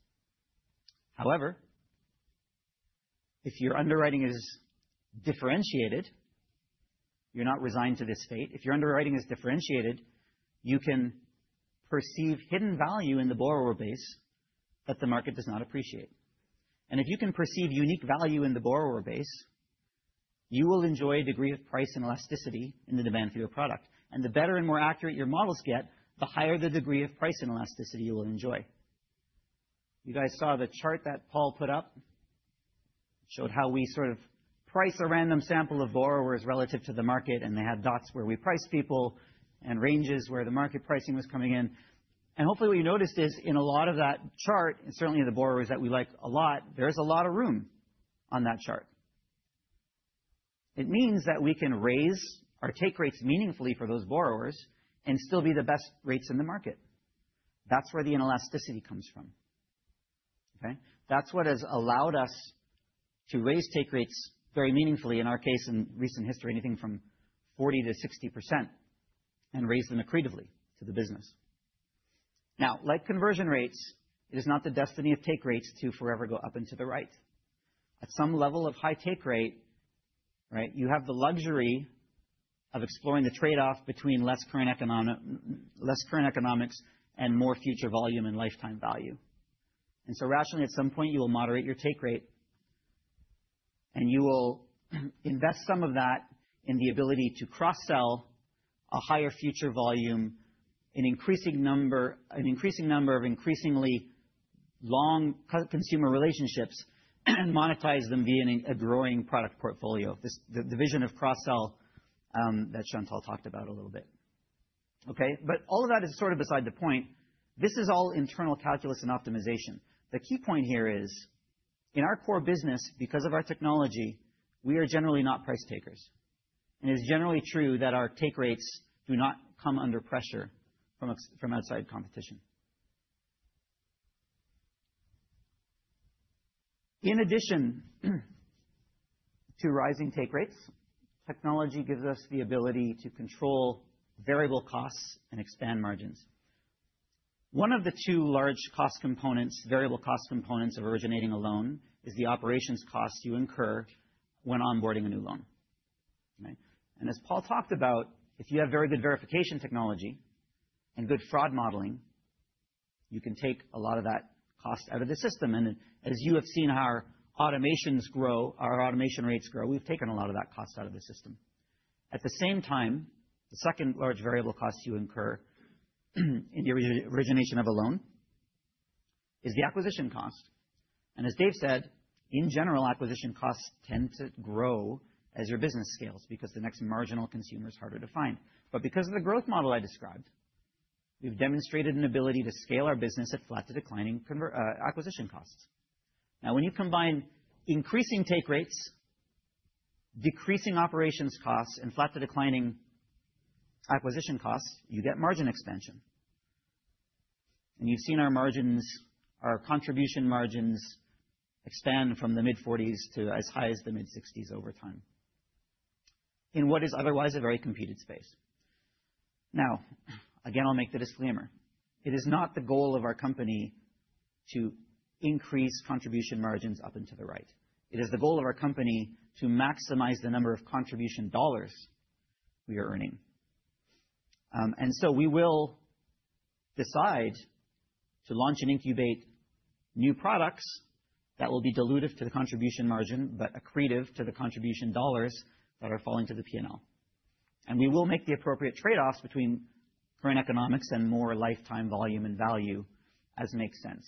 However, if your underwriting is differentiated, you're not resigned to this fate. If your underwriting is differentiated, you can perceive hidden value in the borrower base that the market does not appreciate. If you can perceive unique value in the borrower base, you will enjoy a degree of price and elasticity in the demand for your product. The better and more accurate your models get, the higher the degree of price and elasticity you will enjoy. You guys saw the chart that Paul put up. It showed how we sort of price a random sample of borrowers relative to the market, and they had dots where we price people and ranges where the market pricing was coming in. Hopefully, what you noticed is in a lot of that chart, and certainly in the borrowers that we like a lot, there is a lot of room on that chart. It means that we can raise our take rates meaningfully for those borrowers and still be the best rates in the market. That is where the inelasticity comes from. That is what has allowed us to raise take rates very meaningfully. In our case, in recent history, anything from 40%-60% and raise them accretively to the business. Now, like conversion rates, it is not the destiny of take rates to forever go up into the right. At some level of high take rate, you have the luxury of exploring the trade-off between less current economics and more future volume and lifetime value. You will rationally, at some point, moderate your take rate, and you will invest some of that in the ability to cross-sell a higher future volume in increasing number of increasingly long consumer relationships and monetize them via a growing product portfolio, the vision of cross-sell that Chantal talked about a little bit. All of that is sort of beside the point. This is all internal calculus and optimization. The key point here is, in our core business, because of our technology, we are generally not price takers. It is generally true that our take rates do not come under pressure from outside competition. In addition to rising take rates, technology gives us the ability to control variable costs and expand margins. One of the two large variable cost components of originating a loan is the operations cost you incur when onboarding a new loan. As Paul talked about, if you have very good verification technology and good fraud modeling, you can take a lot of that cost out of the system. As you have seen how our automation rates grow, we have taken a lot of that cost out of the system. At the same time, the second large variable cost you incur in the origination of a loan is the acquisition cost. As Dave said, in general, acquisition costs tend to grow as your business scales because the next marginal consumer is harder to find. Because of the growth model I described, we've demonstrated an ability to scale our business at flat to declining acquisition costs. Now, when you combine increasing take rates, decreasing operations costs, and flat to declining acquisition costs, you get margin expansion. You've seen our contribution margins expand from the mid-40% to as high as the mid-60% over time in what is otherwise a very competed space. Again, I'll make the disclaimer. It is not the goal of our company to increase contribution margins up into the right. It is the goal of our company to maximize the number of contribution dollars we are earning. We will decide to launch and incubate new products that will be dilutive to the contribution margin but accretive to the contribution dollars that are falling to the P&L. We will make the appropriate trade-offs between current economics and more lifetime volume and value as makes sense.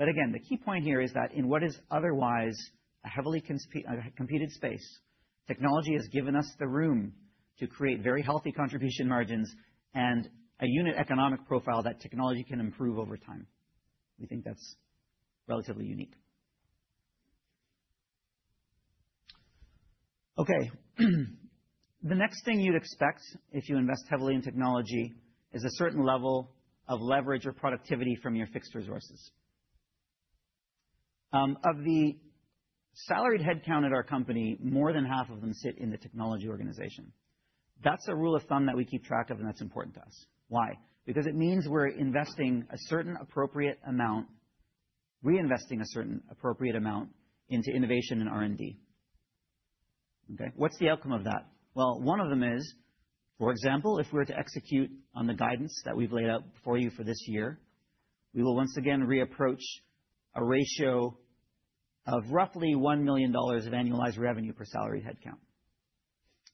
Again, the key point here is that in what is otherwise a heavily competed space, technology has given us the room to create very healthy contribution margins and a unit economic profile that technology can improve over time. We think that's relatively unique. The next thing you'd expect if you invest heavily in technology is a certain level of leverage or productivity from your fixed resources. Of the salaried headcount at our company, more than half of them sit in the technology organization. That's a rule of thumb that we keep track of, and that's important to us. Why? Because it means we're investing a certain appropriate amount, reinvesting a certain appropriate amount into innovation and R&D. What's the outcome of that? One of them is, for example, if we were to execute on the guidance that we've laid out for you for this year, we will once again reapproach a ratio of roughly $1 million of annualized revenue per salaried headcount.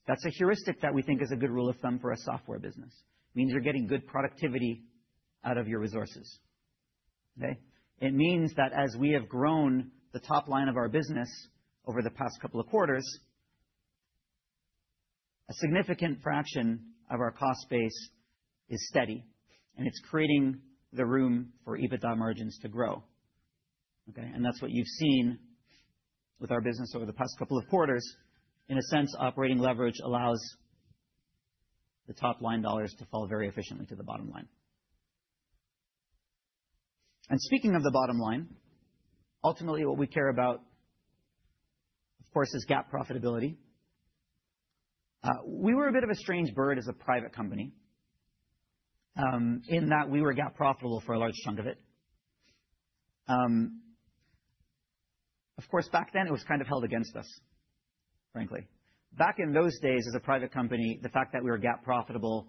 That's a heuristic that we think is a good rule of thumb for a software business. It means you're getting good productivity out of your resources. It means that as we have grown the top line of our business over the past couple of quarters, a significant fraction of our cost base is steady, and it's creating the room for EBITDA margins to grow. That's what you've seen with our business over the past couple of quarters. In a sense, operating leverage allows the top line dollars to fall very efficiently to the bottom line. Speaking of the bottom line, ultimately, what we care about, of course, is GAAP profitability. We were a bit of a strange bird as a private company in that we were GAAP profitable for a large chunk of it. Of course, back then, it was kind of held against us, frankly. Back in those days, as a private company, the fact that we were GAAP profitable,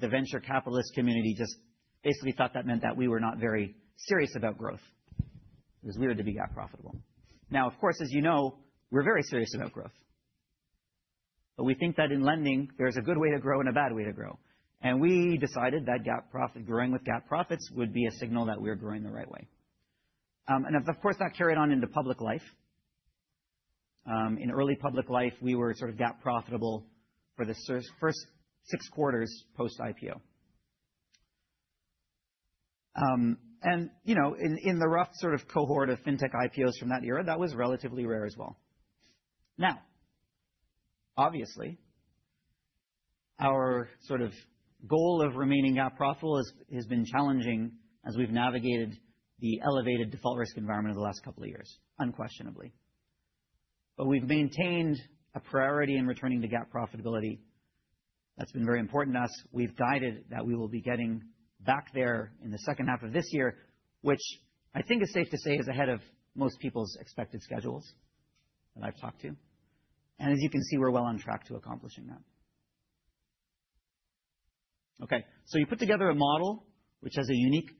the venture capitalist community just basically thought that meant that we were not very serious about growth. It was weird to be GAAP profitable. Now, of course, as you know, we're very serious about growth. We think that in lending, there is a good way to grow and a bad way to grow. We decided that growing with GAAP profits would be a signal that we were growing the right way. Of course, that carried on into public life. In early public life, we were sort of GAAP profitable for the first six quarters post-IPO. In the rough sort of cohort of fintech IPOs from that era, that was relatively rare as well. Now, obviously, our sort of goal of remaining GAAP profitable has been challenging as we've navigated the elevated default risk environment of the last couple of years, unquestionably. We've maintained a priority in returning to GAAP profitability. That's been very important to us. We've guided that we will be getting back there in the second half of this year, which I think is safe to say is ahead of most people's expected schedules that I've talked to. As you can see, we're well on track to accomplishing that. Okay. You put together a model which has a unique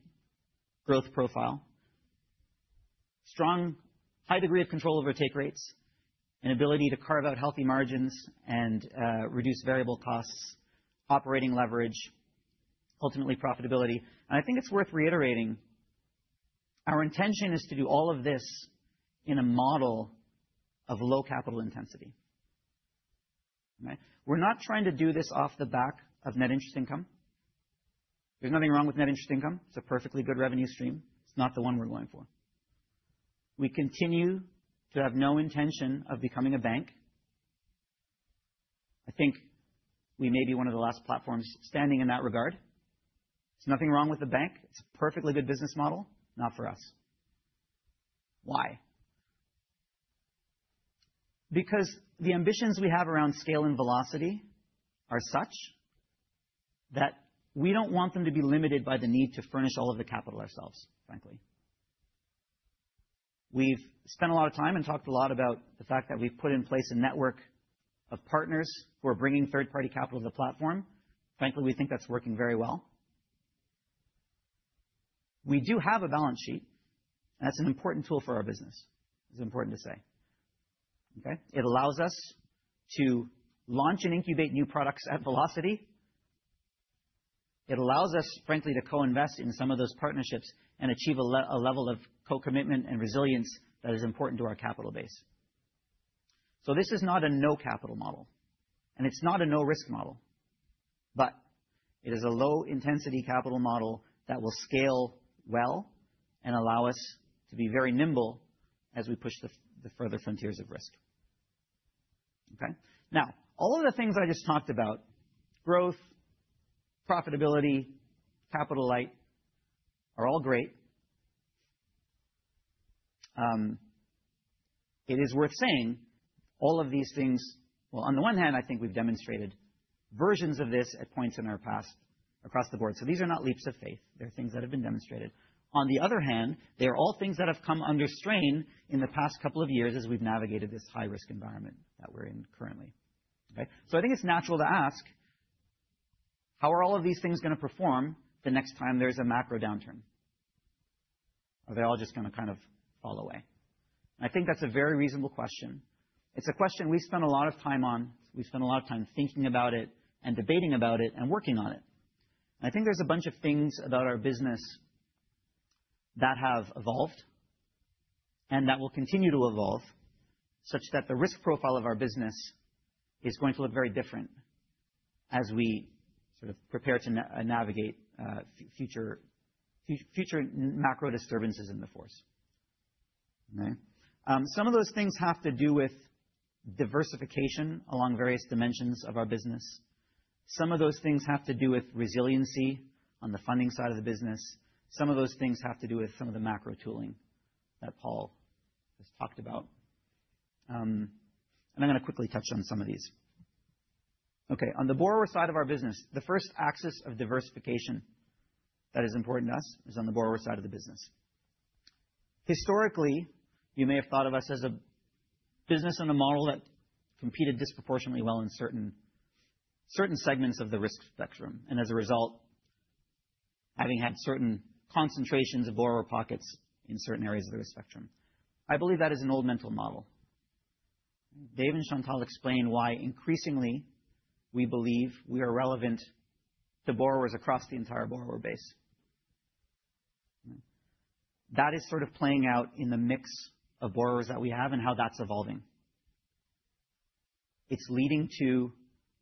growth profile, strong, high degree of control over take rates, an ability to carve out healthy margins and reduce variable costs, operating leverage, ultimately profitability. I think it's worth reiterating, our intention is to do all of this in a model of low capital intensity. We're not trying to do this off the back of net interest income. There's nothing wrong with net interest income. It's a perfectly good revenue stream. It's not the one we're going for. We continue to have no intention of becoming a bank. I think we may be one of the last platforms standing in that regard. There's nothing wrong with a bank. It's a perfectly good business model, not for us. Why? Because the ambitions we have around scale and velocity are such that we do not want them to be limited by the need to furnish all of the capital ourselves, frankly. We have spent a lot of time and talked a lot about the fact that we have put in place a network of partners who are bringing third-party capital to the platform. Frankly, we think that is working very well. We do have a balance sheet, and that is an important tool for our business. It is important to say. It allows us to launch and incubate new products at velocity. It allows us, frankly, to co-invest in some of those partnerships and achieve a level of co-commitment and resilience that is important to our capital base. This is not a no-capital model, and it's not a no-risk model, but it is a low-intensity capital model that will scale well and allow us to be very nimble as we push the further frontiers of risk. Now, all of the things I just talked about—growth, profitability, capital light—are all great. It is worth saying all of these things—well, on the one hand, I think we've demonstrated versions of this at points in our past across the board. These are not leaps of faith. They're things that have been demonstrated. On the other hand, they are all things that have come under strain in the past couple of years as we've navigated this high-risk environment that we're in currently. I think it's natural to ask, how are all of these things going to perform the next time there's a macro downturn? Are they all just going to kind of fall away? I think that's a very reasonable question. It's a question we spent a lot of time on. We spent a lot of time thinking about it and debating about it and working on it. I think there's a bunch of things about our business that have evolved and that will continue to evolve such that the risk profile of our business is going to look very different as we sort of prepare to navigate future macro disturbances in the force. Some of those things have to do with diversification along various dimensions of our business. Some of those things have to do with resiliency on the funding side of the business. Some of those things have to do with some of the macro tooling that Paul has talked about. I'm going to quickly touch on some of these. Okay. On the borrower side of our business, the first axis of diversification that is important to us is on the borrower side of the business. Historically, you may have thought of us as a business and a model that competed disproportionately well in certain segments of the risk spectrum and, as a result, having had certain concentrations of borrower pockets in certain areas of the risk spectrum. I believe that is an old mental model. Dave and Chantal explain why increasingly we believe we are relevant to borrowers across the entire borrower base. That is sort of playing out in the mix of borrowers that we have and how that's evolving. It's leading to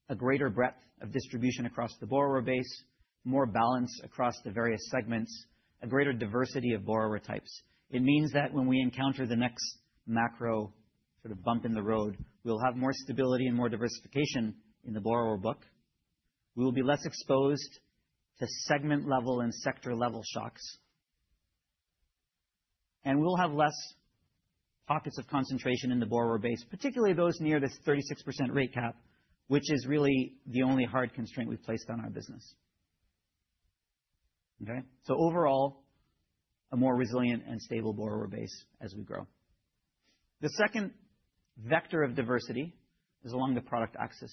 a greater breadth of distribution across the borrower base, more balance across the various segments, a greater diversity of borrower types. It means that when we encounter the next macro sort of bump in the road, we'll have more stability and more diversification in the borrower book. We will be less exposed to segment-level and sector-level shocks. We'll have less pockets of concentration in the borrower base, particularly those near this 36% rate cap, which is really the only hard constraint we've placed on our business. Overall, a more resilient and stable borrower base as we grow. The second vector of diversity is along the product axis.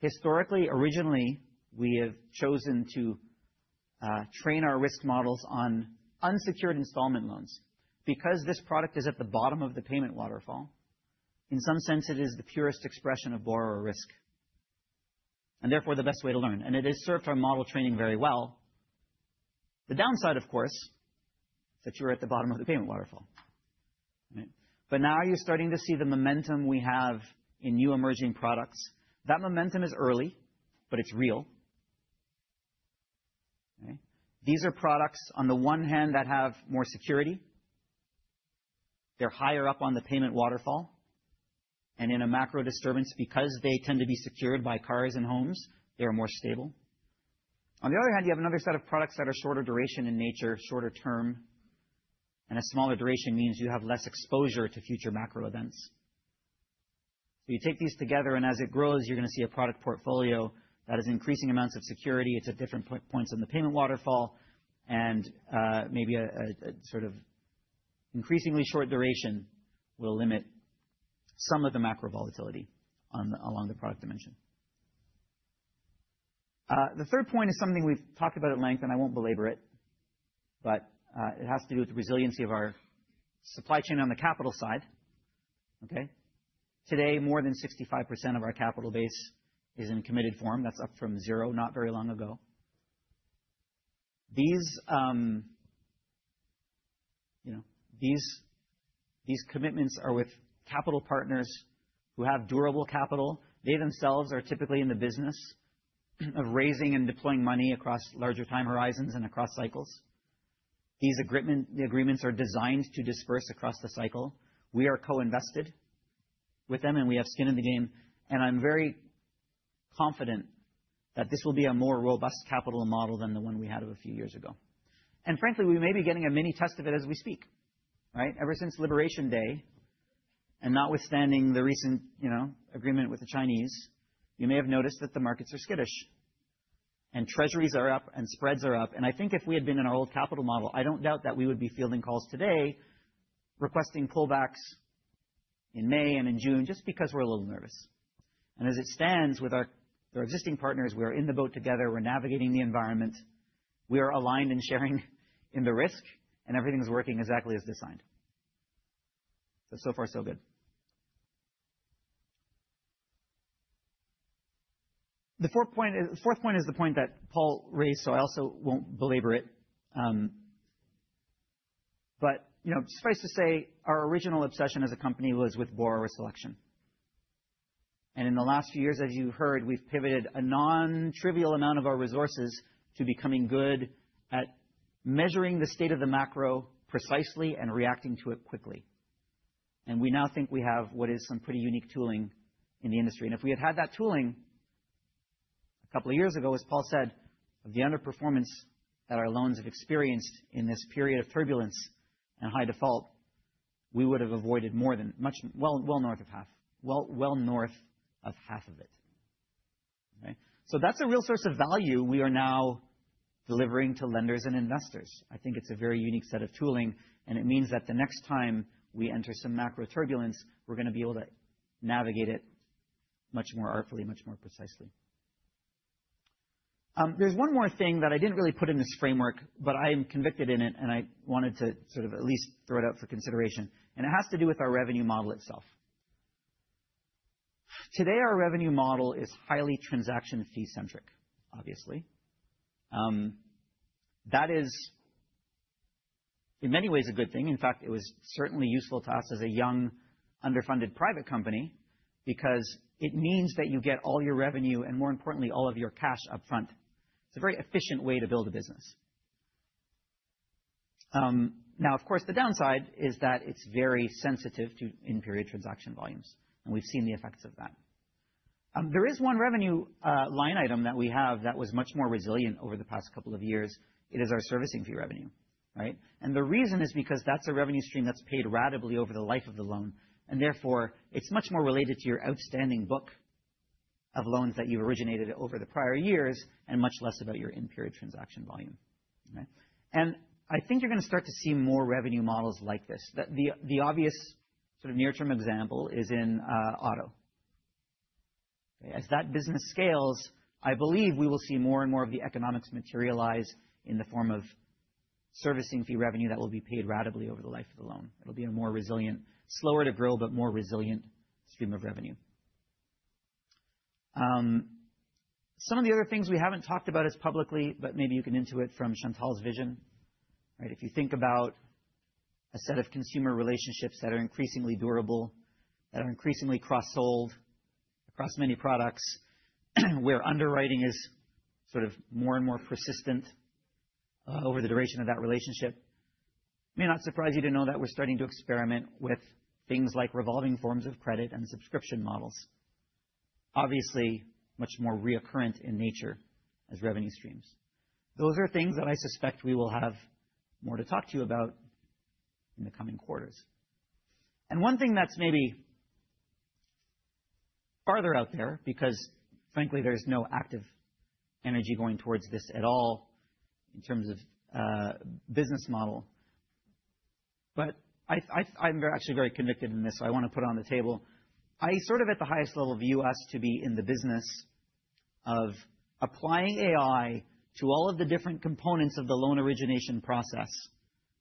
Historically, originally, we have chosen to train our risk models on unsecured installment loans. Because this product is at the bottom of the payment waterfall, in some sense, it is the purest expression of borrower risk and therefore the best way to learn. It has served our model training very well. The downside, of course, is that you're at the bottom of the payment waterfall. Now you're starting to see the momentum we have in new emerging products. That momentum is early, but it's real. These are products, on the one hand, that have more security. They're higher up on the payment waterfall. In a macro disturbance, because they tend to be secured by cars and homes, they are more stable. On the other hand, you have another set of products that are shorter duration in nature, shorter term. A smaller duration means you have less exposure to future macro events. You take these together, and as it grows, you're going to see a product portfolio that has increasing amounts of security. It's at different points in the payment waterfall, and maybe a sort of increasingly short duration will limit some of the macro volatility along the product dimension. The third point is something we've talked about at length, and I won't belabor it, but it has to do with the resiliency of our supply chain on the capital side. Today, more than 65% of our capital base is in committed form. That's up from zero not very long ago. These commitments are with capital partners who have durable capital. They themselves are typically in the business of raising and deploying money across larger time horizons and across cycles. These agreements are designed to disperse across the cycle. We are co-invested with them, and we have skin in the game. I'm very confident that this will be a more robust capital model than the one we had a few years ago. Frankly, we may be getting a mini test of it as we speak. Ever since Liberation Day and notwithstanding the recent agreement with the Chinese, you may have noticed that the markets are skittish and treasuries are up and spreads are up. I think if we had been in our old capital model, I don't doubt that we would be fielding calls today requesting pullbacks in May and in June just because we're a little nervous. As it stands with our existing partners, we are in the boat together. We're navigating the environment. We are aligned and sharing in the risk, and everything's working exactly as designed. So far, so good. The fourth point is the point that Paul raised, so I also won't belabor it. Suffice to say, our original obsession as a company was with borrower selection. In the last few years, as you heard, we've pivoted a non-trivial amount of our resources to becoming good at measuring the state of the macro precisely and reacting to it quickly. We now think we have what is some pretty unique tooling in the industry. If we had had that tooling a couple of years ago, as Paul said, of the underperformance that our loans have experienced in this period of turbulence and high default, we would have avoided well north of half of it. That is a real source of value we are now delivering to lenders and investors. I think it is a very unique set of tooling, and it means that the next time we enter some macro turbulence, we're going to be able to navigate it much more artfully, much more precisely. There's one more thing that I didn't really put in this framework, but I am convicted in it, and I wanted to sort of at least throw it out for consideration. It has to do with our revenue model itself. Today, our revenue model is highly transaction fee-centric, obviously. That is, in many ways, a good thing. In fact, it was certainly useful to us as a young, underfunded private company because it means that you get all your revenue and, more importantly, all of your cash upfront. It's a very efficient way to build a business. Now, of course, the downside is that it's very sensitive to in-period transaction volumes, and we've seen the effects of that. There is one revenue line item that we have that was much more resilient over the past couple of years. It is our servicing fee revenue. The reason is because that's a revenue stream that's paid radically over the life of the loan. Therefore, it's much more related to your outstanding book of loans that you've originated over the prior years and much less about your in-period transaction volume. I think you're going to start to see more revenue models like this. The obvious sort of near-term example is in auto. As that business scales, I believe we will see more and more of the economics materialize in the form of servicing fee revenue that will be paid radically over the life of the loan. It'll be a more resilient, slower to grow, but more resilient stream of revenue. Some of the other things we haven't talked about as publicly, but maybe you can intuit from Chantal's vision. If you think about a set of consumer relationships that are increasingly durable, that are increasingly cross-sold across many products, where underwriting is sort of more and more persistent over the duration of that relationship, it may not surprise you to know that we're starting to experiment with things like revolving forms of credit and subscription models, obviously much more reoccurrent in nature as revenue streams. Those are things that I suspect we will have more to talk to you about in the coming quarters. One thing that's maybe farther out there because, frankly, there's no active energy going towards this at all in terms of business model, but I'm actually very convicted in this, so I want to put it on the table. I sort of, at the highest level, view us to be in the business of applying AI to all of the different components of the loan origination process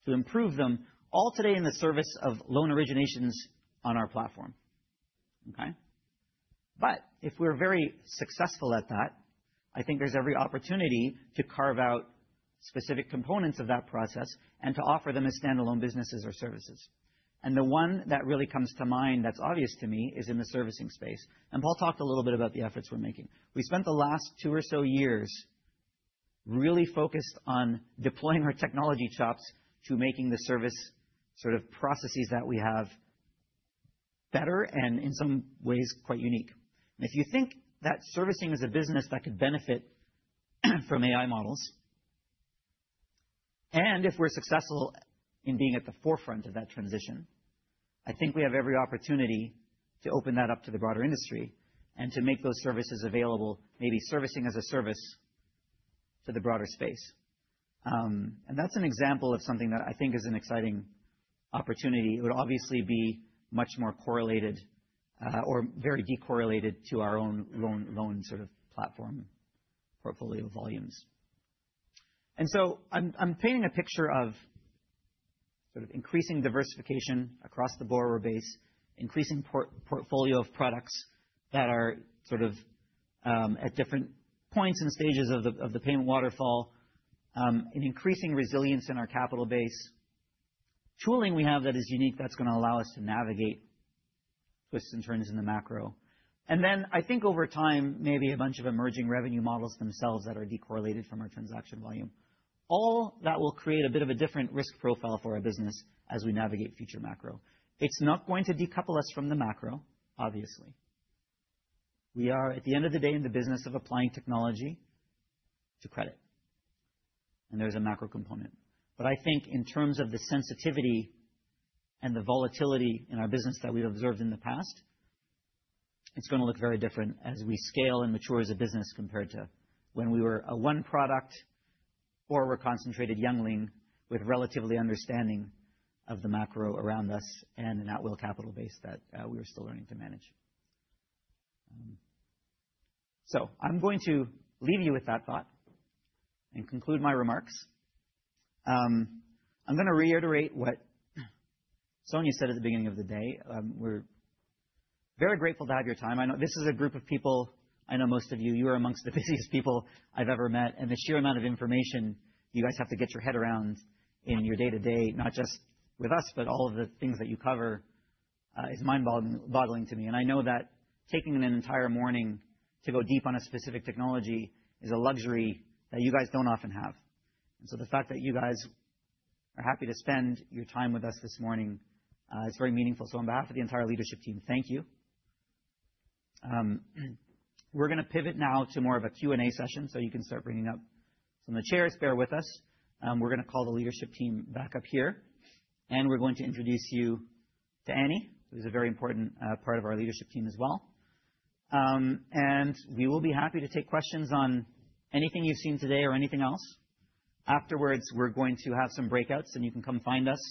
to improve them, all today in the service of loan originations on our platform. If we're very successful at that, I think there's every opportunity to carve out specific components of that process and to offer them as standalone businesses or services. The one that really comes to mind that's obvious to me is in the servicing space. Paul talked a little bit about the efforts we're making. We spent the last two or so years really focused on deploying our technology chops to making the service sort of processes that we have better and, in some ways, quite unique. If you think that servicing is a business that could benefit from AI models, and if we're successful in being at the forefront of that transition, I think we have every opportunity to open that up to the broader industry and to make those services available, maybe servicing as a service to the broader space. That's an example of something that I think is an exciting opportunity. It would obviously be much more correlated or very decorrelated to our own loan sort of platform portfolio volumes. I'm painting a picture of sort of increasing diversification across the borrower base, increasing portfolio of products that are at different points and stages of the payment waterfall, an increasing resilience in our capital base, tooling we have that is unique that's going to allow us to navigate twists and turns in the macro. I think over time, maybe a bunch of emerging revenue models themselves that are decorrelated from our transaction volume, all that will create a bit of a different risk profile for our business as we navigate future macro. It is not going to decouple us from the macro, obviously. We are, at the end of the day, in the business of applying technology to credit. And there is a macro component. I think in terms of the sensitivity and the volatility in our business that we have observed in the past, it is going to look very different as we scale and mature as a business compared to when we were a one-product borrower-concentrated youngling with relatively understanding of the macro around us and an at-will capital base that we were still learning to manage. I am going to leave you with that thought and conclude my remarks. I'm going to reiterate what Sonya said at the beginning of the day. We're very grateful to have your time. This is a group of people. I know most of you. You are amongst the busiest people I've ever met. The sheer amount of information you guys have to get your head around in your day-to-day, not just with us, but all of the things that you cover, is mind-boggling to me. I know that taking an entire morning to go deep on a specific technology is a luxury that you guys do not often have. The fact that you guys are happy to spend your time with us this morning is very meaningful. On behalf of the entire leadership team, thank you. We're going to pivot now to more of a Q&A session, so you can start bringing up some of the chairs. Bear with us. We're going to call the leadership team back up here. We're going to introduce you to Annie, who's a very important part of our leadership team as well. We will be happy to take questions on anything you've seen today or anything else. Afterwards, we're going to have some breakouts, and you can come find us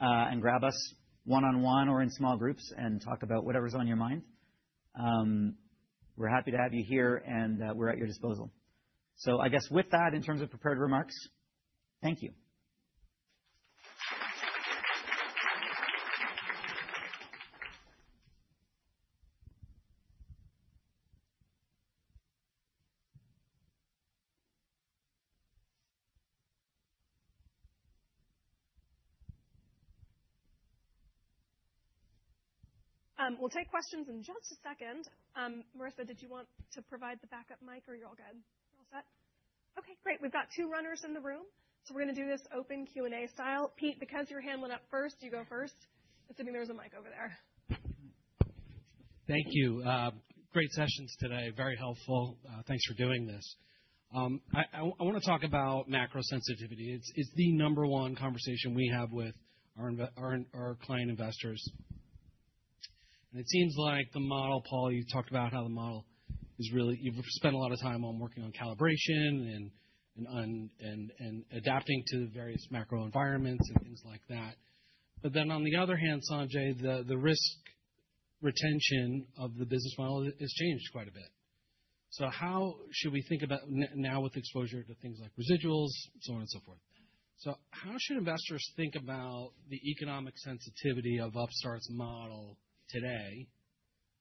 and grab us one-on-one or in small groups and talk about whatever's on your mind. We're happy to have you here, and we're at your disposal. I guess with that, in terms of prepared remarks, thank you. We'll take questions in just a second. Marissa, did you want to provide the backup mic, or you're all good? You're all set? Okay, great. We've got two runners in the room, so we're going to do this open Q&A style. Pete, because your hand went up first, you go first. Assuming there's a mic over there. Thank you. Great sessions today. Very helpful. Thanks for doing this. I want to talk about macro sensitivity. It's the number one conversation we have with our client investors. It seems like the model, Paul, you talked about how the model is really you've spent a lot of time on working on calibration and adapting to various macro environments and things like that. On the other hand, Sanjay, the risk retention of the business model has changed quite a bit. How should we think about now with exposure to things like residuals, so on and so forth? How should investors think about the economic sensitivity of Upstart's model today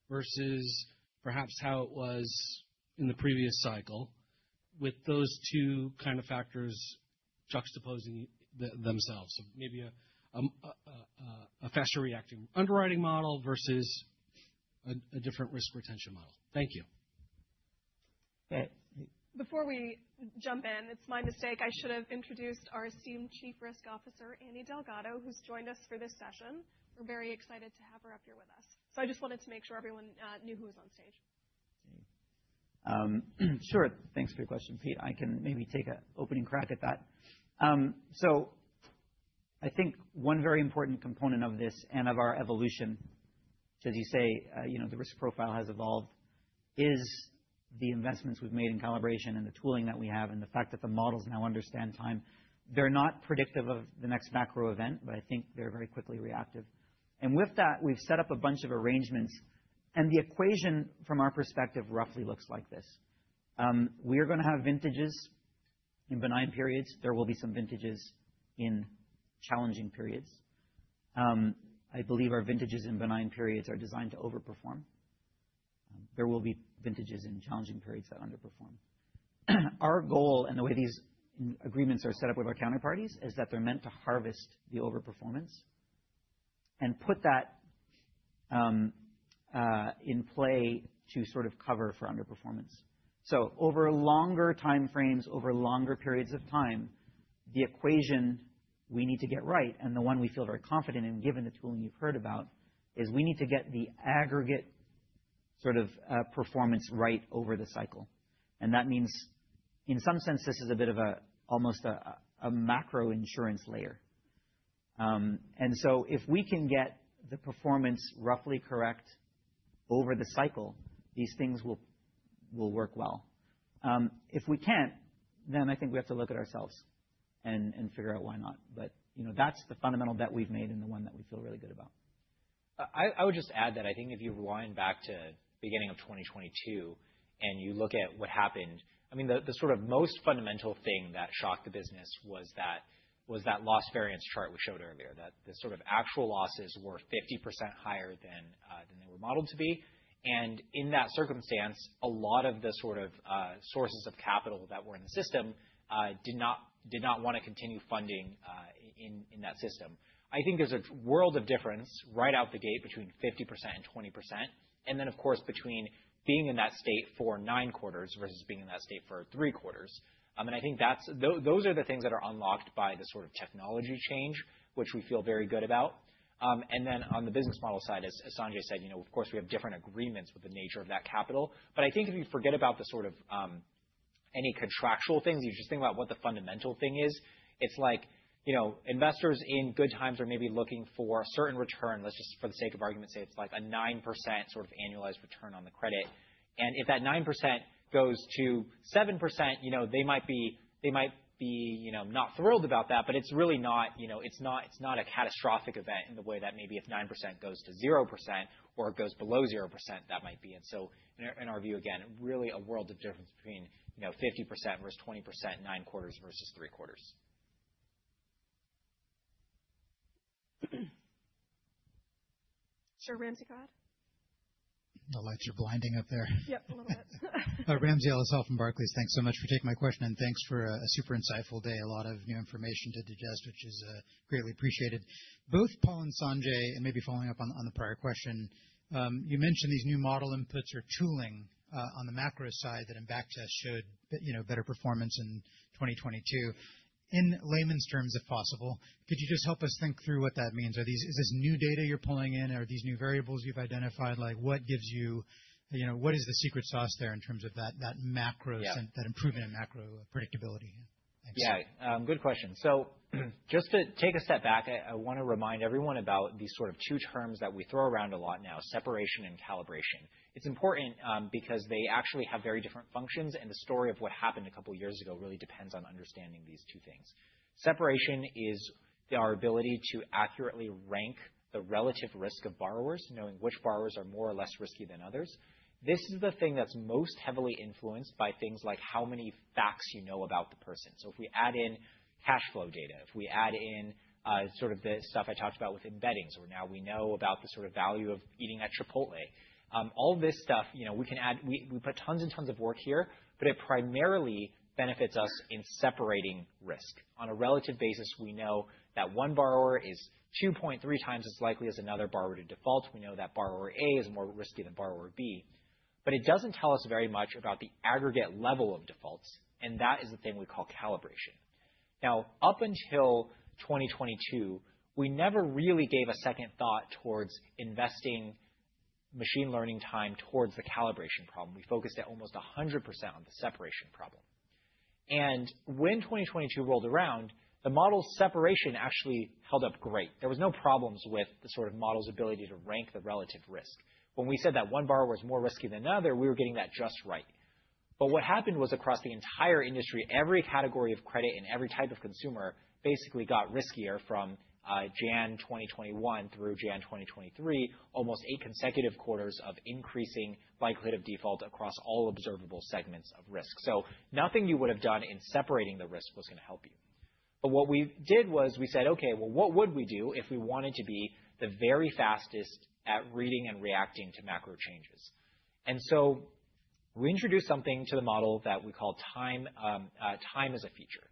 versus perhaps how it was in the previous cycle with those two kind of factors juxtaposing themselves? Maybe a faster reacting underwriting model versus a different risk retention model. Thank you. Before we jump in, it's my mistake. I should have introduced our esteemed Chief Risk Officer, Annie Delgado, who's joined us for this session. We're very excited to have her up here with us. I just wanted to make sure everyone knew who was on stage. Sure. Thanks for your question, Pete. I can maybe take an opening crack at that. I think one very important component of this and of our evolution, as you say, the risk profile has evolved, is the investments we've made in calibration and the tooling that we have and the fact that the models now understand time. They're not predictive of the next macro event, but I think they're very quickly reactive. With that, we've set up a bunch of arrangements. The equation, from our perspective, roughly looks like this. We are going to have vintages in benign periods. There will be some vintages in challenging periods. I believe our vintages in benign periods are designed to overperform. There will be vintages in challenging periods that underperform. Our goal and the way these agreements are set up with our counterparties is that they're meant to harvest the overperformance and put that in play to sort of cover for underperformance. Over longer time frames, over longer periods of time, the equation we need to get right, and the one we feel very confident in, given the tooling you've heard about, is we need to get the aggregate sort of performance right over the cycle. That means, in some sense, this is a bit of almost a macro insurance layer. If we can get the performance roughly correct over the cycle, these things will work well. If we can't, then I think we have to look at ourselves and figure out why not. That's the fundamental bet we've made and the one that we feel really good about. I would just add that I think if you rewind back to the beginning of 2022 and you look at what happened, I mean, the sort of most fundamental thing that shocked the business was that loss variance chart we showed earlier, that the sort of actual losses were 50% higher than they were modeled to be. In that circumstance, a lot of the sort of sources of capital that were in the system did not want to continue funding in that system. I think there is a world of difference right out the gate between 50% and 20%, and then, of course, between being in that state for nine quarters versus being in that state for three quarters. I think those are the things that are unlocked by the sort of technology change, which we feel very good about. On the business model side, as Sanjay said, of course, we have different agreements with the nature of that capital. If you forget about the sort of any contractual things, you just think about what the fundamental thing is, it's like investors in good times are maybe looking for a certain return. Let's just, for the sake of argument, say it's like a 9% sort of annualized return on the credit. If that 9% goes to 7%, they might be not thrilled about that, but it's really not a catastrophic event in the way that maybe if 9% goes to 0% or it goes below 0%, that might be. In our view, again, really a world of difference between 50% versus 20%, nine quarters versus three quarters. Sure, Ramsey. Go ahead. The lights are blinding up there. Yep, a little bit. Ramsey El-Assal from Barclays, thanks so much for taking my question, and thanks for a super insightful day. A lot of new information to digest, which is greatly appreciated. Both Paul and Sanjay, and maybe following up on the prior question, you mentioned these new model inputs or tooling on the macro side that in back test showed better performance in 2022. In layman's terms, if possible, could you just help us think through what that means? Is this new data you're pulling in, or are these new variables you've identified? What gives you what is the secret sauce there in terms of that macro improvement in macro predictability? Yeah, good question. Just to take a step back, I want to remind everyone about these sort of two terms that we throw around a lot now, separation and calibration. It's important because they actually have very different functions, and the story of what happened a couple of years ago really depends on understanding these two things. Separation is our ability to accurately rank the relative risk of borrowers, knowing which borrowers are more or less risky than others. This is the thing that's most heavily influenced by things like how many facts you know about the person. If we add in cash flow data, if we add in sort of the stuff I talked about with embeddings, or now we know about the sort of value of eating at Chipotle, all this stuff, we can add, we put tons and tons of work here, but it primarily benefits us in separating risk. On a relative basis, we know that one borrower is 2.3x as likely as another borrower to default. We know that borrower A is more risky than borrower B. It does not tell us very much about the aggregate level of defaults, and that is the thing we call calibration. Up until 2022, we never really gave a second thought towards investing machine learning time towards the calibration problem. We focused at almost 100% on the separation problem. When 2022 rolled around, the model's separation actually held up great. There were no problems with the sort of model's ability to rank the relative risk. When we said that one borrower was more risky than another, we were getting that just right. What happened was across the entire industry, every category of credit and every type of consumer basically got riskier from January 2021 through January 2023, almost eight consecutive quarters of increasing likelihood of default across all observable segments of risk. Nothing you would have done in separating the risk was going to help you. What we did was we said, "Okay, what would we do if we wanted to be the very fastest at reading and reacting to macro changes?" We introduced something to the model that we call time as a feature.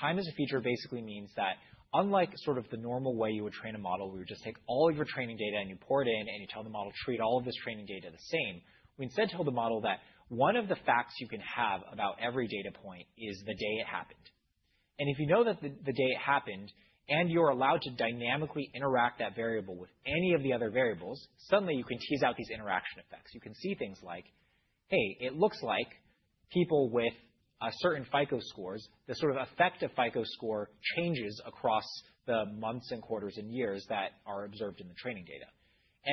Time as a feature basically means that unlike sort of the normal way you would train a model, where you just take all of your training data and you pour it in and you tell the model to treat all of this training data the same, we instead told the model that one of the facts you can have about every data point is the day it happened. If you know that the day it happened and you're allowed to dynamically interact that variable with any of the other variables, suddenly you can tease out these interaction effects. You can see things like, "Hey, it looks like people with certain FICO scores, the sort of effect of FICO score changes across the months and quarters and years that are observed in the training data."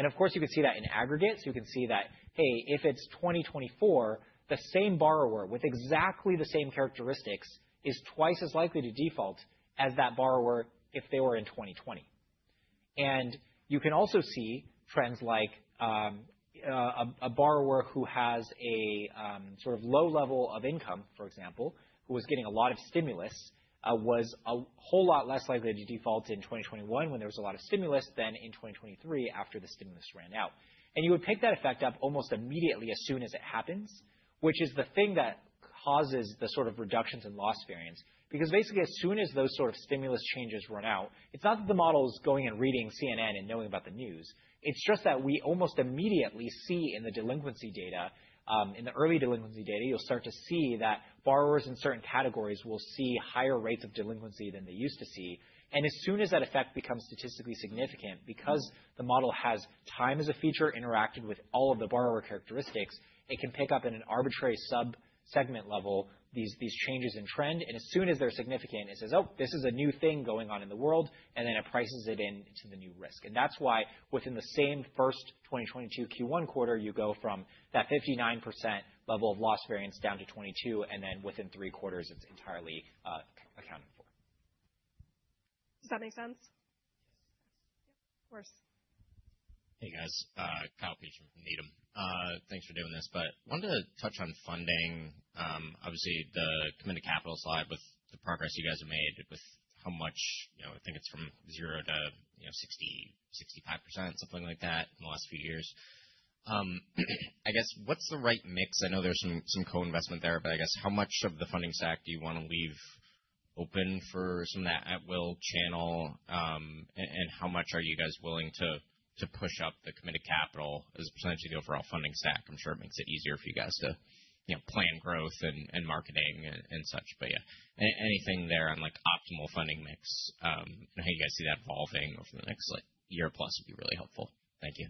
Of course, you could see that in aggregate. You can see that, "Hey, if it's 2024, the same borrower with exactly the same characteristics is twice as likely to default as that borrower if they were in 2020." You can also see trends like a borrower who has a sort of low level of income, for example, who was getting a lot of stimulus was a whole lot less likely to default in 2021 when there was a lot of stimulus than in 2023 after the stimulus ran out. You would pick that effect up almost immediately as soon as it happens, which is the thing that causes the sort of reductions in loss variance. Because basically, as soon as those sort of stimulus changes run out, it's not that the model is going and reading CNN and knowing about the news. It's just that we almost immediately see in the delinquency data, in the early delinquency data, you'll start to see that borrowers in certain categories will see higher rates of delinquency than they used to see. As soon as that effect becomes statistically significant, because the model has time as a feature interacted with all of the borrower characteristics, it can pick up at an arbitrary subsegment level these changes in trend. As soon as they're significant, it says, "Oh, this is a new thing going on in the world," and then it prices it into the new risk. That's why within the same first 2022 Q1 quarter, you go from that 59% level of loss variance down to 22%, and then within three quarters, it's entirely accounted for. Does that make sense? Hey, guys. Kyle Peterson from Needham. Thanks for doing this, but I wanted to touch on funding. Obviously, the commitment to capital slide with the progress you guys have made with how much, I think it's from 0% to 60%, 65% or something like that in the last few years. I guess what's the right mix? I know there's some co-investment there, but I guess how much of the funding stack do you want to leave open for some of that at-will channel, and how much are you guys willing to push up the commitment to capital as potentially the overall funding stack? I'm sure it makes it easier for you guys to plan growth and marketing and such. Yeah, anything there on optimal funding mix and how you guys see that evolving over the next year plus would be really helpful. Thank you.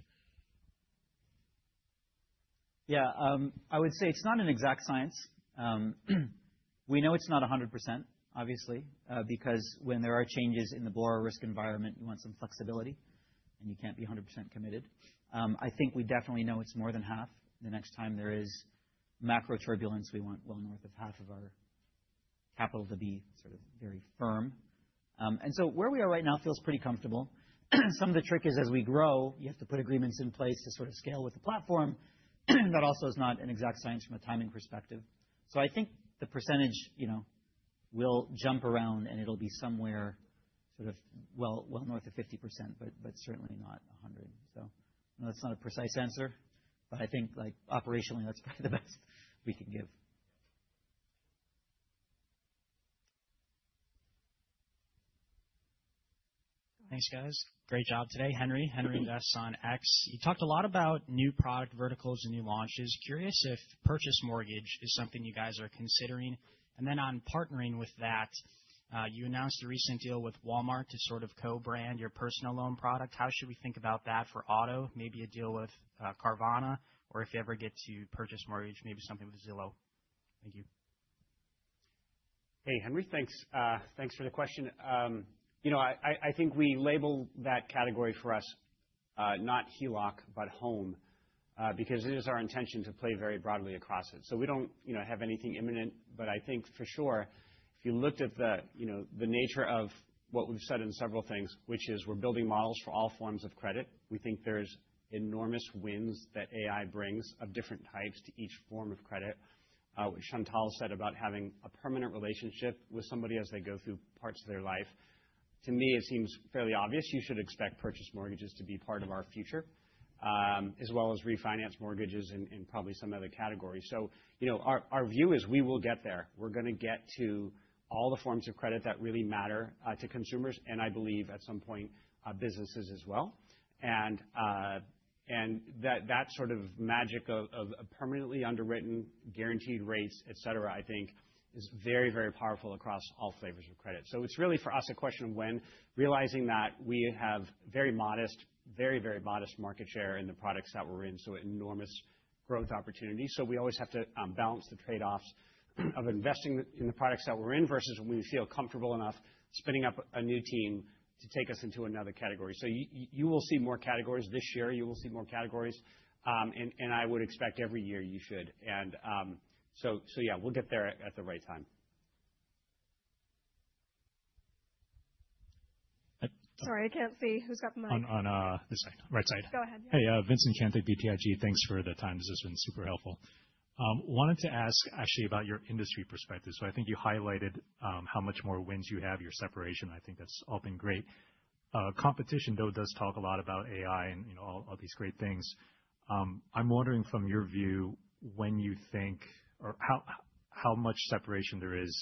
Yeah, I would say it's not an exact science. We know it's not 100%, obviously, because when there are changes in the broader risk environment, you want some flexibility, and you can't be 100% committed. I think we definitely know it's more than half. The next time there is macro turbulence, we want well north of half of our capital to be sort of very firm. Where we are right now feels pretty comfortable. Some of the trick is as we grow, you have to put agreements in place to sort of scale with the platform. That also is not an exact science from a timing perspective. I think the percentage will jump around, and it'll be somewhere sort of well north of 50%, but certainly not 100. That's not a precise answer, but I think operationally, that's probably the best we can give. Thanks, guys. Great job today. Henry, [Henry Invests on X]. You talked a lot about new product verticals and new launches. Curious if purchase mortgage is something you guys are considering. On partnering with that, you announced a recent deal with Walmart to sort of co-brand your personal loan product. How should we think about that for auto? Maybe a deal with Carvana, or if you ever get to purchase mortgage, maybe something with Zillow. Thank you. Hey, Henry, thanks. Thanks for the question. I think we label that category for us not HELOC, but home, because it is our intention to play very broadly across it. We do not have anything imminent. I think for sure, if you looked at the nature of what we have said in several things, which is we are building models for all forms of credit, we think there are enormous wins that AI brings of different types to each form of credit. What Chantal Rapport said about having a permanent relationship with somebody as they go through parts of their life, to me, it seems fairly obvious. You should expect purchase mortgages to be part of our future, as well as refinance mortgages and probably some other categories. Our view is we will get there. We're going to get to all the forms of credit that really matter to consumers, and I believe at some point businesses as well. That sort of magic of permanently underwritten, guaranteed rates, et cetera, I think is very, very powerful across all flavors of credit. It is really for us a question of when, realizing that we have very modest, very, very modest market share in the products that we're in, so enormous growth opportunity. We always have to balance the trade-offs of investing in the products that we're in versus when we feel comfortable enough spinning up a new team to take us into another category. You will see more categories this year. You will see more categories. I would expect every year you should. Yeah, we'll get there at the right time. Sorry, I can't see who's got the mic. On this side, right side. Go ahead. Hey, Vincent Caintic, BTIG. Thanks for the time. This has been super helpful. Wanted to ask actually about your industry perspective. I think you highlighted how much more wins you have, your separation. I think that's all been great. Competition, though, does talk a lot about AI and all these great things. I'm wondering from your view, when you think or how much separation there is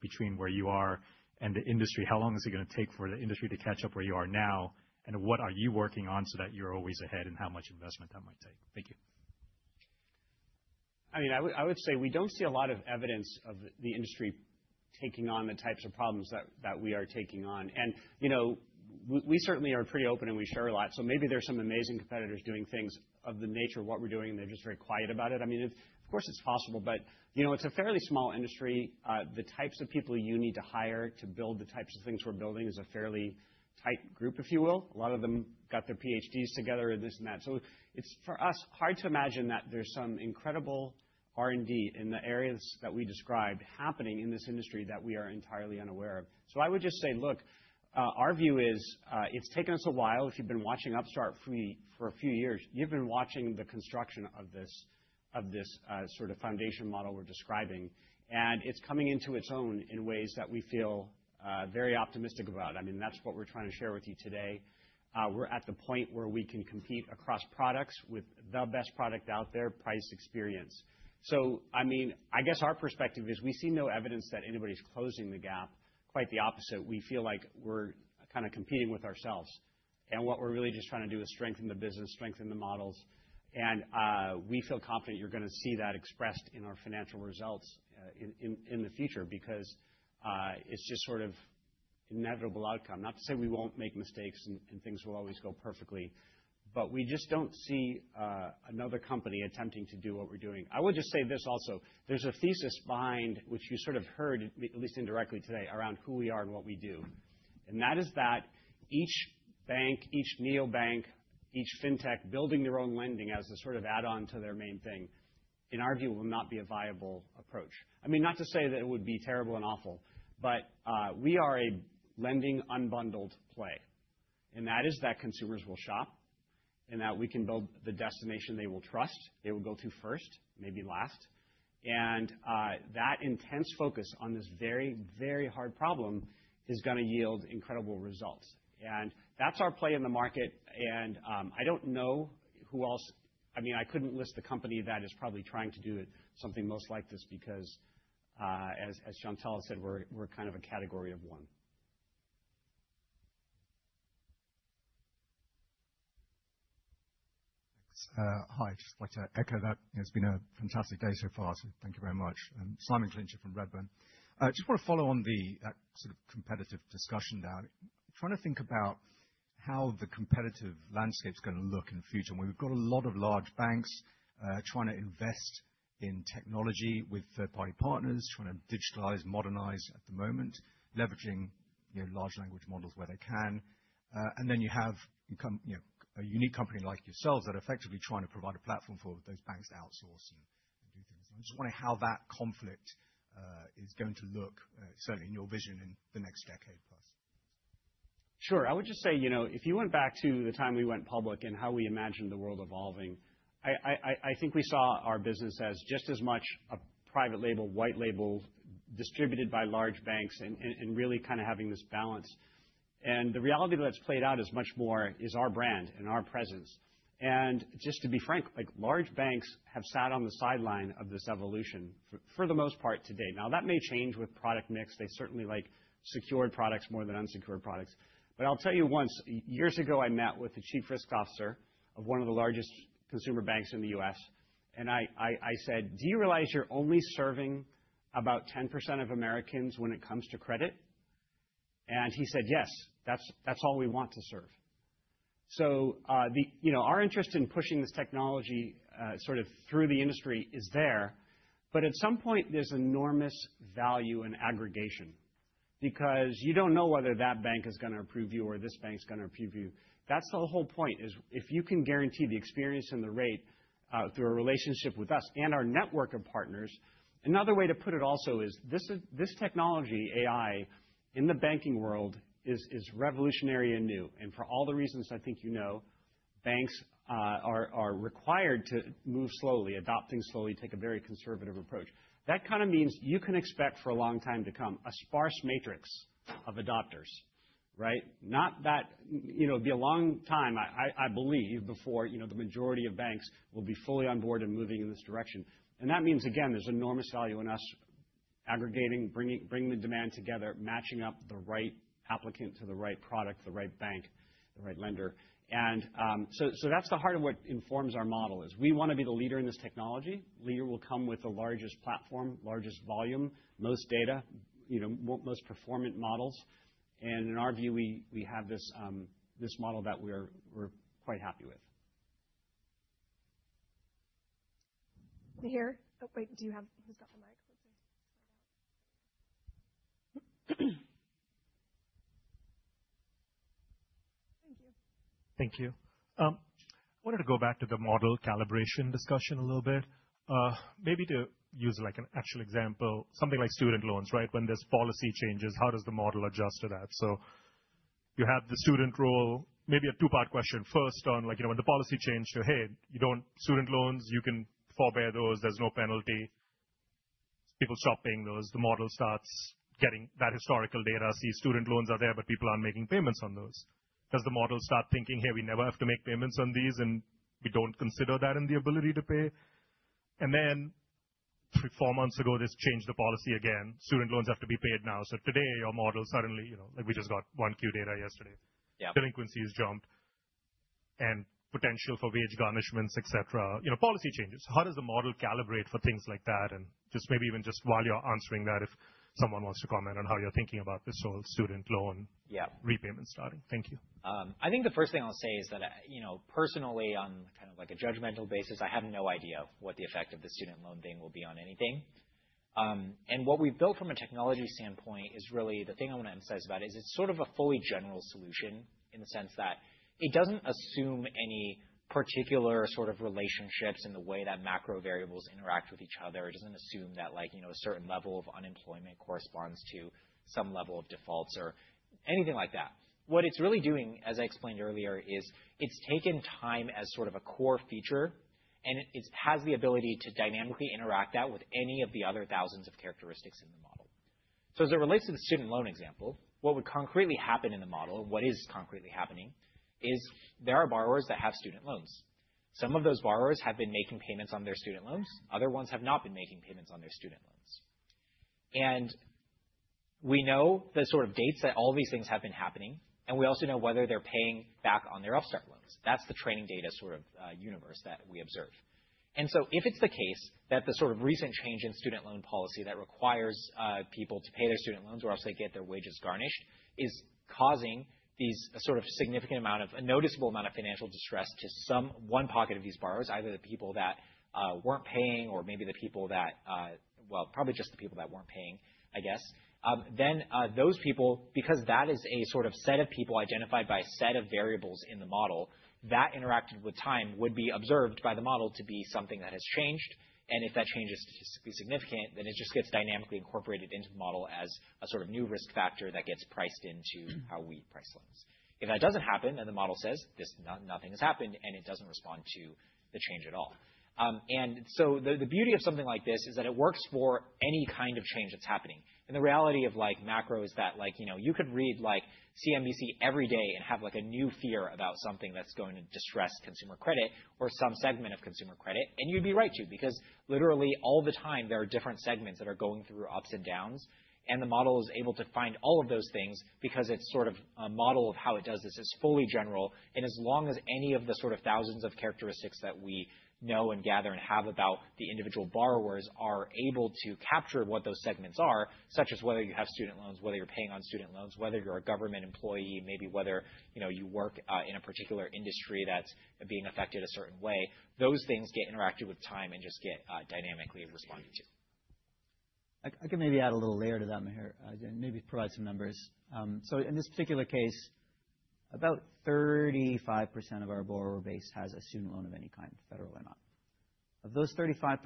between where you are and the industry, how long is it going to take for the industry to catch up where you are now, and what are you working on so that you're always ahead and how much investment that might take? Thank you. I mean, I would say we do not see a lot of evidence of the industry taking on the types of problems that we are taking on. I mean, we certainly are pretty open and we share a lot. Maybe there are some amazing competitors doing things of the nature of what we are doing, and they are just very quiet about it. Of course, it is possible, but it is a fairly small industry. The types of people you need to hire to build the types of things we are building is a fairly tight group, if you will. A lot of them got their PhDs together in this and that. It is, for us, hard to imagine that there is some incredible R&D in the areas that we described happening in this industry that we are entirely unaware of. I would just say, look, our view is it has taken us a while. If you've been watching Upstart for a few years, you've been watching the construction of this sort of foundation model we're describing, and it's coming into its own in ways that we feel very optimistic about. I mean, that's what we're trying to share with you today. We're at the point where we can compete across products with the best product out there, price, experience. I mean, I guess our perspective is we see no evidence that anybody's closing the gap. Quite the opposite. We feel like we're kind of competing with ourselves. What we're really just trying to do is strengthen the business, strengthen the models. We feel confident you're going to see that expressed in our financial results in the future because it's just sort of an inevitable outcome. Not to say we won't make mistakes and things will always go perfectly, but we just don't see another company attempting to do what we're doing. I will just say this also. There's a thesis behind which you sort of heard, at least indirectly today, around who we are and what we do. That is that each bank, each neobank, each fintech building their own lending as a sort of add-on to their main thing, in our view, will not be a viable approach. I mean, not to say that it would be terrible and awful, but we are a lending unbundled play. That is that consumers will shop and that we can build the destination they will trust, they will go to first, maybe last. That intense focus on this very, very hard problem is going to yield incredible results. That's our play in the market. I don't know who else, I mean, I couldn't list the company that is probably trying to do something most like this because, as Chantal said, we're kind of a category of one. Thanks. Hi, just like to echo that. It's been a fantastic day so far. Thank you very much. Simon Clinch from Redburn. Just want to follow on that sort of competitive discussion now. Trying to think about how the competitive landscape is going to look in the future. We've got a lot of large banks trying to invest in technology with third-party partners, trying to digitalize, modernize at the moment, leveraging large language models where they can. Then you have a unique company like yourselves that are effectively trying to provide a platform for those banks to outsource and do things. I just wonder how that conflict is going to look, certainly in your vision, in the next decade plus. Sure. I would just say, you know, if you went back to the time we went public and how we imagined the world evolving, I think we saw our business as just as much a private label, white label, distributed by large banks and really kind of having this balance. The reality that's played out is much more is our brand and our presence. Just to be frank, large banks have sat on the sideline of this evolution for the most part today. That may change with product mix. They certainly like secured products more than unsecured products. I'll tell you once, years ago, I met with the Chief Risk Officer of one of the largest consumer banks in the U.S., and I said, "Do you realize you're only serving about 10% of Americans when it comes to credit?" He said, "Yes, that's all we want to serve." Our interest in pushing this technology sort of through the industry is there, but at some point, there's enormous value in aggregation because you don't know whether that bank is going to approve you or this bank is going to approve you. That's the whole point, if you can guarantee the experience and the rate through a relationship with us and our network of partners. Another way to put it also is this technology, AI, in the banking world is revolutionary and new. For all the reasons I think you know, banks are required to move slowly, adopt things slowly, take a very conservative approach. That kind of means you can expect for a long time to come a sparse matrix of adopters, right? Not that it'll be a long time, I believe, before the majority of banks will be fully on board and moving in this direction. That means, again, there's enormous value in us aggregating, bringing the demand together, matching up the right applicant to the right product, the right bank, the right lender. That is the heart of what informs our model, is we want to be the leader in this technology. Leader will come with the largest platform, largest volume, most data, most performant models. In our view, we have this model that we're quite happy with. We hear? Wait, do you have the mic? Let's see. Thank you. Thank you. I wanted to go back to the model calibration discussion a little bit, maybe to use an actual example, something like student loans, right? When there's policy changes, how does the model adjust to that? So you have the student role, maybe a two-part question. First on when the policy changed, so hey, student loans, you can forbear those, there's no penalty. People stop paying those, the model starts getting that historical data, see student loans are there, but people aren't making payments on those. Does the model start thinking, "Hey, we never have to make payments on these and we don't consider that in the ability to pay"? And then four months ago, this changed the policy again. Student loans have to be paid now. Today, our model suddenly, like we just got one Q data yesterday. Delinquency has jumped and potential for wage garnishments, et cetera. Policy changes. How does the model calibrate for things like that? Maybe even just while you're answering that, if someone wants to comment on how you're thinking about this whole student loan repayment starting. Thank you. I think the first thing I'll say is that personally, on kind of like a judgmental basis, I have no idea what the effect of the student loan thing will be on anything. What we've built from a technology standpoint is really the thing I want to emphasize about is it's sort of a fully general solution in the sense that it doesn't assume any particular sort of relationships in the way that macro variables interact with each other. It doesn't assume that a certain level of unemployment corresponds to some level of defaults or anything like that. What it's really doing, as I explained earlier, is it's taken time as sort of a core feature and it has the ability to dynamically interact that with any of the other thousands of characteristics in the model. As it relates to the student loan example, what would concretely happen in the model and what is concretely happening is there are borrowers that have student loans. Some of those borrowers have been making payments on their student loans. Other ones have not been making payments on their student loans. We know the sort of dates that all these things have been happening, and we also know whether they're paying back on their Upstart loans. That's the training data sort of universe that we observe. If it's the case that the sort of recent change in student loan policy that requires people to pay their student loans or else they get their wages garnished is causing these sort of significant amount of a noticeable amount of financial distress to some one pocket of these borrowers, either the people that weren't paying or maybe the people that, well, probably just the people that weren't paying, I guess, then those people, because that is a sort of set of people identified by a set of variables in the model that interacted with time would be observed by the model to be something that has changed. If that change is statistically significant, then it just gets dynamically incorporated into the model as a sort of new risk factor that gets priced into how we price loans. If that doesn't happen and the model says nothing has happened and it doesn't respond to the change at all. The beauty of something like this is that it works for any kind of change that's happening. The reality of macro is that you could read CNBC every day and have a new fear about something that's going to distress consumer credit or some segment of consumer credit, and you'd be right to because literally all the time there are different segments that are going through ups and downs, and the model is able to find all of those things because it's sort of a model of how it does this is fully general. As long as any of the sort of thousands of characteristics that we know and gather and have about the individual borrowers are able to capture what those segments are, such as whether you have student loans, whether you're paying on student loans, whether you're a government employee, maybe whether you work in a particular industry that's being affected a certain way, those things get interacted with time and just get dynamically responded to. I can maybe add a little layer to that, Maher, and maybe provide some numbers. In this particular case, about 35% of our borrower base has a student loan of any kind, federal or not. Of those 35%,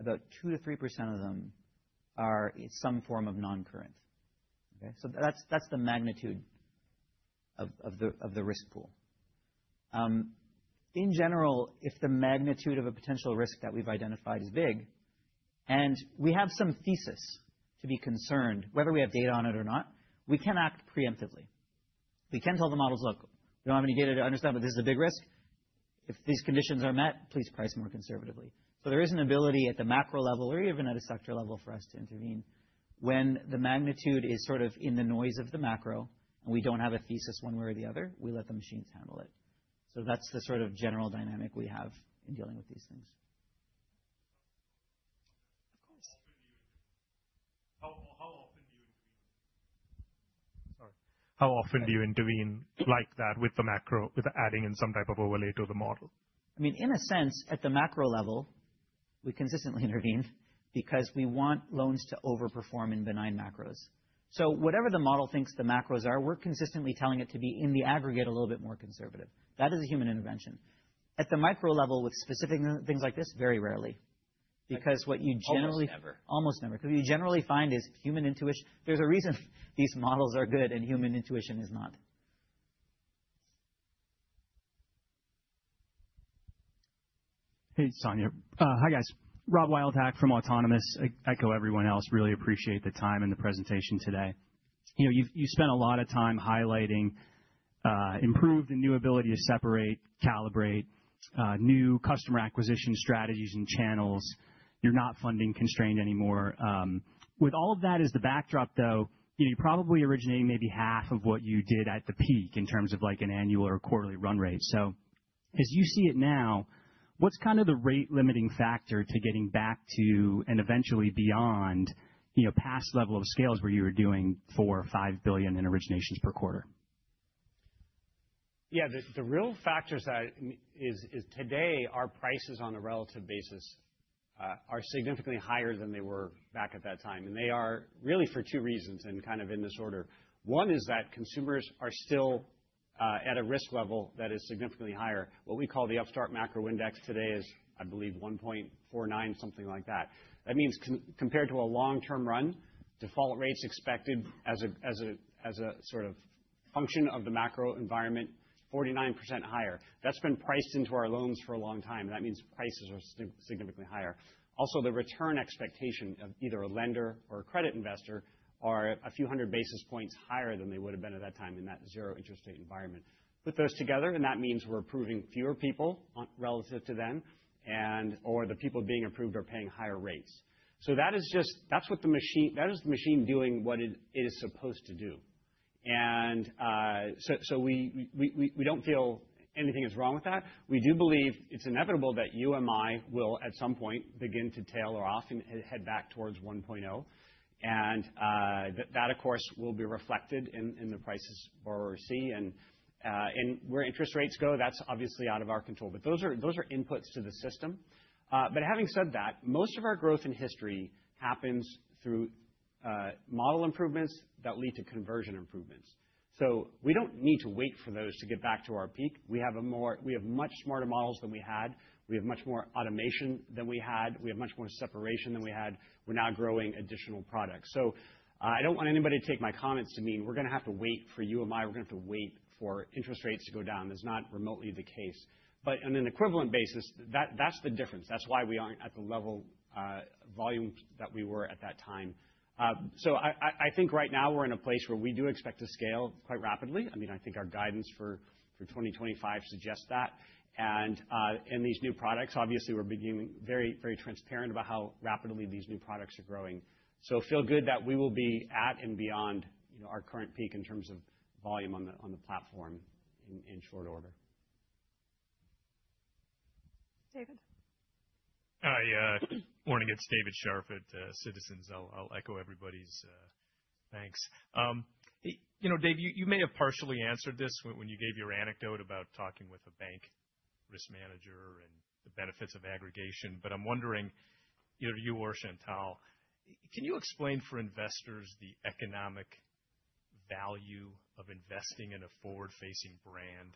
about 2%-3% of them are in some form of non-current. That is the magnitude of the risk pool. In general, if the magnitude of a potential risk that we've identified is big and we have some thesis to be concerned, whether we have data on it or not, we can act preemptively. We can tell the models, "Look, we don't have any data to understand, but this is a big risk. If these conditions are met, please price more conservatively. There is an ability at the macro level or even at a sector level for us to intervene when the magnitude is sort of in the noise of the macro and we do not have a thesis one way or the other, we let the machines handle it. That is the sort of general dynamic we have in dealing with these things. How often do you intervene? Sorry. How often do you intervene like that with the macro, with adding in some type of overlay to the model? I mean, in a sense, at the macro level, we consistently intervene because we want loans to overperform in benign macros. So whatever the model thinks the macros are, we're consistently telling it to be in the aggregate a little bit more conservative. That is a human intervention. At the micro level with specific things like this, very rarely, because what you generally. Almost never. Almost never. Because what you generally find is human intuition. There's a reason these models are good and human intuition is not. Hey, Sonya. Hi guys. Rob Wildhack from Autonomous. I echo everyone else. Really appreciate the time and the presentation today. You spent a lot of time highlighting improved and new ability to separate, calibrate, new customer acquisition strategies and channels. You're not funding constrained anymore. With all of that as the backdrop, though, you probably originated maybe half of what you did at the peak in terms of an annual or quarterly run rate. As you see it now, what's kind of the rate limiting factor to getting back to and eventually beyond past level of scales where you were doing $4 billion-$5 billion in originations per quarter? Yeah, the real factor is today our prices on a relative basis are significantly higher than they were back at that time. They are really for two reasons and kind of in this order. One is that consumers are still at a risk level that is significantly higher. What we call the Upstart macro index today is, I believe, 1.49, something like that. That means compared to a long-term run, default rates expected as a sort of function of the macro environment, 49% higher. That has been priced into our loans for a long time. That means prices are significantly higher. Also, the return expectation of either a lender or a credit investor are a few hundred basis points higher than they would have been at that time in that zero interest rate environment. Put those together, and that means we're approving fewer people relative to them or the people being approved are paying higher rates. That is just that's what the machine that is the machine doing what it is supposed to do. We do not feel anything is wrong with that. We do believe it's inevitable that you and I will at some point begin to tailor off and head back towards 1.0. That, of course, will be reflected in the prices borrowers see. Where interest rates go, that's obviously out of our control. Those are inputs to the system. Having said that, most of our growth in history happens through model improvements that lead to conversion improvements. We do not need to wait for those to get back to our peak. We have much smarter models than we had. We have much more automation than we had. We have much more separation than we had. We're now growing additional products. I don't want anybody to take my comments to mean we're going to have to wait for you and I. We're going to have to wait for interest rates to go down. That's not remotely the case. On an equivalent basis, that's the difference. That's why we aren't at the level volume that we were at that time. I think right now we're in a place where we do expect to scale quite rapidly. I mean, I think our guidance for 2025 suggests that. In these new products, obviously, we're being very, very transparent about how rapidly these new products are growing. I feel good that we will be at and beyond our current peak in terms of volume on the platform in short order. David. Hi, morning. It's David Scharf at Citizens. I'll echo everybody's thanks. David, you may have partially answered this when you gave your anecdote about talking with a bank risk manager and the benefits of aggregation, but I'm wondering, either you or Chantal, can you explain for investors the economic value of investing in a forward-facing brand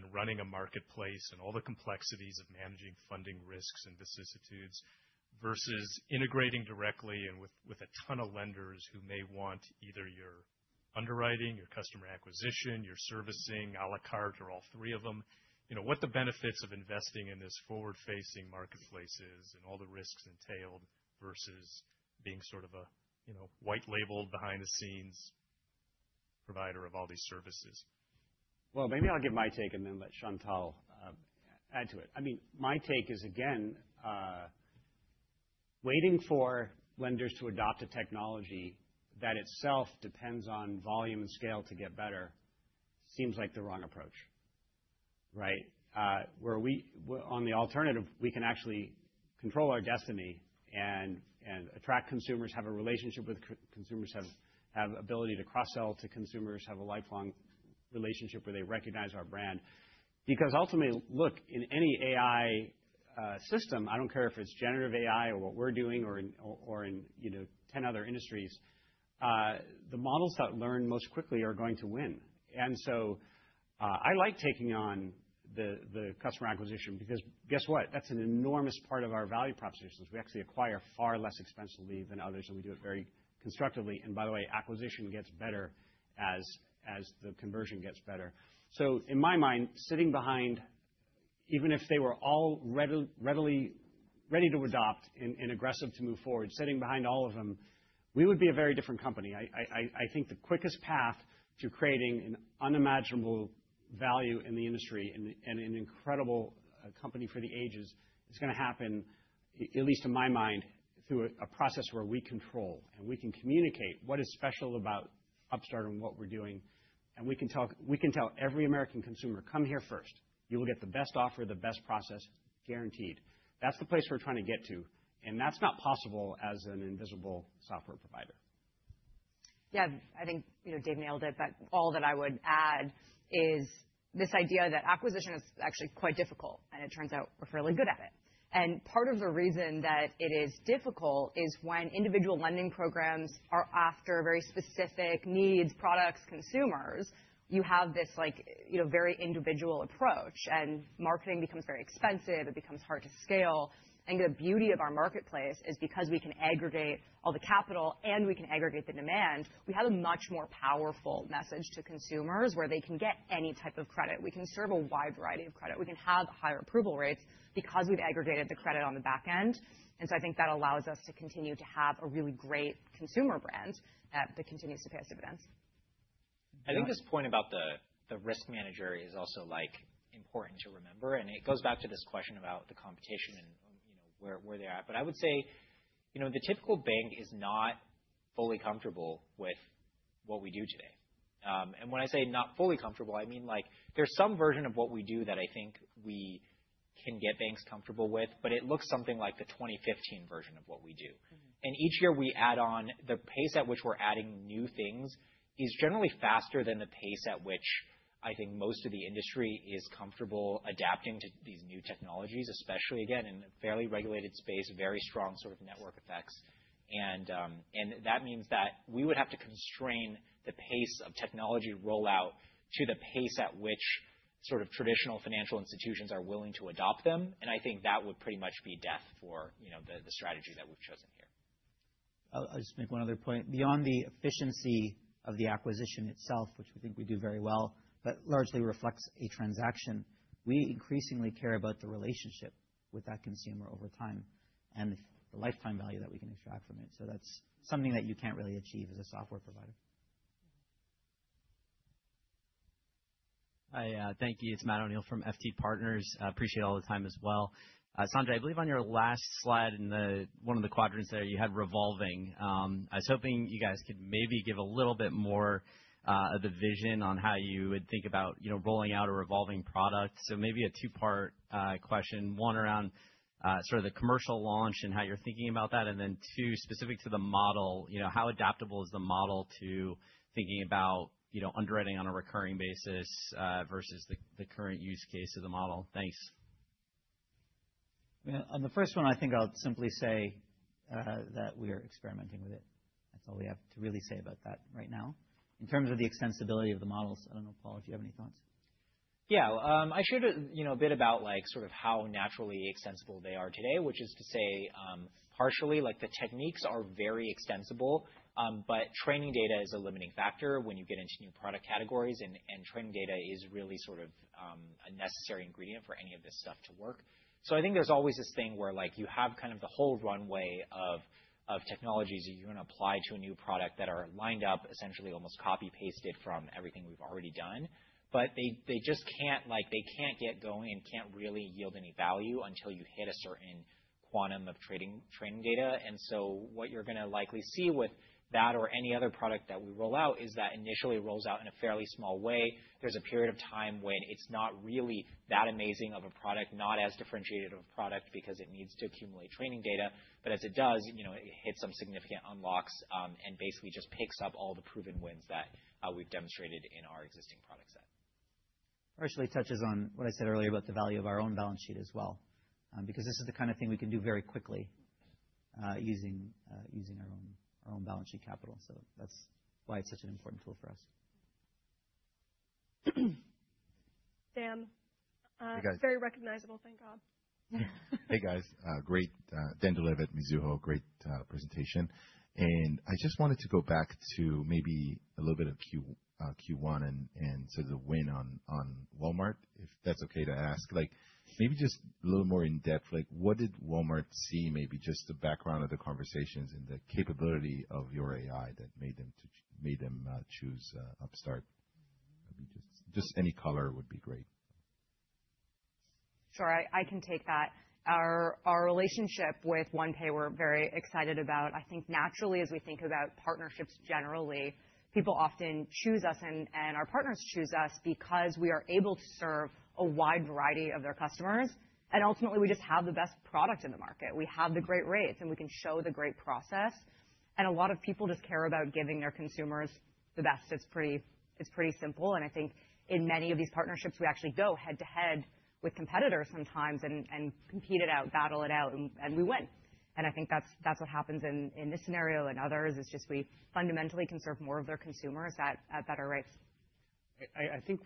and running a marketplace and all the complexities of managing funding risks and vicissitudes versus integrating directly and with a ton of lenders who may want either your underwriting, your customer acquisition, your servicing, à la carte, or all three of them? What are the benefits of investing in this forward-facing marketplace and all the risks entailed versus being sort of a white-labeled behind-the-scenes provider of all these services? Maybe I'll give my take and then let Chantal add to it. I mean, my take is, again, waiting for lenders to adopt a technology that itself depends on volume and scale to get better seems like the wrong approach, right? Where on the alternative, we can actually control our destiny and attract consumers, have a relationship with consumers, have ability to cross-sell to consumers, have a lifelong relationship where they recognize our brand. Because ultimately, look, in any AI system, I don't care if it's generative AI or what we're doing or in 10 other industries, the models that learn most quickly are going to win. I like taking on the customer acquisition because guess what? That's an enormous part of our value propositions. We actually acquire far less expensively than others, and we do it very constructively. By the way, acquisition gets better as the conversion gets better. In my mind, sitting behind, even if they were all ready to adopt and aggressive to move forward, sitting behind all of them, we would be a very different company. I think the quickest path to creating an unimaginable value in the industry and an incredible company for the ages is going to happen, at least in my mind, through a process where we control and we can communicate what is special about Upstart and what we're doing. We can tell every American consumer, "Come here first. You will get the best offer, the best process guaranteed." That's the place we're trying to get to. That is not possible as an invisible software provider. Yeah, I think Dave nailed it. All that I would add is this idea that acquisition is actually quite difficult, and it turns out we're fairly good at it. Part of the reason that it is difficult is when individual lending programs are after very specific needs, products, consumers, you have this very individual approach, and marketing becomes very expensive. It becomes hard to scale. The beauty of our marketplace is because we can aggregate all the capital and we can aggregate the demand, we have a much more powerful message to consumers where they can get any type of credit. We can serve a wide variety of credit. We can have higher approval rates because we've aggregated the credit on the back end. I think that allows us to continue to have a really great consumer brand that continues to pay us dividends. I think this point about the risk manager is also important to remember. It goes back to this question about the competition and where they're at. I would say the typical bank is not fully comfortable with what we do today. When I say not fully comfortable, I mean there's some version of what we do that I think we can get banks comfortable with, but it looks something like the 2015 version of what we do. Each year we add on, the pace at which we're adding new things is generally faster than the pace at which I think most of the industry is comfortable adapting to these new technologies, especially, again, in a fairly regulated space, very strong sort of network effects. That means that we would have to constrain the pace of technology rollout to the pace at which sort of traditional financial institutions are willing to adopt them. I think that would pretty much be death for the strategy that we've chosen here. I'll just make one other point. Beyond the efficiency of the acquisition itself, which we think we do very well, but largely reflects a transaction, we increasingly care about the relationship with that consumer over time and the lifetime value that we can extract from it. That's something that you can't really achieve as a software provider. Hi, thank you. It's Matt O'Neill from FT Partners. Appreciate all the time as well. Sonya, I believe on your last slide in one of the quadrants there, you had revolving. I was hoping you guys could maybe give a little bit more of the vision on how you would think about rolling out a revolving product. Maybe a two-part question, one around sort of the commercial launch and how you're thinking about that, and then two, specific to the model, how adaptable is the model to thinking about underwriting on a recurring basis versus the current use case of the model? Thanks. On the first one, I think I'll simply say that we are experimenting with it. That's all we have to really say about that right now. In terms of the extensibility of the models, I don't know, Paul, if you have any thoughts. Yeah, I shared a bit about sort of how naturally extensible they are today, which is to say partially, the techniques are very extensible, but training data is a limiting factor when you get into new product categories, and training data is really sort of a necessary ingredient for any of this stuff to work. I think there's always this thing where you have kind of the whole runway of technologies that you're going to apply to a new product that are lined up essentially almost copy-pasted from everything we've already done. They just can't get going and can't really yield any value until you hit a certain quantum of training data. What you're going to likely see with that or any other product that we roll out is that initially it rolls out in a fairly small way. There's a period of time when it's not really that amazing of a product, not as differentiated of a product because it needs to accumulate training data. As it does, it hits some significant unlocks and basically just picks up all the proven wins that we've demonstrated in our existing product set. Partially touches on what I said earlier about the value of our own balance sheet as well, because this is the kind of thing we can do very quickly using our own balance sheet capital. That is why it's such an important tool for us. Dan. Hey, guys. Very recognizable, thank God. Hey, guys. Great. Dan Dolev at Mizuho. Great presentation. I just wanted to go back to maybe a little bit of Q1 and sort of the win on Walmart, if that's okay to ask. Maybe just a little more in depth, what did Walmart see, maybe just the background of the conversations and the capability of your AI that made them choose Upstart? Just any color would be great. Sure, I can take that. Our relationship with OnePay, we're very excited about. I think naturally, as we think about partnerships generally, people often choose us and our partners choose us because we are able to serve a wide variety of their customers. Ultimately, we just have the best product in the market. We have the great rates, and we can show the great process. A lot of people just care about giving their consumers the best. It's pretty simple. I think in many of these partnerships, we actually go head-to-head with competitors sometimes and compete it out, battle it out, and we win. I think that's what happens in this scenario and others, is just we fundamentally can serve more of their consumers at better rates. I think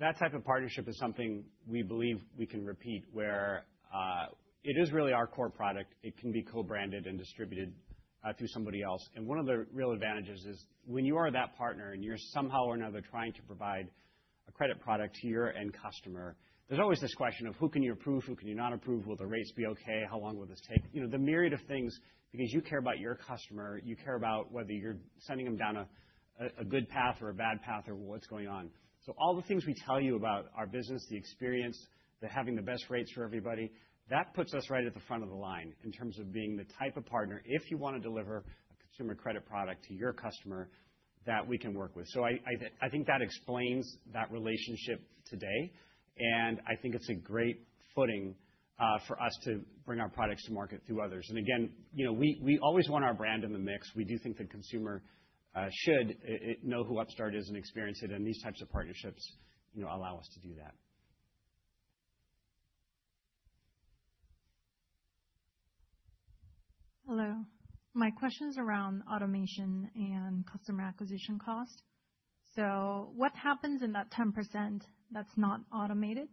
that type of partnership is something we believe we can repeat where it is really our core product. It can be co-branded and distributed through somebody else. One of the real advantages is when you are that partner and you're somehow or another trying to provide a credit product to your end customer, there's always this question of who can you approve, who can you not approve, will the rates be okay, how long will this take, the myriad of things, because you care about your customer, you care about whether you're sending them down a good path or a bad path or what's going on. All the things we tell you about our business, the experience, having the best rates for everybody, that puts us right at the front of the line in terms of being the type of partner, if you want to deliver a consumer credit product to your customer, that we can work with. I think that explains that relationship today. I think it's a great footing for us to bring our products to market through others. Again, we always want our brand in the mix. We do think the consumer should know who Upstart is and experience it. These types of partnerships allow us to do that. Hello. My question is around automation and customer acquisition cost. What happens in that 10% that's not automated?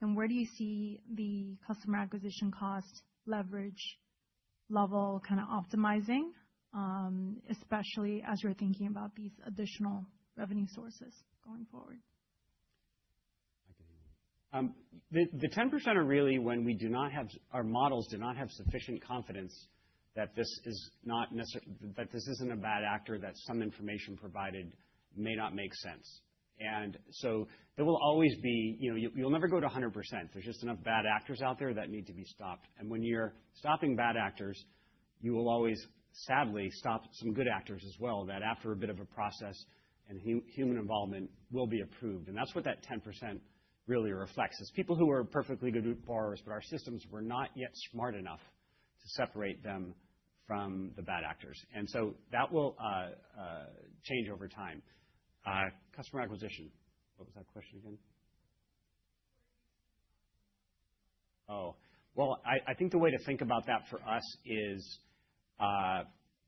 Where do you see the customer acquisition cost leverage level kind of optimizing, especially as you're thinking about these additional revenue sources going forward? The 10% are really when we do not have, our models do not have sufficient confidence that this is not necessarily that this isn't a bad actor, that some information provided may not make sense. There will always be, you'll never go to 100%. There's just enough bad actors out there that need to be stopped. When you're stopping bad actors, you will always, sadly, stop some good actors as well, that after a bit of a process and human involvement will be approved. That's what that 10% really reflects. It's people who are perfectly good borrowers, but our systems were not yet smart enough to separate them from the bad actors. That will change over time. Customer acquisition. What was that question again? Oh, I think the way to think about that for us is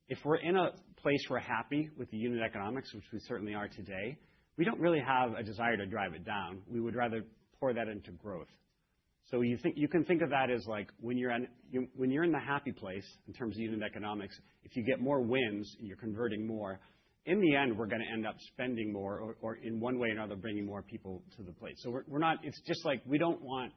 if we're in a place we're happy with the unit economics, which we certainly are today, we don't really have a desire to drive it down. We would rather pour that into growth. You can think of that as when you're in the happy place in terms of unit economics, if you get more wins and you're converting more, in the end, we're going to end up spending more or in one way or another bringing more people to the place. It's just like we don't want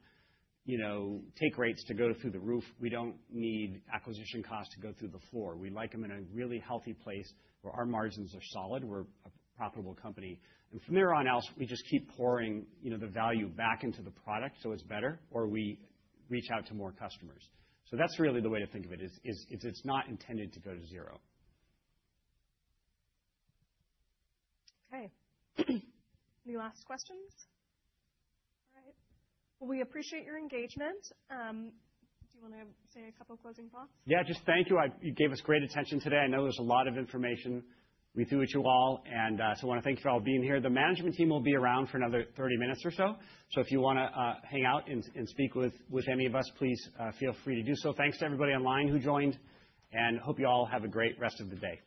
take rates to go through the roof. We don't need acquisition costs to go through the floor. We like them in a really healthy place where our margins are solid, we're a profitable company. From there on out, we just keep pouring the value back into the product so it's better, or we reach out to more customers. That's really the way to think of it. It's not intended to go to zero. Okay. Any last questions? All right. We appreciate your engagement. Do you want to say a couple of closing thoughts? Yeah, just thank you. You gave us great attention today. I know there's a lot of information we threw at you all. I want to thank you for all being here. The management team will be around for another 30 minutes or so. If you want to hang out and speak with any of us, please feel free to do so. Thanks to everybody online who joined. Hope you all have a great rest of the day.